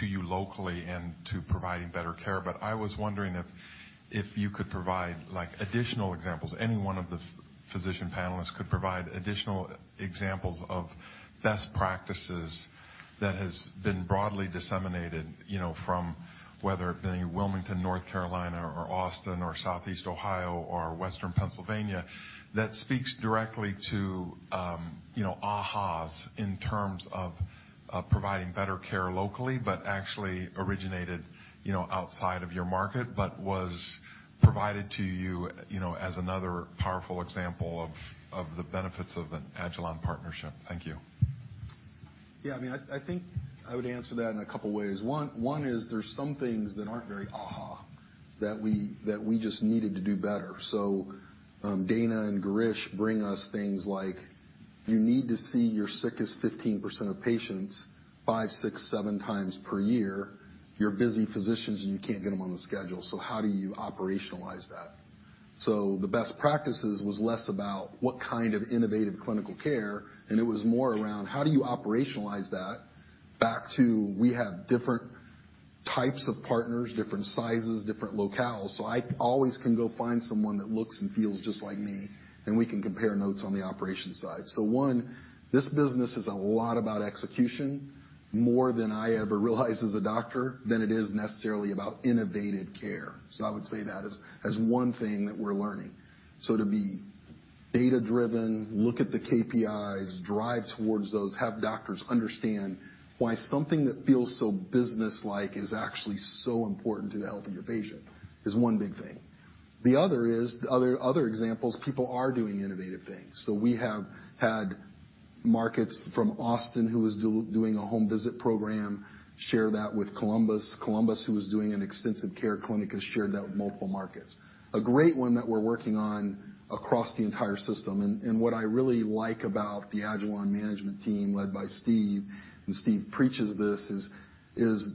to you locally and to providing better care. I was wondering if you could provide like additional examples, any one of the physician panelists could provide additional examples of best practices that has been broadly disseminated, you know, from whether it being Wilmington, North Carolina or Austin or Southeast Ohio or Western Pennsylvania, that speaks directly to, you know, aha's in terms of providing better care locally, but actually originated, you know, outside of your market. It was provided to you know, as another powerful example of the benefits of an agilon partnership. Thank you.
Yeah. I mean, I think I would answer that in a couple ways. One is there's some things that aren't very aha, that we just needed to do better. So, Dana and Girish bring us things like, you need to see your sickest 15% of patients 5x, 6x, 7x per year. You're busy physicians and you can't get them on the schedule. So how do you operationalize that? So the best practices was less about what kind of innovative clinical care, and it was more around how do you operationalize that back to we have different types of partners, different sizes, different locales. So I always can go find someone that looks and feels just like me, and we can compare notes on the operation side. One, this business is a lot about execution, more than I ever realized as a doctor, than it is necessarily about innovative care. I would say that as one thing that we're learning. To be data-driven, look at the KPIs, drive towards those, have doctors understand why something that feels so business-like is actually so important to the health of your patient, is one big thing. The other is another example, people are doing innovative things. We have had markets from Austin, who was doing a home visit program, share that with Columbus. Columbus, who was doing an intensive care clinic, has shared that with multiple markets. A great one that we're working on across the entire system, and what I really like about the agilon management team, led by Steve, and Steve preaches this, is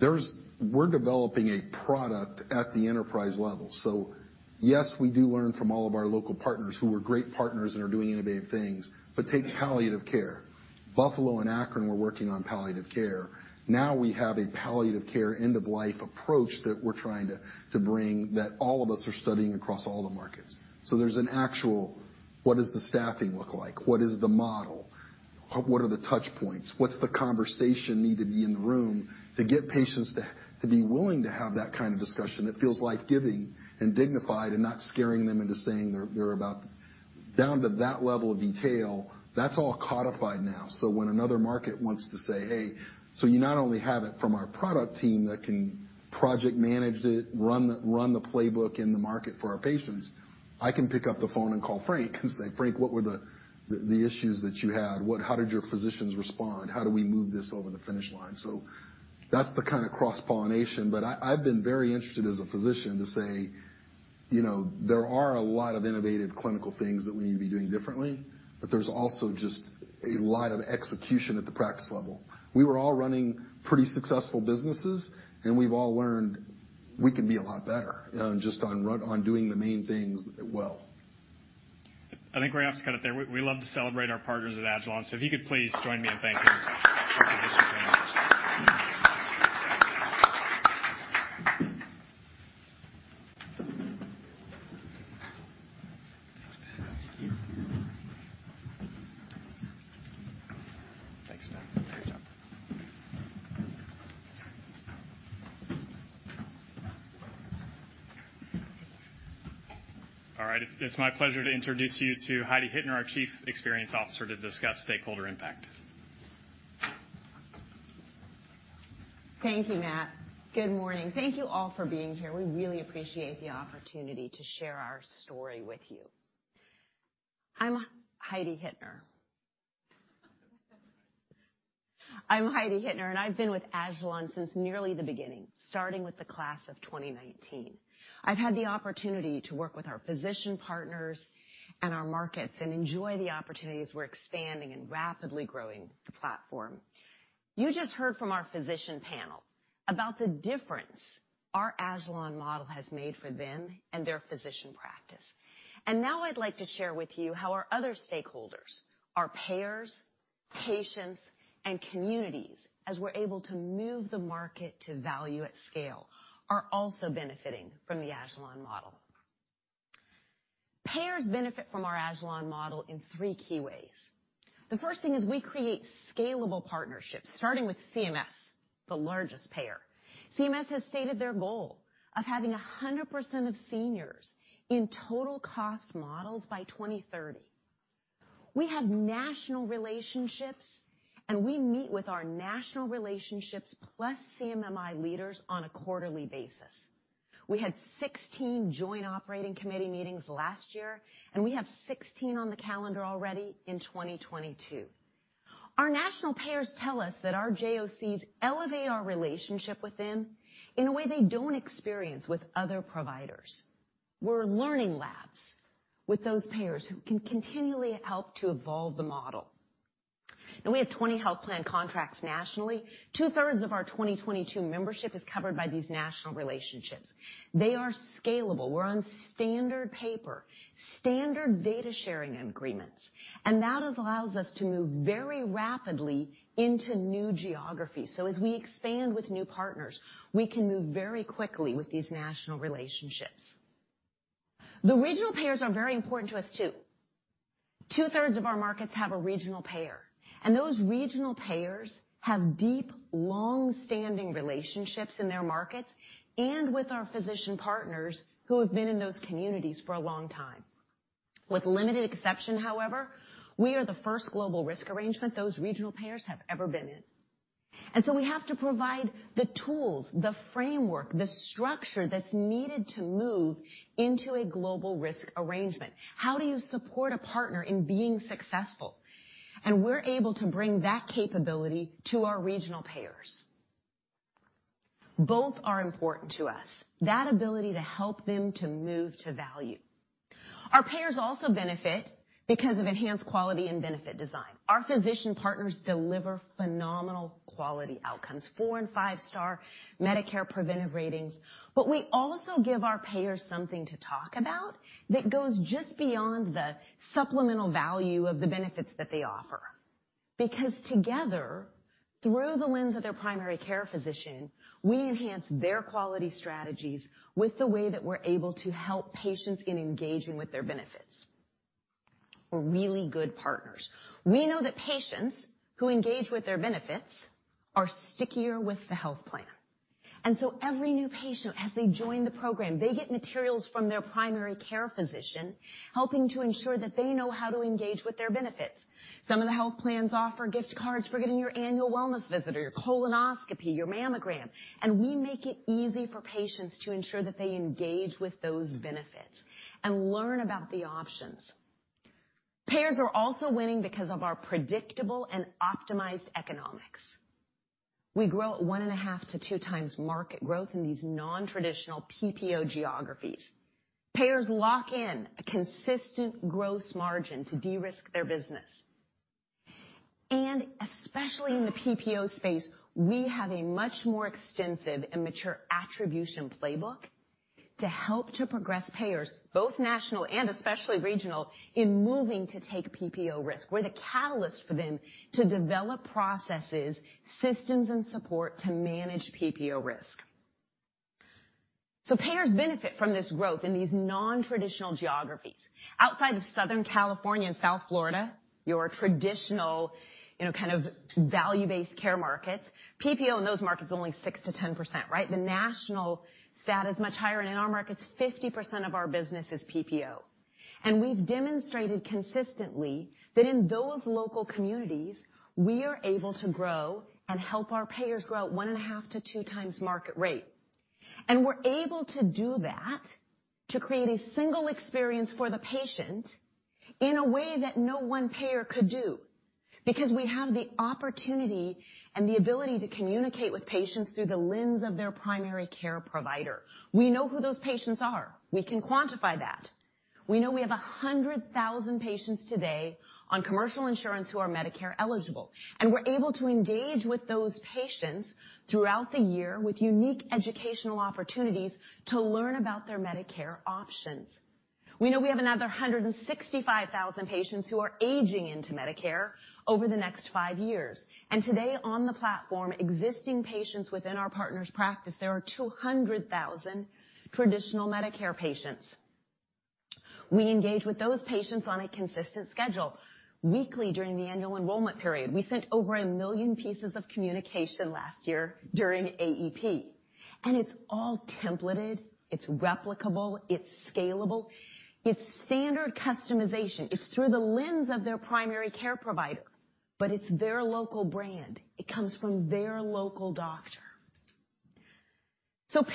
there's we're developing a product at the enterprise level. Yes, we do learn from all of our local partners who are great partners and are doing innovative things, but take palliative care. Buffalo and Akron were working on palliative care. Now we have a palliative care end-of-life approach that we're trying to bring that all of us are studying across all the markets. There's an actual, what does the staffing look like? What is the model? What are the touch points? What's the conversation need to be in the room to get patients to be willing to have that kind of discussion that feels life-giving and dignified and not scaring them into saying they're about down to that level of detail, that's all codified now. When another market wants to say, "Hey," you not only have it from our product team that can project manage it, run the playbook in the market for our patients, I can pick up the phone and call Frank and say, "Frank, what were the issues that you had? How did your physicians respond? How do we move this over the finish line?" That's the kind of cross-pollination. I've been very interested as a physician to say, you know, there are a lot of innovative clinical things that we need to be doing differently, but there's also just a lot of execution at the practice level. We were all running pretty successful businesses, and we've all learned we can be a lot better, just on doing the main things well.
I think we're gonna have to cut it there. We love to celebrate our partners at agilon, so if you could please join me in thanking Dr. Kornitzer.
Thanks, Matt.
Thank you.
Thanks, Matt. Great job.
All right. It's my pleasure to introduce you to Heidi Hittner, our Chief Experience Officer, to discuss stakeholder impact.
Thank you, Matt. Good morning. Thank you all for being here. We really appreciate the opportunity to share our story with you. I'm Heidi Hittner, and I've been with agilon since nearly the beginning, starting with the class of 2019. I've had the opportunity to work with our physician partners and our markets and enjoy the opportunity as we're expanding and rapidly growing the platform. You just heard from our physician panel about the difference our agilon model has made for them and their physician practice. Now I'd like to share with you how our other stakeholders, our payers, patients, and communities, as we're able to move the market to value at scale, are also benefiting from the agilon model. Payers benefit from our agilon model in three key ways. The first thing is we create scalable partnerships, starting with CMS, the largest payer. CMS has stated their goal of having 100% of seniors in total cost models by 2030. We have national relationships, and we meet with our national relationships, plus CMMI leaders on a quarterly basis. We had 16 joint operating committee meetings last year, and we have 16 on the calendar already in 2022. Our national payers tell us that our JOCs elevate our relationship with them in a way they don't experience with other providers. We're learning labs with those payers who can continually help to evolve the model. Now we have 20 health plan contracts nationally. Two-thirds of our 2022 membership is covered by these national relationships. They are scalable. We're on standard paper, standard data sharing agreements, and that allows us to move very rapidly into new geographies. As we expand with new partners, we can move very quickly with these national relationships. The regional payers are very important to us, too. Two-thirds of our markets have a regional payer, and those regional payers have deep, long-standing relationships in their markets and with our physician partners who have been in those communities for a long time. With limited exception, however, we are the first global risk arrangement those regional payers have ever been in. We have to provide the tools, the framework, the structure that's needed to move into a global risk arrangement. How do you support a partner in being successful? We're able to bring that capability to our regional payers. Both are important to us, that ability to help them to move to value. Our payers also benefit because of enhanced quality and benefit design. Our physician partners deliver phenomenal quality outcomes, four- and five-star Medicare preventive ratings. We also give our payers something to talk about that goes just beyond the supplemental value of the benefits that they offer. Together, through the lens of their primary care physician, we enhance their quality strategies with the way that we're able to help patients in engaging with their benefits. We're really good partners. We know that patients who engage with their benefits are stickier with the health plan. Every new patient, as they join the program, they get materials from their primary care physician, helping to ensure that they know how to engage with their benefits. Some of the health plans offer gift cards for getting your Annual Wellness Visit or your colonoscopy, your mammogram, and we make it easy for patients to ensure that they engage with those benefits and learn about the options. Payers are also winning because of our predictable and optimized economics. We grow at 1.5x-2x market growth in these nontraditional PPO geographies. Payers lock in a consistent gross margin to de-risk their business. Especially in the PPO space, we have a much more extensive and mature attribution playbook to help to progress payers, both national and especially regional, in moving to take PPO risk. We're the catalyst for them to develop processes, systems, and support to manage PPO risk. Payers benefit from this growth in these nontraditional geographies. Outside of Southern California and South Florida, your traditional, you know, kind of value-based care markets, PPO in those markets is only 6%-10%, right? The national stat is much higher, and in our markets, 50% of our business is PPO. We've demonstrated consistently that in those local communities, we are able to grow and help our payers grow at 1.5x-2x market rate. We're able to do that to create a single experience for the patient in a way that no one payer could do because we have the opportunity and the ability to communicate with patients through the lens of their primary care provider. We know who those patients are. We can quantify that. We know we have 100,000 patients today on commercial insurance who are Medicare-eligible, and we're able to engage with those patients throughout the year with unique educational opportunities to learn about their Medicare options. We know we have another 165,000 patients who are aging into Medicare over the next five years. Today, on the platform, existing patients within our partners' practice, there are 200,000 traditional Medicare patients. We engage with those patients on a consistent schedule. Weekly, during the annual enrollment period, we sent over 1 million pieces of communication last year during AEP. It's all templated, it's replicable, it's scalable, it's standard customization. It's through the lens of their primary care provider, but it's their local brand. It comes from their local doctor.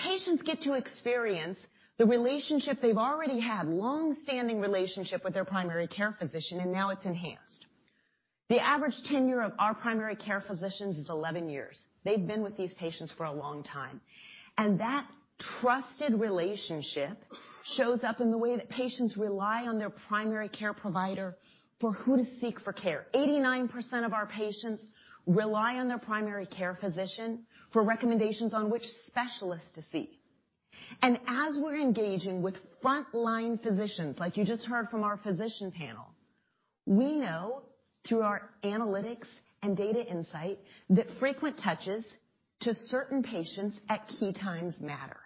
Patients get to experience the relationship they've already had, longstanding relationship with their primary care physician, and now it's enhanced. The average tenure of our primary care physicians is 11 years. They've been with these patients for a long time. That trusted relationship shows up in the way that patients rely on their primary care provider for who to seek for care. 89% of our patients rely on their primary care physician for recommendations on which specialist to see. As we're engaging with frontline physicians, like you just heard from our physician panel, we know through our analytics and data insight that frequent touches to certain patients at key times matter.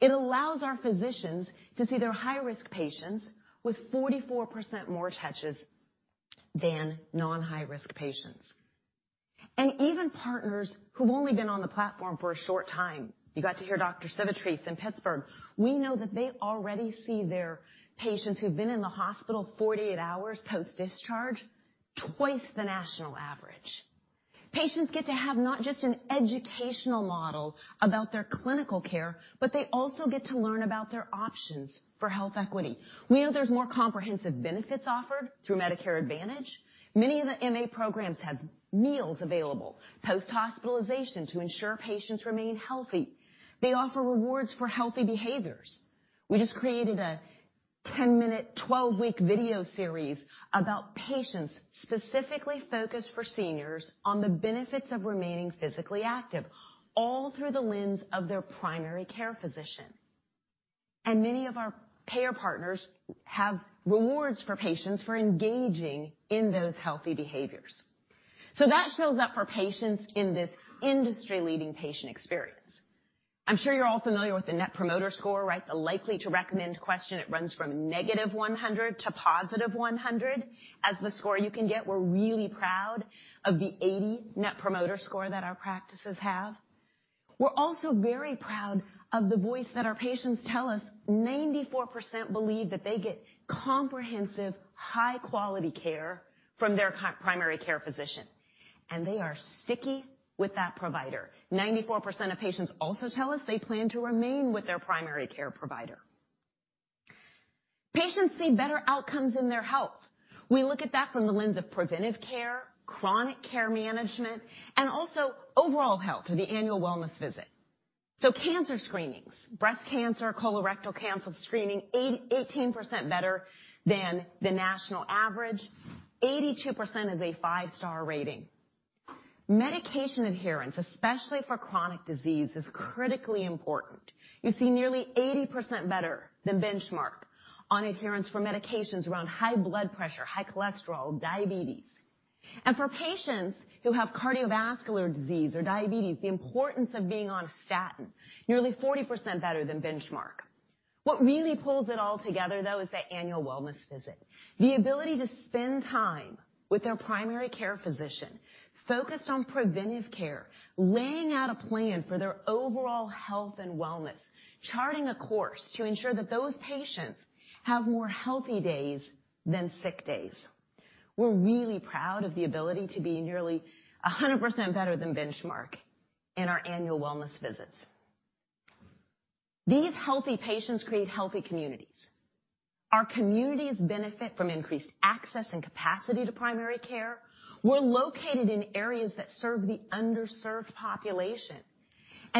It allows our physicians to see their high-risk patients with 44% more touches than non-high-risk patients. Even partners who've only been on the platform for a short time. You got to hear Dr. Civitarese in Pittsburgh. We know that they already see their patients who've been in the hospital 48 hours post-discharge twice the national average. Patients get to have not just an educational model about their clinical care, but they also get to learn about their options for health equity. We know there's more comprehensive benefits offered through Medicare Advantage. Many of the MA programs have meals available post-hospitalization to ensure patients remain healthy. They offer rewards for healthy behaviors. We just created a 10-minute, 12-week video series about patients specifically focused for seniors on the benefits of remaining physically active, all through the lens of their primary care physician. Many of our payer partners have rewards for patients for engaging in those healthy behaviors. That shows up for patients in this industry-leading patient experience. I'm sure you're all familiar with the Net Promoter Score, right? The likely to recommend question. It runs from -100 to +100 as the score you can get. We're really proud of the 80 net promoter score that our practices have. We're also very proud of the voice that our patients tell us. 94% believe that they get comprehensive, high-quality care from their primary care physician, and they are sticky with that provider. 94% of patients also tell us they plan to remain with their primary care provider. Patients see better outcomes in their health. We look at that from the lens of preventive care, chronic care management, and also overall health through the Annual Wellness Visit. Cancer screenings, breast cancer, colorectal cancer screening, 18% better than the national average. 82% is a five-star rating. Medication adherence, especially for chronic disease, is critically important. You see nearly 80% better than benchmark on adherence for medications around high blood pressure, high cholesterol, diabetes. For patients who have cardiovascular disease or diabetes, the importance of being on statin, nearly 40% better than benchmark. What really pulls it all together, though, is the Annual Wellness Visit. The ability to spend time with their primary care physician, focused on preventive care, laying out a plan for their overall health and wellness, charting a course to ensure that those patients have more healthy days than sick days. We're really proud of the ability to be nearly 100% better than benchmark in our Annual Wellness Visits. These healthy patients create healthy communities. Our communities benefit from increased access and capacity to primary care. We're located in areas that serve the underserved population.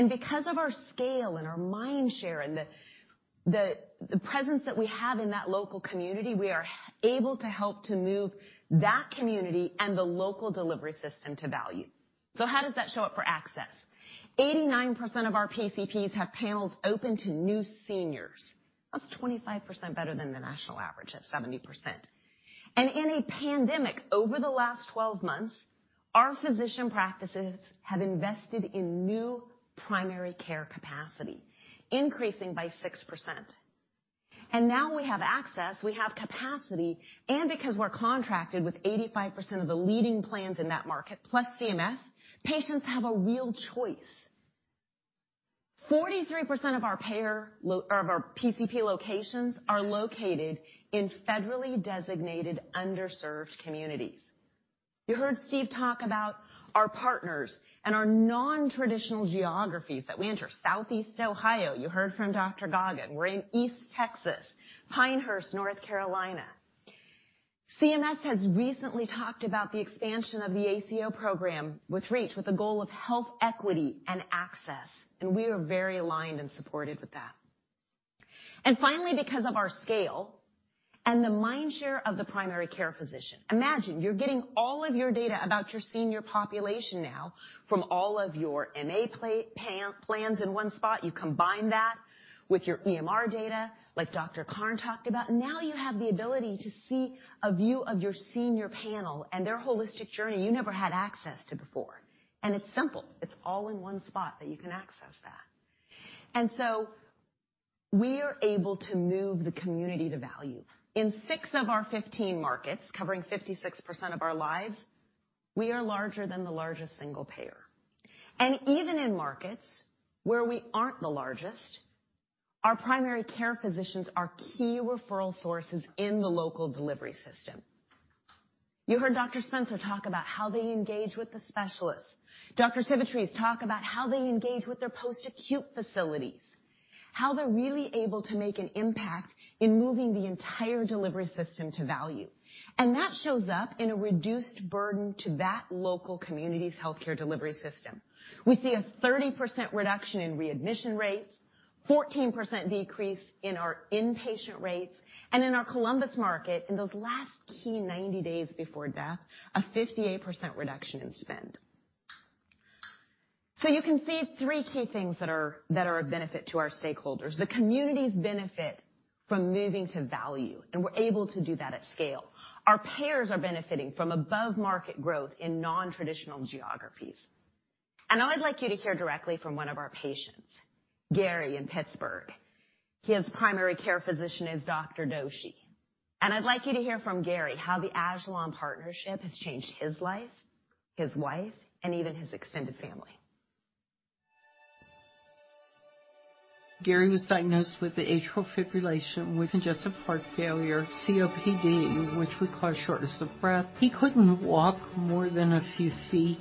Because of our scale and our mind share and the presence that we have in that local community, we are able to help to move that community and the local delivery system to value. How does that show up for access? 89% of our PCPs have panels open to new seniors. That's 25% better than the national average at 70%. In a pandemic, over the last 12 months, our physician practices have invested in new primary care capacity, increasing by 6%. Now we have access, we have capacity, and because we're contracted with 85% of the leading plans in that market, plus CMS, patients have a real choice. 43% of our PCP locations are located in federally designated underserved communities. You heard Steve talk about our partners and our nontraditional geographies that we enter. Southeast Ohio, you heard from Dr. Goggin. We're in East Texas. Pinehurst, North Carolina. CMS has recently talked about the expansion of the ACO program with REACH, with the goal of health equity and access, and we are very aligned and supportive with that. Finally, because of our scale and the mind share of the primary care physician, imagine you're getting all of your data about your senior population now from all of your MA plans in one spot. You combine that with your EMR data, like Dr. Carne talked about, now you have the ability to see a view of your senior panel and their holistic journey you never had access to before. It's simple. It's all in one spot that you can access that. We are able to move the community to value. In 6 of our 15 markets, covering 56% of our lives, we are larger than the largest single payer. Even in markets where we aren't the largest, our primary care physicians are key referral sources in the local delivery system. You heard Dr. Spencer talk about how they engage with the specialists. Dr. Civitarese talk about how they engage with their post-acute facilities, how they're really able to make an impact in moving the entire delivery system to value. That shows up in a reduced burden to that local community's healthcare delivery system. We see a 30% reduction in readmission rates, 14% decrease in our inpatient rates, and in our Columbus market, in those last key 90 days before death, a 58% reduction in spend. You can see three key things that are of benefit to our stakeholders. The communities benefit from moving to value, and we're able to do that at scale. Our payers are benefiting from above-market growth in nontraditional geographies. Now I'd like you to hear directly from one of our patients, Gary in Pittsburgh. His primary care physician is Dr. Doshi. I'd like you to hear from Gary how the agilon partnership has changed his life, his wife, and even his extended family.
Gary was diagnosed with atrial fibrillation with congestive heart failure, COPD, which would cause shortness of breath. He couldn't walk more than a few feet.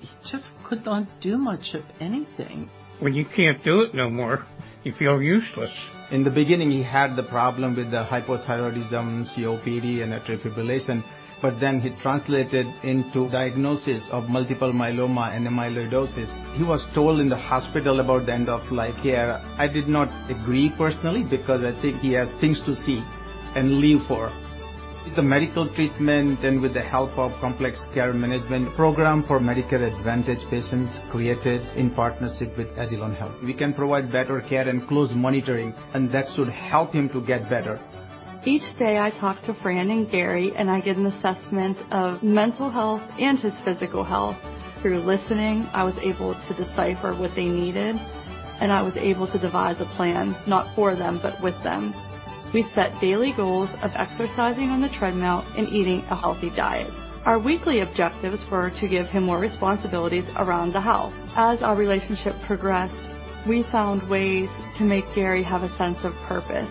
He just could not do much of anything. When you can't do it no more, you feel useless. In the beginning, he had the problem with the hypothyroidism, COPD, and atrial fibrillation, but then he translated into diagnosis of multiple myeloma and amyloidosis. He was told in the hospital about the end of life care. I did not agree personally because I think he has things to see and live for. With the medical treatment and with the help of complex care management program for Medicare Advantage patients created in partnership with agilon health, we can provide better care and close monitoring, and that should help him to get better. Each day I talk to Fran and Gary, and I get an assessment of mental health and his physical health. Through listening, I was able to decipher what they needed, and I was able to devise a plan, not for them, but with them. We set daily goals of exercising on the treadmill and eating a healthy diet. Our weekly objectives were to give him more responsibilities around the house. As our relationship progressed, we found ways to make Gary have a sense of purpose.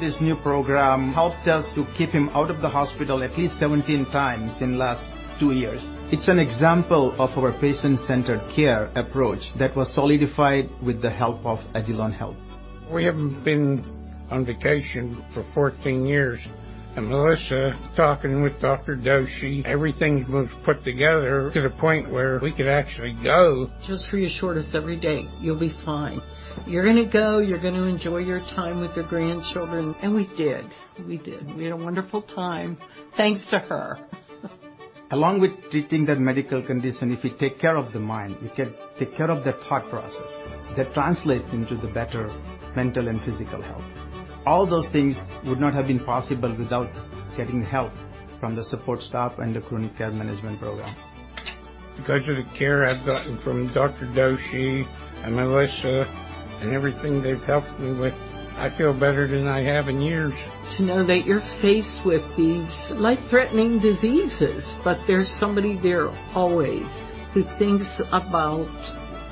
This new program helped us to keep him out of the hospital at least 17 times in the last two years. It's an example of our patient-centered care approach that was solidified with the help of agilon health. We haven't been on vacation for 14 years. Melissa, talking with Dr. Doshi, everything was put together to the point where we could actually go. She just reassured us every day, "You'll be fine. You're gonna go, you're gonna enjoy your time with your grandchildren." We did. We did. We had a wonderful time thanks to her. Along with treating that medical condition, if you take care of the mind, you can take care of the thought process. That translates into the better mental and physical health. All those things would not have been possible without getting help from the support staff and the chronic care management program. Because of the care I've gotten from Dr. Doshi and Melissa and everything they've helped me with, I feel better than I have in years. To know that you're faced with these life-threatening diseases, but there's somebody there always who thinks about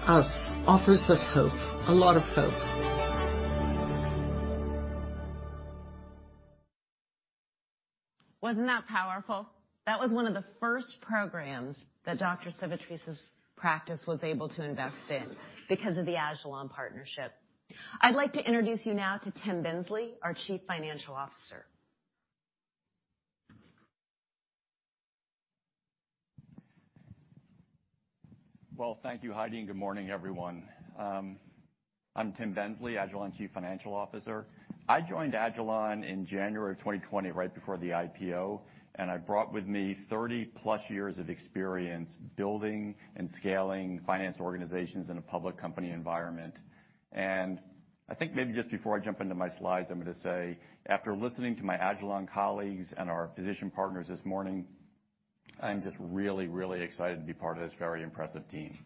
us, offers us hope, a lot of hope.
Wasn't that powerful? That was one of the first programs that Dr. Civitarese's practice was able to invest in because of the agilon partnership. I'd like to introduce you now to Tim Bensley, our Chief Financial Officer.
Well, thank you, Heidi, and good morning, everyone. I'm Tim Bensley, agilon Chief Financial Officer. I joined agilon in January of 2020, right before the IPO, and I brought with me 30+ years of experience building and scaling finance organizations in a public company environment. I think maybe just before I jump into my slides, I'm gonna say, after listening to my agilon colleagues and our physician partners this morning, I'm just really, really excited to be part of this very impressive team.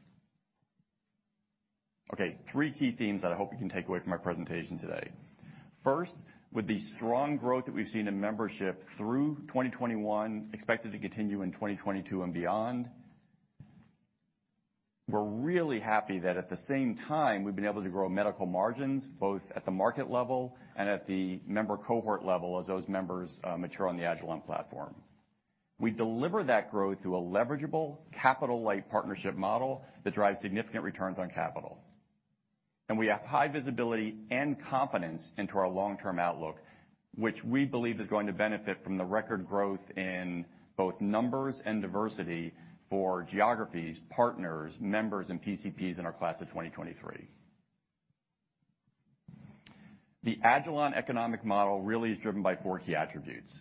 Okay, three key themes that I hope you can take away from my presentation today. First, with the strong growth that we've seen in membership through 2021 expected to continue in 2022 and beyond, we're really happy that at the same time, we've been able to grow medical margins, both at the market level and at the member cohort level as those members mature on the agilon platform. We deliver that growth through a leverageable capital-light partnership model that drives significant returns on capital. We have high visibility and confidence into our long-term outlook, which we believe is going to benefit from the record growth in both numbers and diversity for geographies, partners, members, and PCPs in our class of 2023. The agilon economic model really is driven by four key attributes.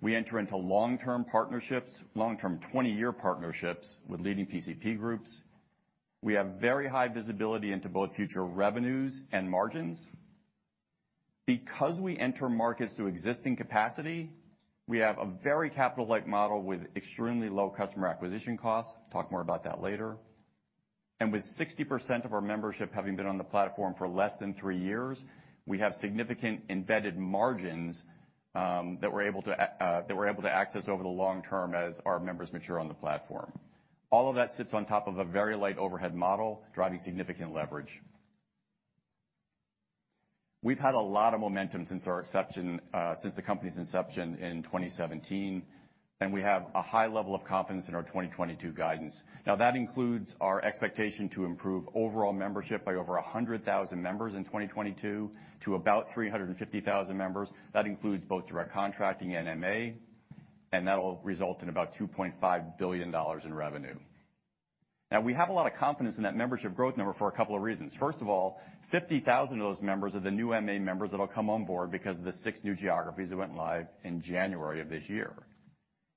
We enter into long-term partnerships, long-term twenty-year partnerships with leading PCP groups. We have very high visibility into both future revenues and margins. Because we enter markets through existing capacity, we have a very capital-like model with extremely low customer acquisition costs. Talk more about that later. With 60% of our membership having been on the platform for less than three years, we have significant embedded margins that we're able to access over the long term as our members mature on the platform. All of that sits on top of a very light overhead model, driving significant leverage. We've had a lot of momentum since our inception since the company's inception in 2017, and we have a high level of confidence in our 2022 guidance. Now, that includes our expectation to improve overall membership by over 100,000 members in 2022 to about 350,000 members. That includes both direct contracting and MA, and that'll result in about $2.5 billion in revenue. Now, we have a lot of confidence in that membership growth number for a couple of reasons. First of all, 50,000 of those members are the new MA members that'll come on board because of the six new geographies that went live in January of this year.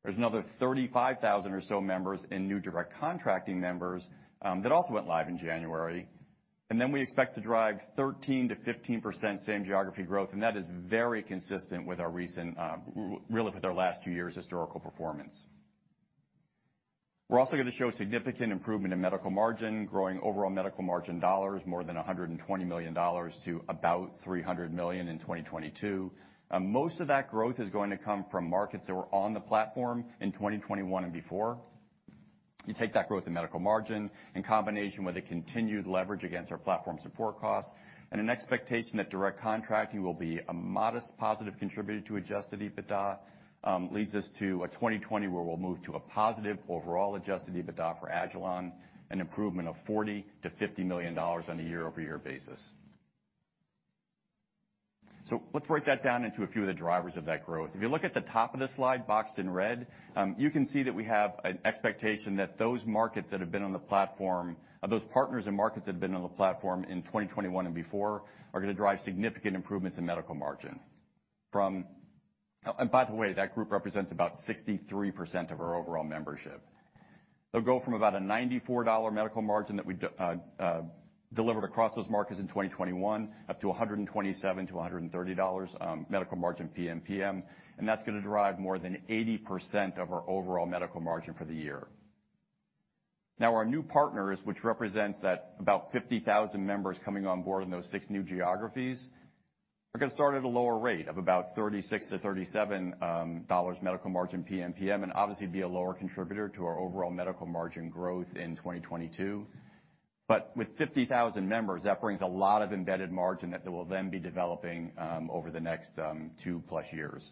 There's another 35,000 or so members in new direct contracting members that also went live in January. We expect to drive 13%-15% same geography growth, and that is very consistent with our recent really with our last two years' historical performance. We're also gonna show significant improvement in medical margin, growing overall medical margin dollars more than $120 million to about $300 million in 2022. Most of that growth is going to come from markets that were on the platform in 2021 and before. You take that growth in medical margin in combination with a continued leverage against our platform support costs and an expectation that direct contracting will be a modest positive contributor to adjusted EBITDA, leads us to a 2024 where we'll move to a positive overall adjusted EBITDA for agilon health, an improvement of $40 million-$50 million on a year-over-year basis. Let's break that down into a few of the drivers of that growth. If you look at the top of this slide boxed in red, you can see that we have an expectation that those markets that have been on the platform or those partners and markets that have been on the platform in 2021 and before are gonna drive significant improvements in medical margin. By the way, that group represents about 63% of our overall membership. They'll go from about a $94 medical margin that we delivered across those markets in 2021, up to $127-$130 medical margin PMPM, and that's gonna derive more than 80% of our overall medical margin for the year. Now, our new partners, which represents that about 50,000 members coming on board in those six new geographies, are gonna start at a lower rate of about $36-$37 medical margin PMPM, and obviously be a lower contributor to our overall medical margin growth in 2022. With 50,000 members, that brings a lot of embedded margin that they will then be developing over the next 2+ years.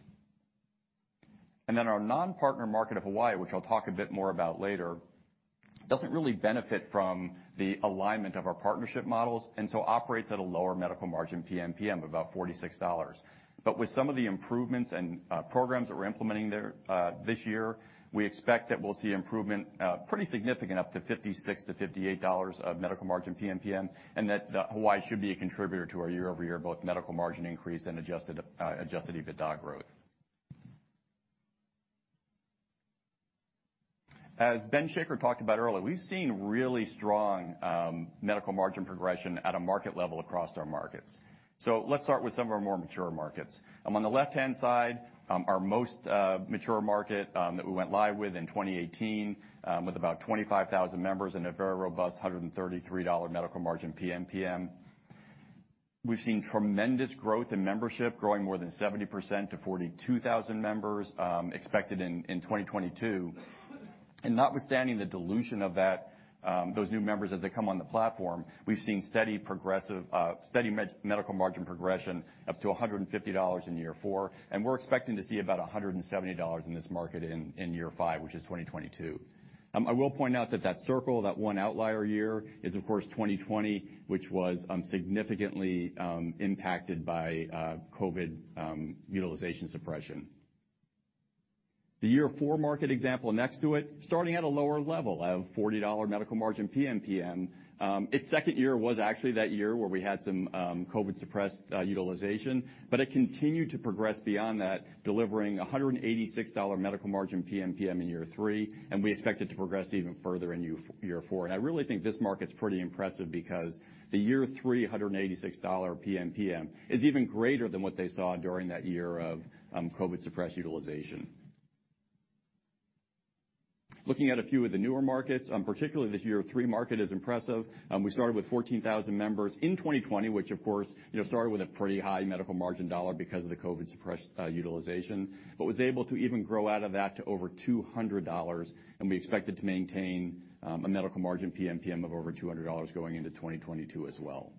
Our non-partner market of Hawaii, which I'll talk a bit more about later, doesn't really benefit from the alignment of our partnership models, and so operates at a lower medical margin PMPM of about $46. With some of the improvements and programs that we're implementing there this year, we expect that we'll see improvement pretty significant up to $56-$58 of medical margin PMPM, and that Hawaii should be a contributor to our year-over-year both medical margin increase and adjusted EBITDA growth. As Ben Shaker talked about earlier, we've seen really strong medical margin progression at a market level across our markets. Let's start with some of our more mature markets. On the left-hand side, our most mature market that we went live with in 2018 with about 25,000 members and a very robust $133 medical margin PMPM. We've seen tremendous growth in membership, growing more than 70% to 42,000 members expected in 2022. Notwithstanding the dilution of that, those new members as they come on the platform, we've seen steady, progressive medical margin progression up to $150 in year four, and we're expecting to see about $170 in this market in year five, which is 2022. I will point out that circle, that one outlier year is of course 2020, which was significantly impacted by COVID utilization suppression. The year four market example next to it, starting at a lower level of $40 medical margin PMPM. Its second year was actually that year where we had some COVID-suppressed utilization, but it continued to progress beyond that, delivering $186 medical margin PMPM in year three, and we expect it to progress even further in year four. I really think this market's pretty impressive because the year three $186 PMPM is even greater than what they saw during that year of COVID-suppressed utilization. Looking at a few of the newer markets, particularly this year three market is impressive. We started with 14,000 members in 2020, which of course, you know, started with a pretty high medical margin dollar because of the COVID-suppressed utilization, but was able to even grow out of that to over $200, and we expect it to maintain a medical margin PMPM of over $200 going into 2022 as well.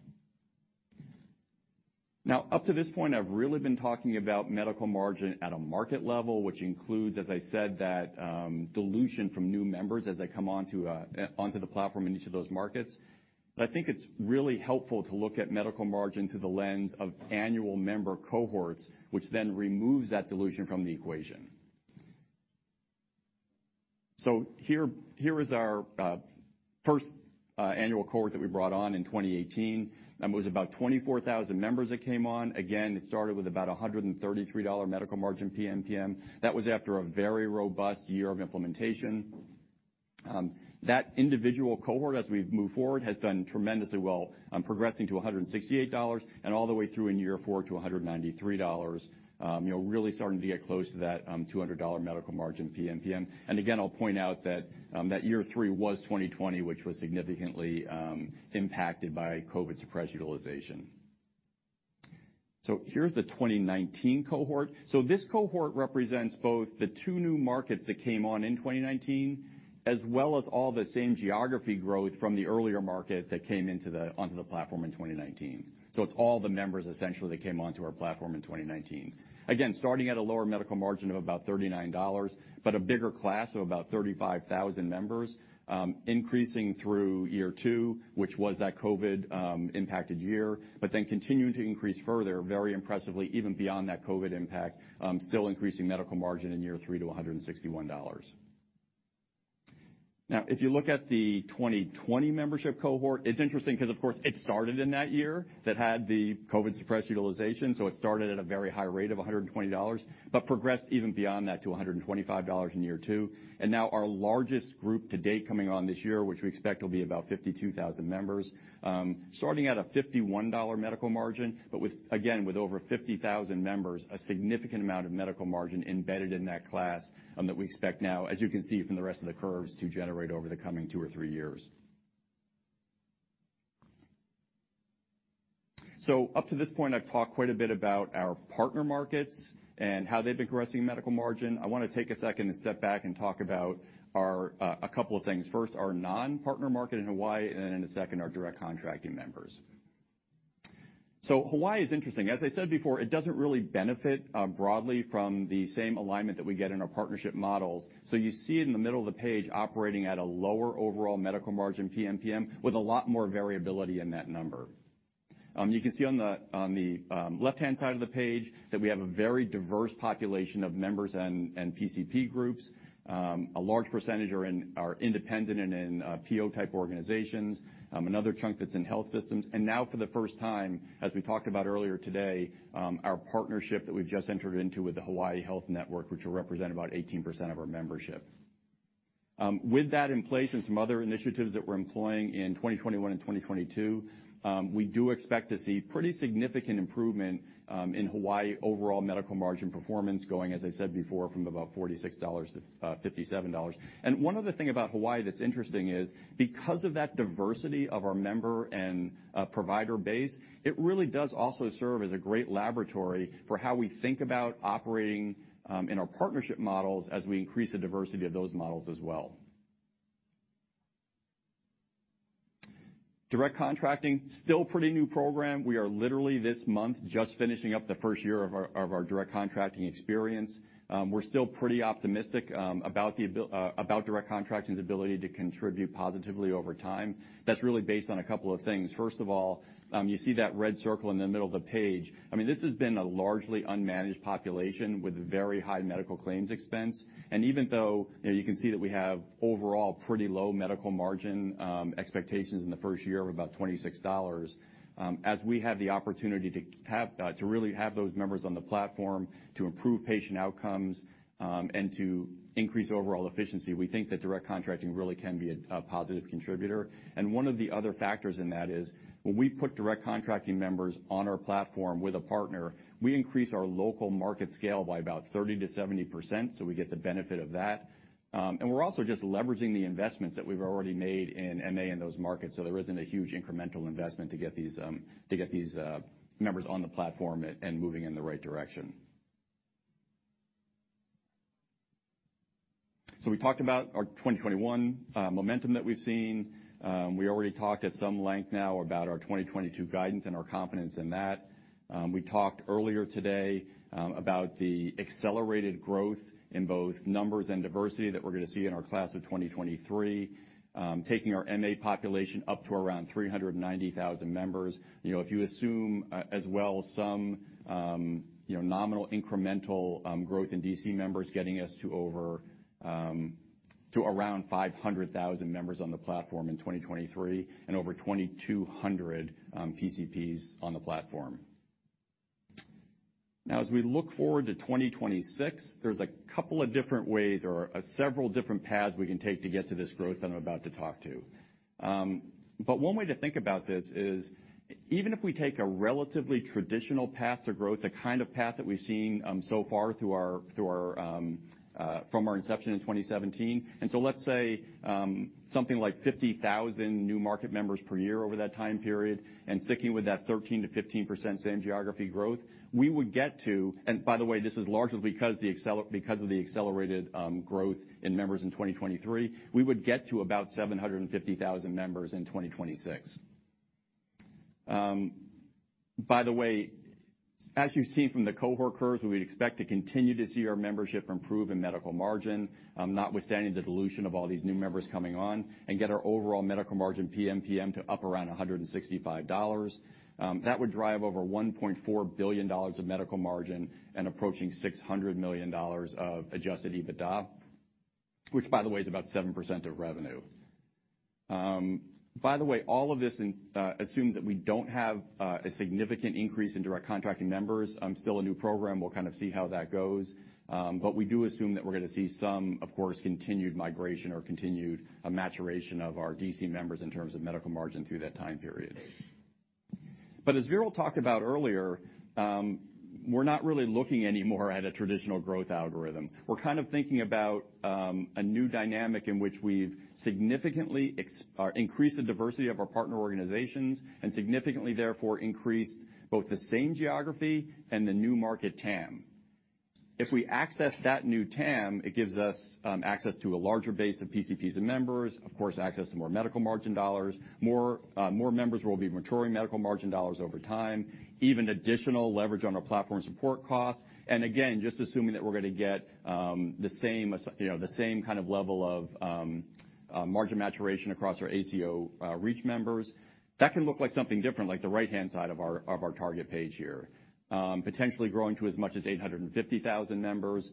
Now up to this point, I've really been talking about medical margin at a market level, which includes, as I said, that dilution from new members as they come onto the platform in each of those markets. I think it's really helpful to look at medical margin through the lens of annual member cohorts, which then removes that dilution from the equation. Here is our first annual cohort that we brought on in 2018. It was about 24,000 members that came on. Again, it started with about a $133 medical margin PMPM. That was after a very robust year of implementation. That individual cohort, as we've moved forward, has done tremendously well, progressing to $168 and all the way through in year four to $193. You know, really starting to get close to that $200 medical margin PMPM. Again, I'll point out that year three was 2020, which was significantly impacted by COVID-suppressed utilization. Here's the 2019 cohort. This cohort represents both the two new markets that came on in 2019, as well as all the same geography growth from the earlier market that came onto the platform in 2019. It's all the members essentially that came onto our platform in 2019. Again, starting at a lower medical margin of about $39, but a bigger class of about 35,000 members, increasing through year two, which was that COVID-impacted year, but then continuing to increase further, very impressively, even beyond that COVID impact, still increasing medical margin in year three to $161. Now if you look at the 2020 membership cohort, it's interesting because of course it started in that year that had the COVID-suppressed utilization, so it started at a very high rate of $120, but progressed even beyond that to $125 in year two. Now our largest group to date coming on this year, which we expect will be about 52,000 members, starting at a $51 medical margin. With, again, over 50,000 members, a significant amount of medical margin embedded in that class, that we expect now, as you can see from the rest of the curves, to generate over the coming two or three years. Up to this point, I've talked quite a bit about our partner markets and how they've been progressing medical margin. I wanna take a second to step back and talk about our a couple of things. First, our non-partner market in Hawaii, and then in a second, our direct contracting members. Hawaii is interesting. As I said before, it doesn't really benefit broadly from the same alignment that we get in our partnership models. You see it in the middle of the page operating at a lower overall medical margin PMPM with a lot more variability in that number. You can see on the left-hand side of the page that we have a very diverse population of members and PCP groups. A large percentage are independent and in PO-type organizations, another chunk that's in health systems. Now for the first time, as we talked about earlier today, our partnership that we've just entered into with the Hawaii Health Network, which will represent about 18% of our membership. With that in place and some other initiatives that we're employing in 2021 and 2022, we do expect to see pretty significant improvement in Hawaii overall medical margin performance going, as I said before, from about $46 to $57. One other thing about Hawaii that's interesting is because of that diversity of our member and provider base, it really does also serve as a great laboratory for how we think about operating in our partnership models as we increase the diversity of those models as well. Direct contracting is still a pretty new program. We are literally this month just finishing up the first year of our direct contracting experience. We're still pretty optimistic about direct contracting's ability to contribute positively over time. That's really based on a couple of things. You see that red circle in the middle of the page. I mean, this has been a largely unmanaged population with very high medical claims expense. Even though, you know, you can see that we have overall pretty low medical margin expectations in the first year of about $26, as we have the opportunity to really have those members on the platform to improve patient outcomes, and to increase overall efficiency, we think that direct contracting really can be a positive contributor. One of the other factors in that is when we put direct contracting members on our platform with a partner, we increase our local market scale by about 30%-70%, so we get the benefit of that. We're also just leveraging the investments that we've already made in MA in those markets, so there isn't a huge incremental investment to get these members on the platform and moving in the right direction. We talked about our 2021 momentum that we've seen. We already talked at some length now about our 2022 guidance and our confidence in that. We talked earlier today about the accelerated growth in both numbers and diversity that we're gonna see in our class of 2023, taking our MA population up to around 390,000 members. You know, if you assume as well some you know nominal incremental growth in DC members getting us to over to around 500,000 members on the platform in 2023 and over 2,200 PCPs on the platform. Now as we look forward to 2026, there's a couple of different ways or several different paths we can take to get to this growth that I'm about to talk to. One way to think about this is even if we take a relatively traditional path to growth, the kind of path that we've seen so far from our inception in 2017, let's say something like 50,000 new market members per year over that time period, and sticking with that 13%-15% same geography growth, we would get to, and by the way, this is largely because of the accelerated growth in members in 2023, we would get to about 750,000 members in 2026. By the way, as you've seen from the cohort curves, we would expect to continue to see our membership improve in medical margin, notwithstanding the dilution of all these new members coming on, and get our overall medical margin PMPM to up around $165. That would drive over $1.4 billion of medical margin and approaching $600 million of adjusted EBITDA, which by the way, is about 7% of revenue. By the way, all of this assumes that we don't have a significant increase in direct contracting members. Still a new program. We'll kind of see how that goes. We do assume that we're gonna see some of course continued migration or continued maturation of our DC members in terms of medical margin through that time period. As Veeral talked about earlier, we're not really looking anymore at a traditional growth algorithm. We're kind of thinking about a new dynamic in which we've significantly expanded or increased the diversity of our partner organizations and significantly therefore increased both the same geography and the new market TAM. If we access that new TAM, it gives us access to a larger base of PCPs and members, of course, access to more medical margin dollars, more members will be maturing medical margin dollars over time, even additional leverage on our platform support costs. Just assuming that we're gonna get the same, you know, the same kind of level of margin maturation across our ACO REACH members, that can look like something different, like the right-hand side of our target page here. Potentially growing to as much as 850,000 members.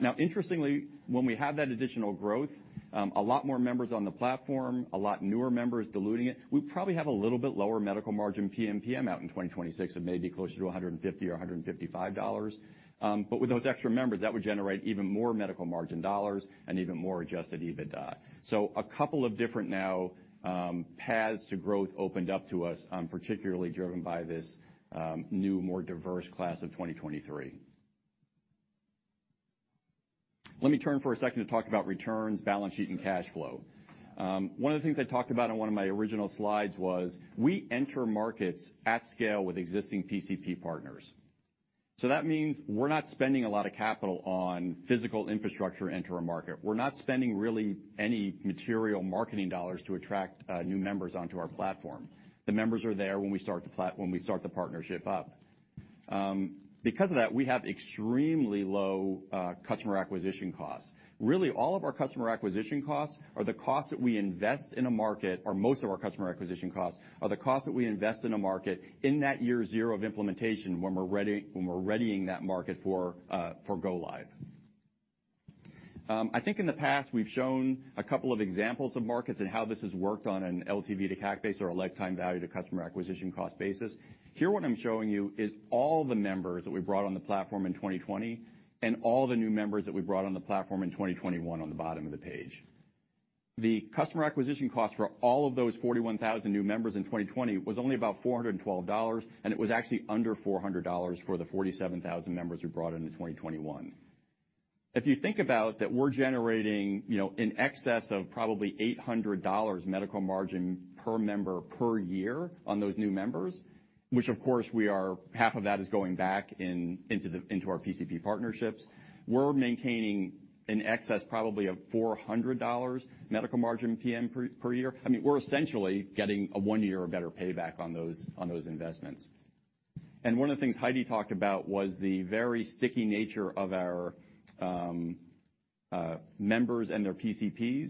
Now interestingly, when we have that additional growth, a lot more members on the platform, a lot newer members diluting it, we probably have a little bit lower medical margin PMPM out in 2026 of maybe closer to $150 or $155. With those extra members, that would generate even more medical margin dollars and even more adjusted EBITDA. A couple of different paths now opened up to us, particularly driven by this new, more diverse class of 2023. Let me turn for a second to talk about returns, balance sheet, and cash flow. One of the things I talked about on one of my original slides was that we enter markets at scale with existing PCP partners. That means we're not spending a lot of capital on physical infrastructure to enter a market. We're not spending really any material marketing dollars to attract new members onto our platform. The members are there when we start the partnership up. Because of that, we have extremely low customer acquisition costs. Really all of our customer acquisition costs are the costs that we invest in a market, or most of our customer acquisition costs are the costs that we invest in a market in that year zero of implementation when we're readying that market for go live. I think in the past, we've shown a couple of examples of markets and how this has worked on an LTV to CAC base or a lifetime value to customer acquisition cost basis. Here, what I'm showing you is all the members that we brought on the platform in 2020 and all the new members that we brought on the platform in 2021 on the bottom of the page. The customer acquisition cost for all of those 41,000 new members in 2020 was only about $412, and it was actually under $400 for the 47,000 members we brought into 2021. If you think about that we're generating, you know, in excess of probably $800 medical margin per member per year on those new members, which of course we are, half of that is going back in, into our PCP partnerships. We're maintaining in excess probably of $400 medical margin PM per year. I mean, we're essentially getting a one-year or better payback on those investments. One of the things Heidi talked about was the very sticky nature of our members and their PCPs,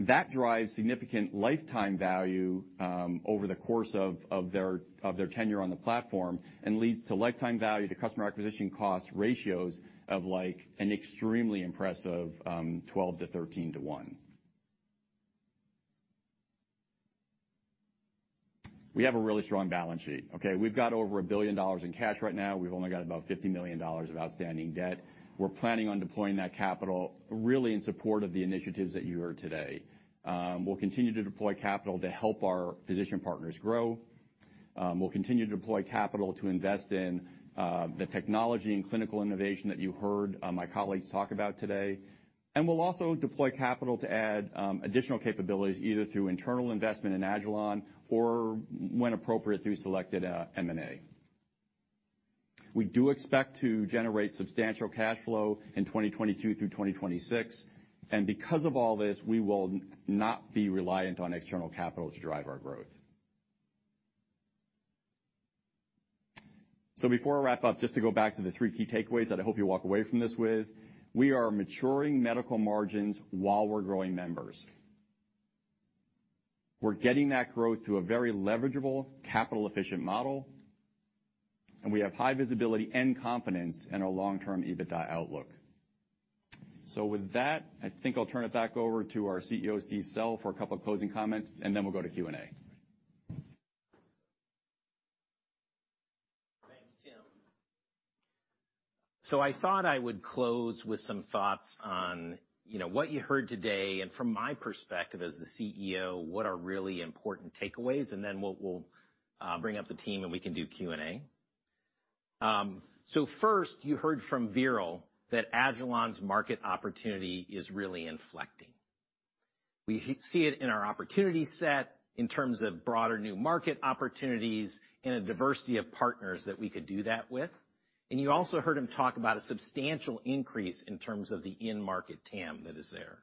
that drives significant lifetime value over the course of their tenure on the platform, and leads to lifetime value to customer acquisition cost ratios of like an extremely impressive 12-to-13-to-1. We have a really strong balance sheet, okay. We've got over $1 billion in cash right now. We've only got about $50 million of outstanding debt. We're planning on deploying that capital really in support of the initiatives that you heard today. We'll continue to deploy capital to help our physician partners grow. We'll continue to deploy capital to invest in the technology and clinical innovation that you heard my colleagues talk about today. We'll also deploy capital to add additional capabilities, either through internal investment in agilon or when appropriate, through selected M&A. We do expect to generate substantial cash flow in 2022 through 2026, and because of all this, we will not be reliant on external capital to drive our growth. Before I wrap up, just to go back to the three key takeaways that I hope you walk away from this with, we are maturing medical margins while we're growing members. We're getting that growth through a very leverageable, capital-efficient model, and we have high visibility and confidence in our long-term EBITDA outlook. With that, I think I'll turn it back over to our CEO, Steve Sell, for a couple closing comments, and then we'll go to Q&A.
Thanks, Tim. I thought I would close with some thoughts on, you know, what you heard today, and from my perspective as the CEO, what are really important takeaways, and then we'll bring up the team, and we can do Q&A. First, you heard from Veeral that agilon's market opportunity is really inflecting. We see it in our opportunity set in terms of broader new market opportunities and a diversity of partners that we could do that with. You also heard him talk about a substantial increase in terms of the end market TAM that is there.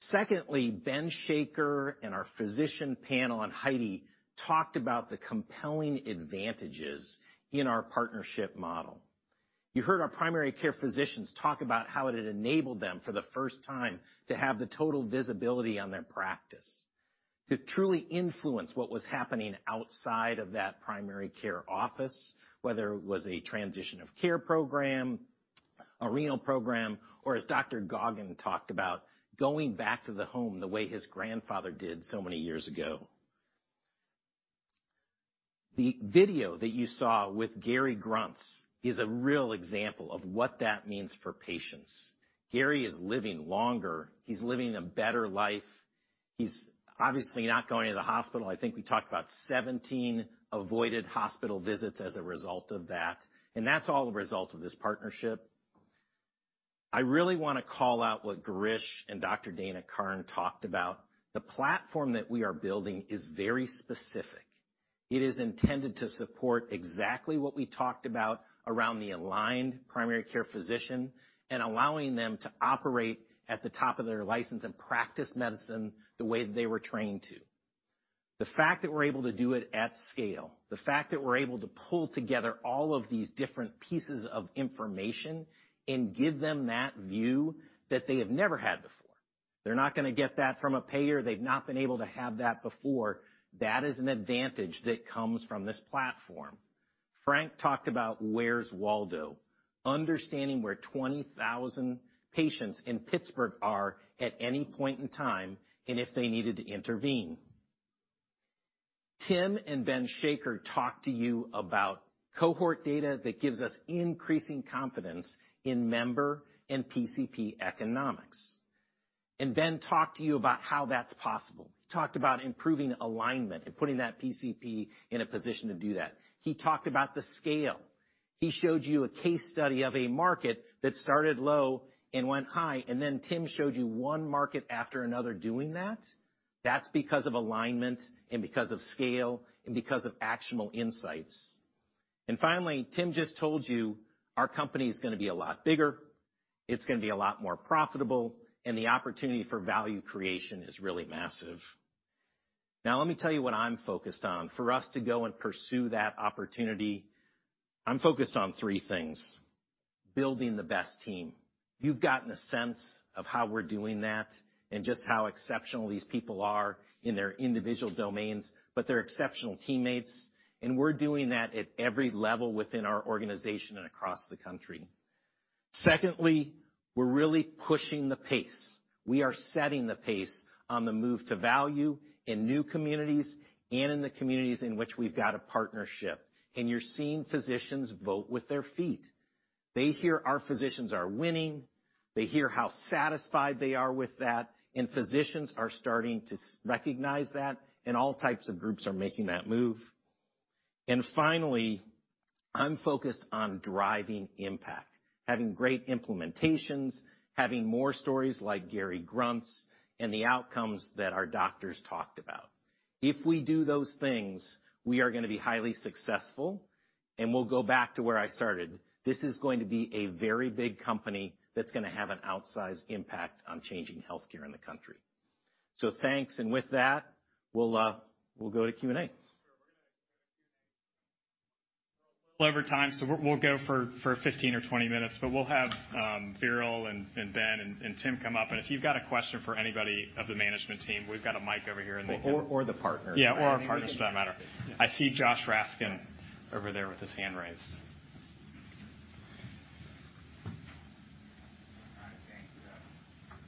Secondly, Ben Shaker and our physician panel and Heidi talked about the compelling advantages in our partnership model. You heard our primary care physicians talk about how it had enabled them for the first time to have the total visibility on their practice, to truly influence what was happening outside of that primary care office, whether it was a transition of care program, a renal program, or as Dr. Goggin talked about, going back to the home the way his grandfather did so many years ago. The video that you saw with Gary Gruntz is a real example of what that means for patients. Gary is living longer. He's living a better life. He's obviously not going to the hospital. I think we talked about 17 avoided hospital visits as a result of that, and that's all the result of this partnership. I really wanna call out what Girish and Dr. Dana Carne talked about. The platform that we are building is very specific. It is intended to support exactly what we talked about around the aligned primary care physician and allowing them to operate at the top of their license and practice medicine the way that they were trained to. The fact that we're able to do it at scale, the fact that we're able to pull together all of these different pieces of information and give them that view that they have never had before. They're not gonna get that from a payer. They've not been able to have that before. That is an advantage that comes from this platform. Frank Civitarese talked about Where's Waldo, understanding where 20,000 patients in Pittsburgh are at any point in time, and if they needed to intervene. Tim Bensley and Ben Shaker talked to you about cohort data that gives us increasing confidence in member and PCP economics. Ben talked to you about how that's possible. He talked about improving alignment and putting that PCP in a position to do that. He talked about the scale. He showed you a case study of a market that started low and went high, and then Tim showed you one market after another doing that. That's because of alignment and because of scale and because of actionable insights. Finally, Tim just told you our company's gonna be a lot bigger, it's gonna be a lot more profitable, and the opportunity for value creation is really massive. Now let me tell you what I'm focused on. For us to go and pursue that opportunity, I'm focused on three things. Building the best team. You've gotten a sense of how we're doing that and just how exceptional these people are in their individual domains, but they're exceptional teammates, and we're doing that at every level within our organization and across the country. Secondly, we're really pushing the pace. We are setting the pace on the move to value in new communities and in the communities in which we've got a partnership. You're seeing physicians vote with their feet. They hear our physicians are winning, they hear how satisfied they are with that, and physicians are starting to recognize that, and all types of groups are making that move. Finally, I'm focused on driving impact, having great implementations, having more stories like Gary Gruntz and the outcomes that our doctors talked about. If we do those things, we are gonna be highly successful, and we'll go back to where I started. This is going to be a very big company that's gonna have an outsized impact on changing healthcare in the country. Thanks. With that, we'll go to Q&A.
Over time. We'll go for 15 or 20 minutes, but we'll have Veeral and Ben and Tim come up. If you've got a question for anybody of the management team, we've got a mic over here and they can.
the partners.
Yeah, or our partners. It doesn't matter. I see Josh Raskin over there with his hand raised.
All right, thanks.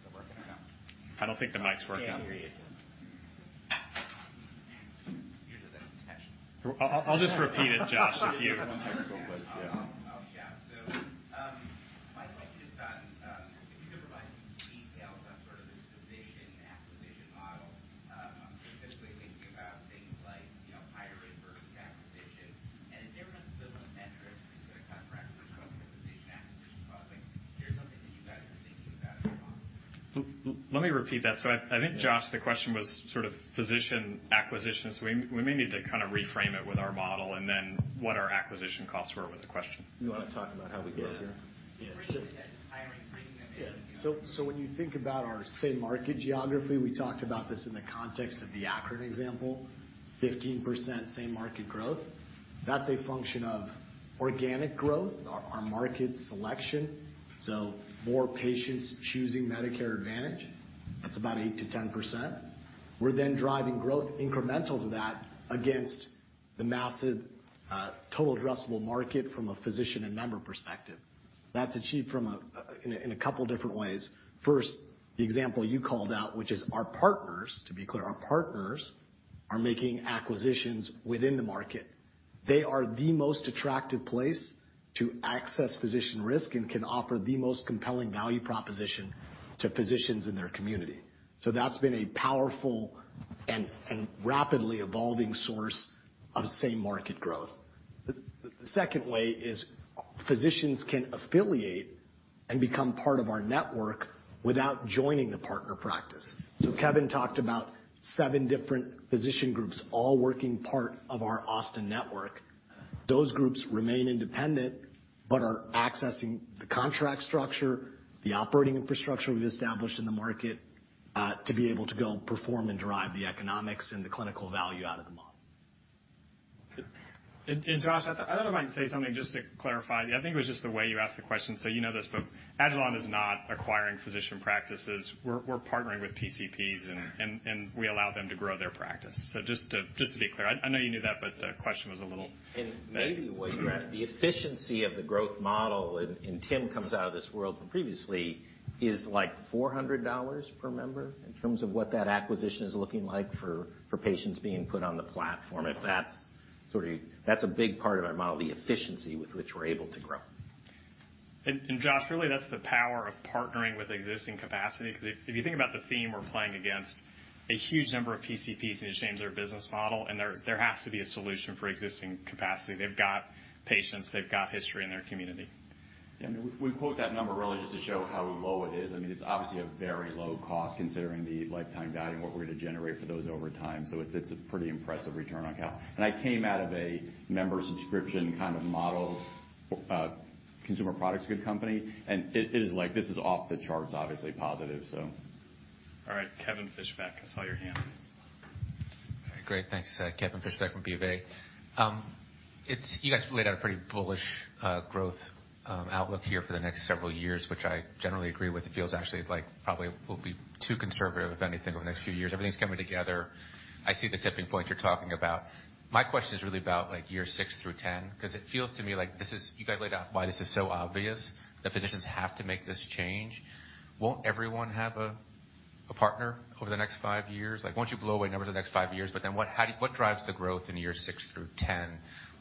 Is it working or no?
I don't think the mic's working.
We can't hear you, Tim.
Usually that's intentional.
I'll just repeat it, Josh, if you
Technical booth. Yeah. I'll shout. My question is on if you could provide some details on sort of this physician acquisition model, specifically thinking about things like, you know, hire rate versus acquisition and the difference in the metrics to the contract versus physician acquisition costs. Like, here's something that you guys are thinking about.
Let me repeat that. I think, Josh, the question was sort of physician acquisitions. We may need to kinda reframe it with our model and then what our acquisition costs were with the question.
You wanna talk about how we grow here?
Yeah.
Yeah, sure.
Hiring, bringing them in.
Yeah. When you think about our same market geography, we talked about this in the context of the Akron example, 15% same market growth. That's a function of organic growth, our market selection, so more patients choosing Medicare Advantage. That's about 8%-10%. We're then driving growth incremental to that against the massive total addressable market from a physician and member perspective. That's achieved in a couple different ways. First, the example you called out, which is our partners. To be clear, our partners are making acquisitions within the market. They are the most attractive place to access physician risk and can offer the most compelling value proposition to physicians in their community. That's been a powerful and rapidly evolving source of same market growth. The second way is physicians can affiliate and become part of our network without joining the partner practice. Kevin talked about seven different physician groups all working part of our Austin network. Those groups remain independent but are accessing the contract structure, the operating infrastructure we've established in the market, to be able to go perform and derive the economics and the clinical value out of the model.
Josh, I thought I might say something just to clarify. I think it was just the way you asked the question. You know this, but agilon is not acquiring physician practices. We're partnering with PCPs and we allow them to grow their practice.
Maybe what you're after, the efficiency of the growth model, and Tim comes out of this world from previously, is like $400 per member in terms of what that acquisition is looking like for patients being put on the platform. If that's sort of that. That's a big part of our model, the efficiency with which we're able to grow.
Josh, really, that's the power of partnering with existing capacity, 'cause if you think about the theme we're playing against, a huge number of PCPs need to change their business model, and there has to be a solution for existing capacity. They've got patients, they've got history in their community.
Yeah, I mean, we quote that number really just to show how low it is. I mean, it's obviously a very low cost considering the lifetime value and what we're going to generate for those over time. It's a pretty impressive return on cap. I came out of a member subscription kind of model, consumer products good company, and it is like, this is off the charts, obviously positive, so.
All right, Kevin Fischbeck, I saw your hand.
Great. Thanks. Kevin Fischbeck from BofA. It's you guys laid out a pretty bullish growth outlook here for the next several years, which I generally agree with. It feels actually like probably will be too conservative if anything, over the next few years. Everything's coming together. I see the tipping point you're talking about. My question is really about, like, year 6 through 10, 'cause it feels to me like this is, you guys laid out why this is so obvious that physicians have to make this change. Won't everyone have a partner over the next five years? Like, won't you blow away numbers the next five years? But then what drives the growth in year 6 through 10? I'd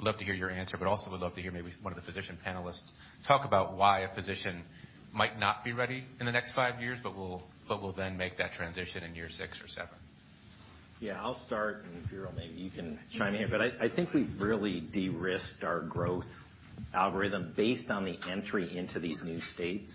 love to hear your answer, but also would love to hear maybe one of the physician panelists talk about why a physician might not be ready in the next five years, but will then make that transition in year 6 or 7.
Yeah, I'll start, and Veeral, maybe you can chime in. I think we've really de-risked our growth algorithm based on the entry into these new states.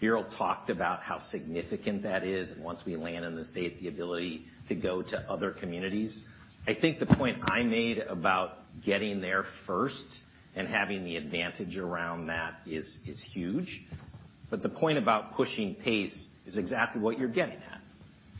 Veeral talked about how significant that is, and once we land in the state, the ability to go to other communities. I think the point I made about getting there first and having the advantage around that is huge. The point about pushing pace is exactly what you're getting at.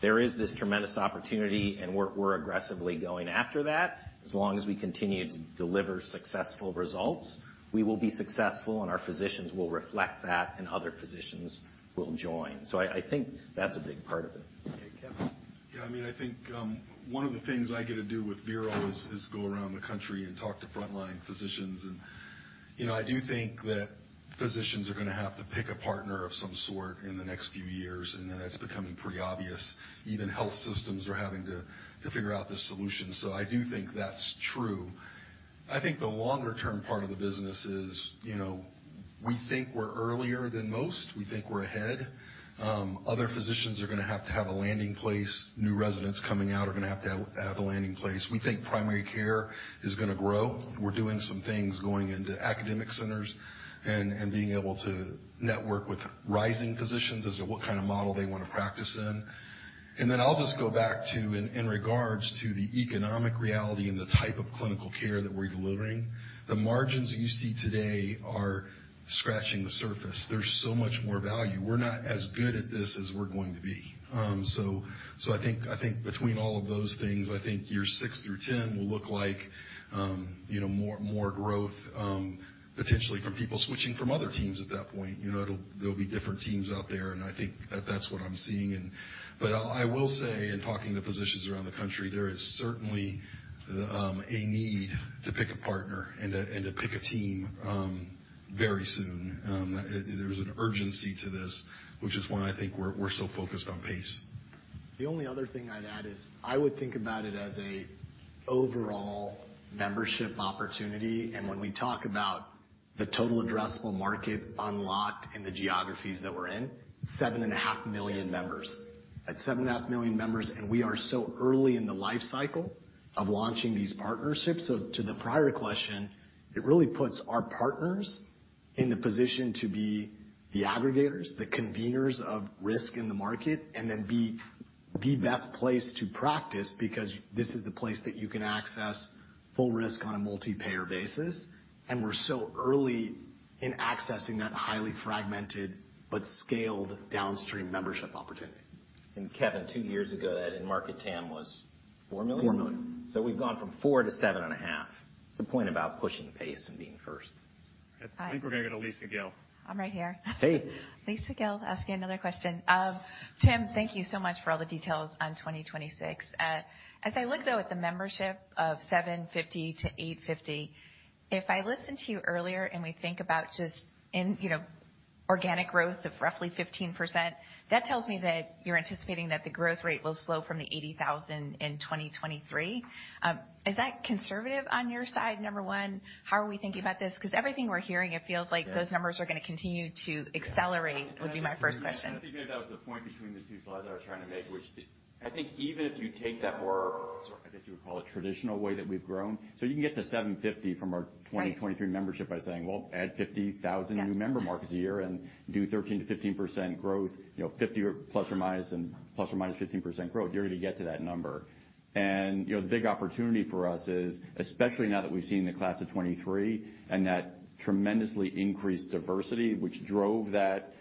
There is this tremendous opportunity, and we're aggressively going after that. As long as we continue to deliver successful results, we will be successful, and our physicians will reflect that, and other physicians will join. I think that's a big part of it.
Okay, Kevin.
Yeah, I mean, I think one of the things I get to do with Veeral is go around the country and talk to frontline physicians. You know, I do think that physicians are gonna have to pick a partner of some sort in the next few years, and that's becoming pretty obvious. Even health systems are having to figure out this solution. I do think that's true. I think the longer-term part of the business is, you know, we think we're earlier than most. We think we're ahead. Other physicians are gonna have to have a landing place. New residents coming out are gonna have to have in place. We think primary care is gonna grow. We're doing some things going into academic centers and being able to network with rising physicians as to what kind of model they wanna practice in. I'll just go back to in regards to the economic reality and the type of clinical care that we're delivering, the margins you see today are scratching the surface. There's so much more value. We're not as good at this as we're going to be. So I think between all of those things, year 6 through 10 will look like, you know, more growth, potentially from people switching from other teams at that point. You know, there'll be different teams out there, and I think that's what I'm seeing. But I'll say in talking to physicians around the country, there is certainly a need to pick a partner and to pick a team very soon. There's an urgency to this, which is why I think we're so focused on pace.
The only other thing I'd add is I would think about it as an overall membership opportunity, and when we talk about the total addressable market unlocked in the geographies that we're in, 7.5 million members. At 7.5 million members, we are so early in the life cycle of launching these partnerships. To the prior question, it really puts our partners in the position to be the aggregators, the conveners of risk in the market, and then be the best place to practice because this is the place that you can access full risk on a multi-payer basis. We're so early in accessing that highly fragmented but scaled downstream membership opportunity.
Kevin, two years ago, that end market TAM was 4 million?
4 million.
We've gone from 4 to 7.5. It's a point about pushing pace and being first.
Hi.
I think we're gonna go to Lisa Gill.
I'm right here. Hey. Lisa Gill, asking another question. Tim, thank you so much for all the details on 2026. As I look though at the membership of 750-850, if I listen to you earlier, and we think about just in, you know, organic growth of roughly 15%, that tells me that you're anticipating that the growth rate will slow from the 80,000 in 2023. Is that conservative on your side, number one? How are we thinking about this? 'Cause everything we're hearing, it feels like those numbers are gonna continue to accelerate, would be my first question.
I think maybe that was the point between the two slides I was trying to make. I think even if you take that more, sort of, I guess you would call it, traditional way that we've grown, so you can get to 750 from our 2023 membership by saying, well, add 50,000 new member markets a year and do 13%-15% growth, you know, 50 or ±15% growth, you're gonna get to that number. You know, the big opportunity for us is, especially now that we've seen the class of 2023 and that tremendously increased diversity, which drove that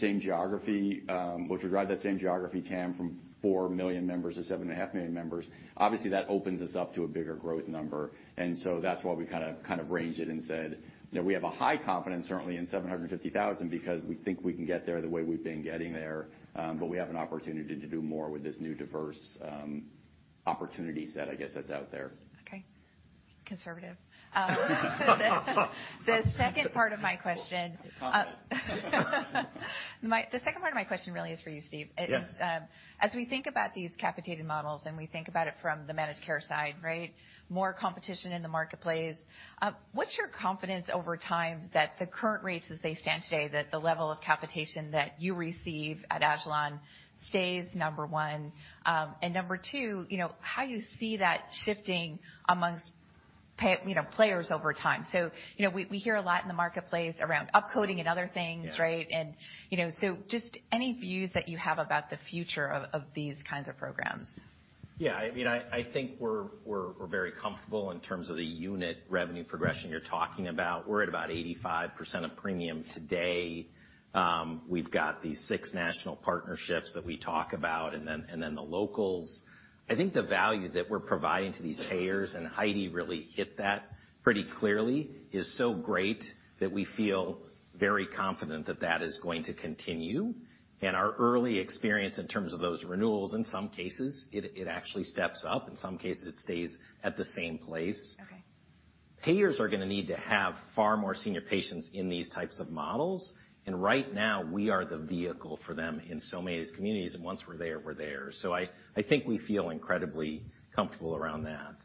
same geography TAM from 4 million members to 7.5 million members. Obviously, that opens us up to a bigger growth number.
That's why we kind of ranged it and said, you know, we have a high confidence certainly in 750,000 because we think we can get there the way we've been getting there. We have an opportunity to do more with this new diverse opportunity set, I guess, that's out there.
Okay. Conservative. The second part of my question really is for you, Steve.
Yeah.
It is, as we think about these capitated models, and we think about it from the managed care side, right? More competition in the marketplace, what's your confidence over time that the current rates as they stand today, that the level of capitation that you receive at agilon stays, number one, and number two, you know, how you see that shifting amongst players over time? You know, we hear a lot in the marketplace around upcoding and other things, right?
Yeah.
You know, just any views that you have about the future of these kinds of programs.
Yeah. I mean, I think we're very comfortable in terms of the unit revenue progression you're talking about. We're at about 85% of premium today. We've got these six national partnerships that we talk about and then the locals. I think the value that we're providing to these payers, and Heidi really hit that pretty clearly, is so great that we feel very confident that that is going to continue, and our early experience in terms of those renewals, in some cases, it actually steps up. In some cases, it stays at the same place.
Okay.
Payers are gonna need to have far more senior patients in these types of models, and right now, we are the vehicle for them in so many of these communities. Once we're there, we're there. I think we feel incredibly comfortable around that.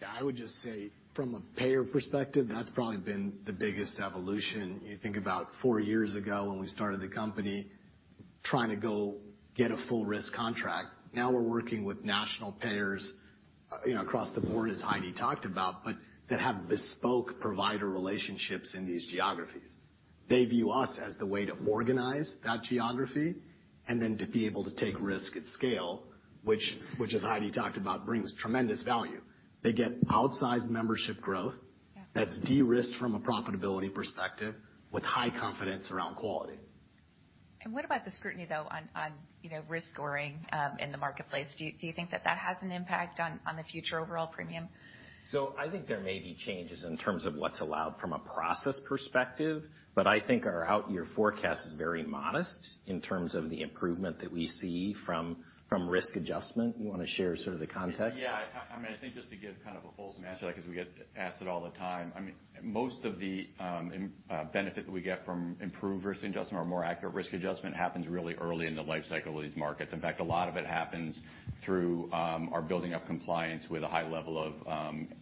Yeah. I would just say from a payer perspective, that's probably been the biggest evolution. You think about four years ago when we started the company, trying to go get a full risk contract. Now we're working with national payers, you know, across the board, as Heidi talked about, but that have bespoke provider relationships in these geographies. They view us as the way to organize that geography and then to be able to take risk at scale, which as Heidi talked about, brings tremendous value. They get outsized membership growth.
Yeah.
That's de-risked from a profitability perspective with high confidence around quality.
What about the scrutiny, though, on you know, risk scoring in the marketplace? Do you think that has an impact on the future overall premium? I think there may be changes in terms of what's allowed from a process perspective, but I think our out year forecast is very modest in terms of the improvement that we see from risk adjustment. You wanna share sort of the context?
Yeah. I mean, I think just to give kind of a full smash to that because we get asked it all the time. I mean, most of the benefit we get from improved risk adjustment or more accurate risk adjustment happens really early in the life cycle of these markets. In fact, a lot of it happens through our building up compliance with a high level of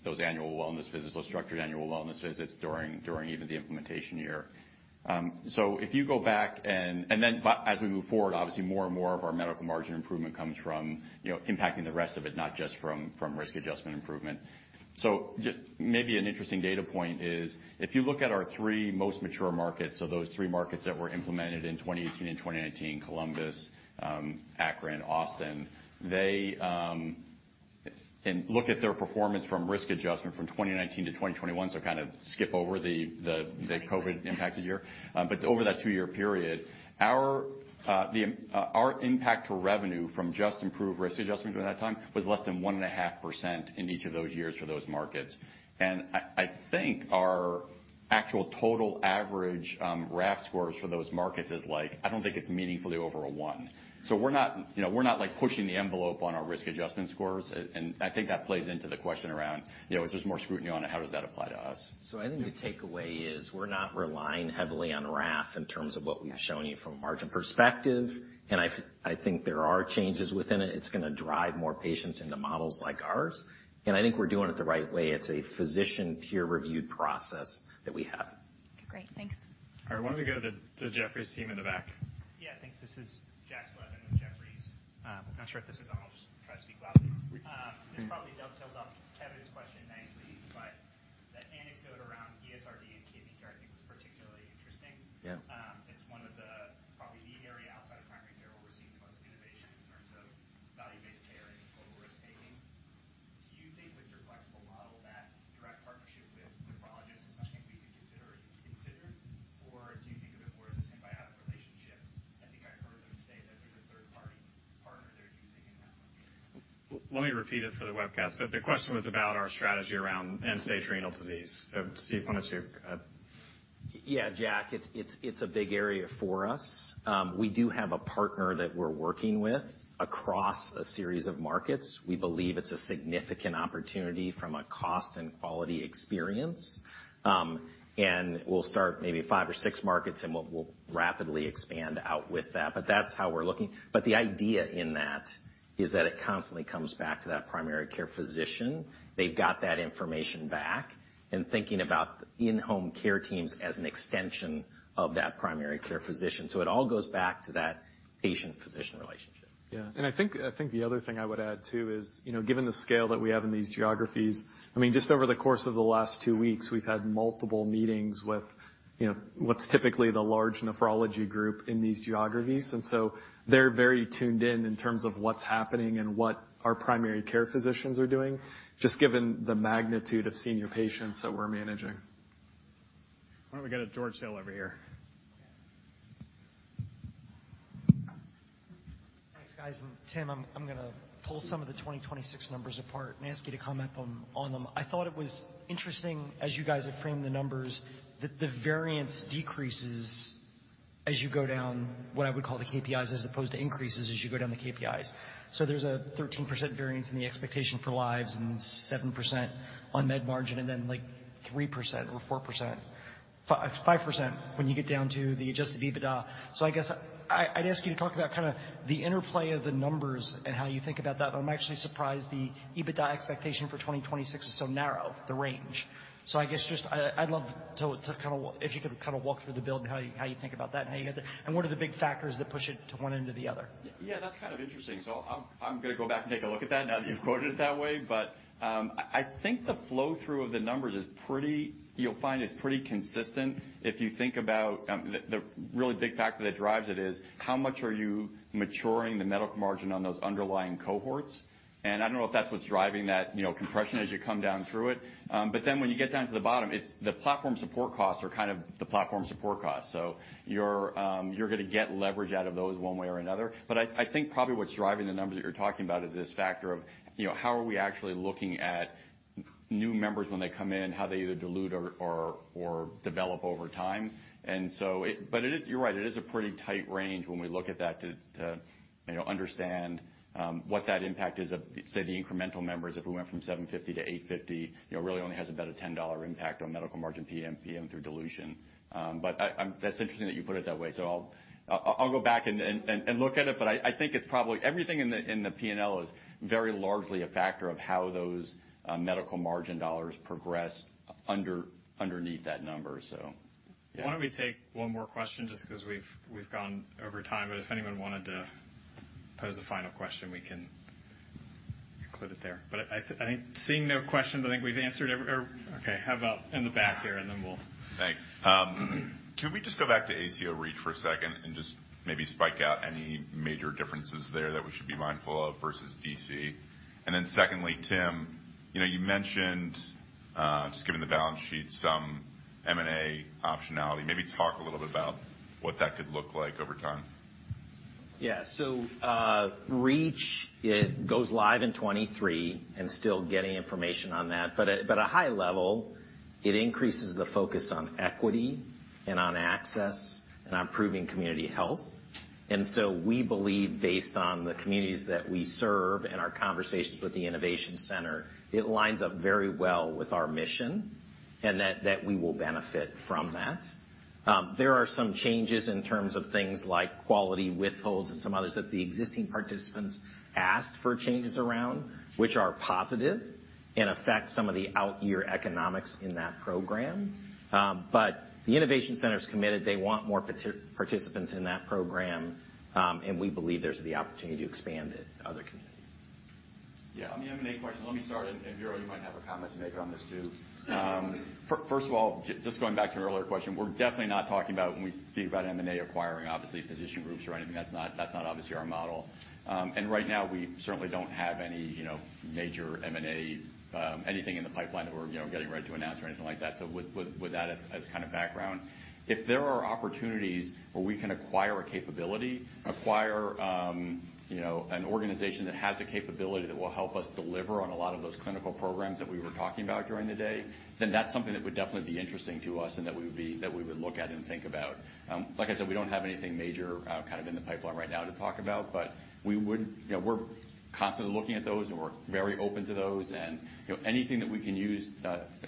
those Annual Wellness Visits, those structured Annual Wellness Visits during even the implementation year. If you go back and then but as we move forward, obviously more and more of our medical margin improvement comes from you know impacting the rest of it, not just from risk adjustment improvement. Maybe an interesting data point is if you look at our three most mature markets, those three markets that were implemented in 2018 and 2019, Columbus, Akron, Austin. Look at their performance from risk adjustment from 2019 to 2021. Kind of skip over the COVID impacted year. But over that two-year period, our impact to revenue from just improved risk adjustment during that time was less than 1.5% in each of those years for those markets. I think our actual total average RAF scores for those markets is like, I don't think it's meaningfully over a 1. We're not, you know, we're not like pushing the envelope on our risk adjustment scores. I think that plays into the question around, you know, if there's more scrutiny on it, how does that apply to us? I think the takeaway is we're not relying heavily on RAF in terms of what we've shown you from a margin perspective. I think there are changes within it. It's gonna drive more patients into models like ours, and I think we're doing it the right way. It's a physician peer-reviewed process that we have.
Great, thanks.
All right. Why don't we go to Jefferies' team in the back?
Yeah, thanks. This is Jack Slevin with Jefferies. I'm not sure if this is on. I'll just try to speak loudly. This probably dovetails off Kevin's question nicely, but the
is that it constantly comes back to that primary care physician. They've got that information back and thinking about in-home care teams as an extension of that primary care physician. It all goes back to that patient-physician relationship. Yeah. I think the other thing I would add too is, you know, given the scale that we have in these geographies, I mean, just over the course of the last two weeks, we've had multiple meetings with, you know, what's typically the large nephrology group in these geographies. They're very tuned in terms of what's happening and what our primary care physicians are doing, just given the magnitude of senior patients that we're managing.
Why don't we go to George Hill over here?
Thanks, guys. Tim, I'm gonna pull some of the 2026 numbers apart and ask you to comment on them. I thought it was interesting, as you guys have framed the numbers, that the variance decreases as you go down, what I would call the KPIs, as opposed to increases as you go down the KPIs. There's a 13% variance in the expectation for lives and 7% on med margin, and then like 3% or 4%, 5% when you get down to the adjusted EBITDA. I guess I'd ask you to talk about kinda the interplay of the numbers and how you think about that. I'm actually surprised the EBITDA expectation for 2026 is so narrow, the range. I guess I'd love to kinda walk. If you could kinda walk through the build and how you think about that and how you got that, and what are the big factors that push it to one end or the other?
Yeah, that's kind of interesting. I'm gonna go back and take a look at that now that you've quoted it that way. I think the flow-through of the numbers is pretty consistent. You'll find it is pretty consistent. If you think about the really big factor that drives it is how much are you maturing the medical margin on those underlying cohorts. I don't know if that's what's driving that, you know, compression as you come down through it. Then when you get down to the bottom, it's the platform support costs are kind of the platform support costs. You're gonna get leverage out of those one way or another. I think probably what's driving the numbers that you're talking about is this factor of, you know, how are we actually looking at new members when they come in, how they either dilute or develop over time. It is. You're right, it is a pretty tight range when we look at that to, you know, understand what that impact is of, say, the incremental members if we went from 750 to 850, you know, really only has about a $10 impact on medical margin PMPM through dilution. That's interesting that you put it that way.
I'll go back and look at it, but I think it's probably everything in the P&L is very largely a factor of how those medical margin dollars progress underneath that number, so yeah.
Why don't we take one more question just 'cause we've gone over time, but if anyone wanted to pose a final question, we can include it there. I think seeing no questions, I think we've answered every. Okay, how about in the back here and then we'll-
Thanks. Can we just go back to ACO REACH for a second and just maybe spell out any major differences there that we should be mindful of versus DC? Secondly, Tim, you know, you mentioned, just given the balance sheet, some M&A optionality. Maybe talk a little bit about what that could look like over time.
Yeah. REACH goes live in 2023 and still getting information on that. But at high level, it increases the focus on equity and on access and on improving community health. We believe based on the communities that we serve and our conversations with the Innovation Center, it lines up very well with our mission, and that we will benefit from that. There are some changes in terms of things like quality withholds and some others that the existing participants asked for changes around, which are positive and affect some of the out-year economics in that program. But the Innovation Center is committed. They want more participants in that program, and we believe there's the opportunity to expand it to other communities.
Yeah, on the M&A question, let me start, and Veeral, you might have a comment to make on this too. First of all, just going back to an earlier question, we're definitely not talking about when we speak about M&A acquiring obviously physician groups or anything. That's not obviously our model. Right now, we certainly don't have any, you know, major M&A anything in the pipeline that we're, you know, getting ready to announce or anything like that. With that as kind of background, if there are opportunities where we can acquire a capability, you know, an organization that has a capability that will help us deliver on a lot of those clinical programs that we were talking about during the day, then that's something that would definitely be interesting to us and that we would look at and think about. Like I said, we don't have anything major kind of in the pipeline right now to talk about, but we would. You know, we're constantly looking at those, and we're very open to those and, you know, anything that we can use,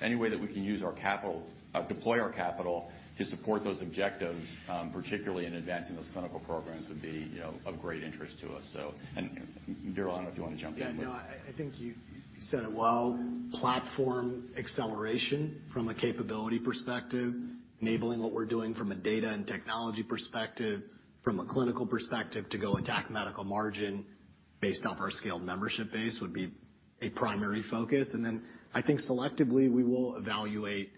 any way that we can use our capital, deploy our capital to support those objectives, particularly in advancing those clinical programs would be, you know, of great interest to us. Veeral, I don't know if you wanna jump in.
Yeah, no, I think you said it well. Platform acceleration from a capability perspective, enabling what we're doing from a data and technology perspective, from a clinical perspective to go attack medical margin based off our scaled membership base would be a primary focus. I think selectively, we will evaluate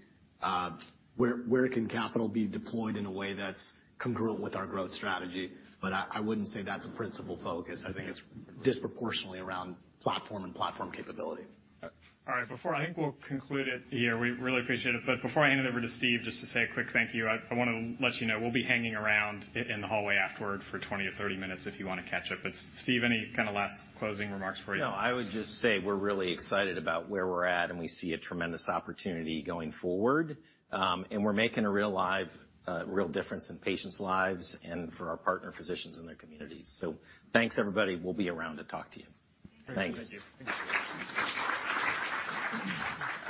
where can capital be deployed in a way that's congruent with our growth strategy. I wouldn't say that's a principal focus. I think it's disproportionately around platform and platform capability.
All right. Before I think we'll conclude it here, we really appreciate it. Before I hand it over to Steve, just to say a quick thank you, I wanna let you know we'll be hanging around in the hallway afterward for 20 or 30 minutes if you wanna catch up. Steve, any kinda last closing remarks for you?
No, I would just say we're really excited about where we're at, and we see a tremendous opportunity going forward. We're making a real difference in patients' lives and for our partner physicians and their communities. Thanks, everybody. We'll be around to talk to you.
Thank you.
Thanks.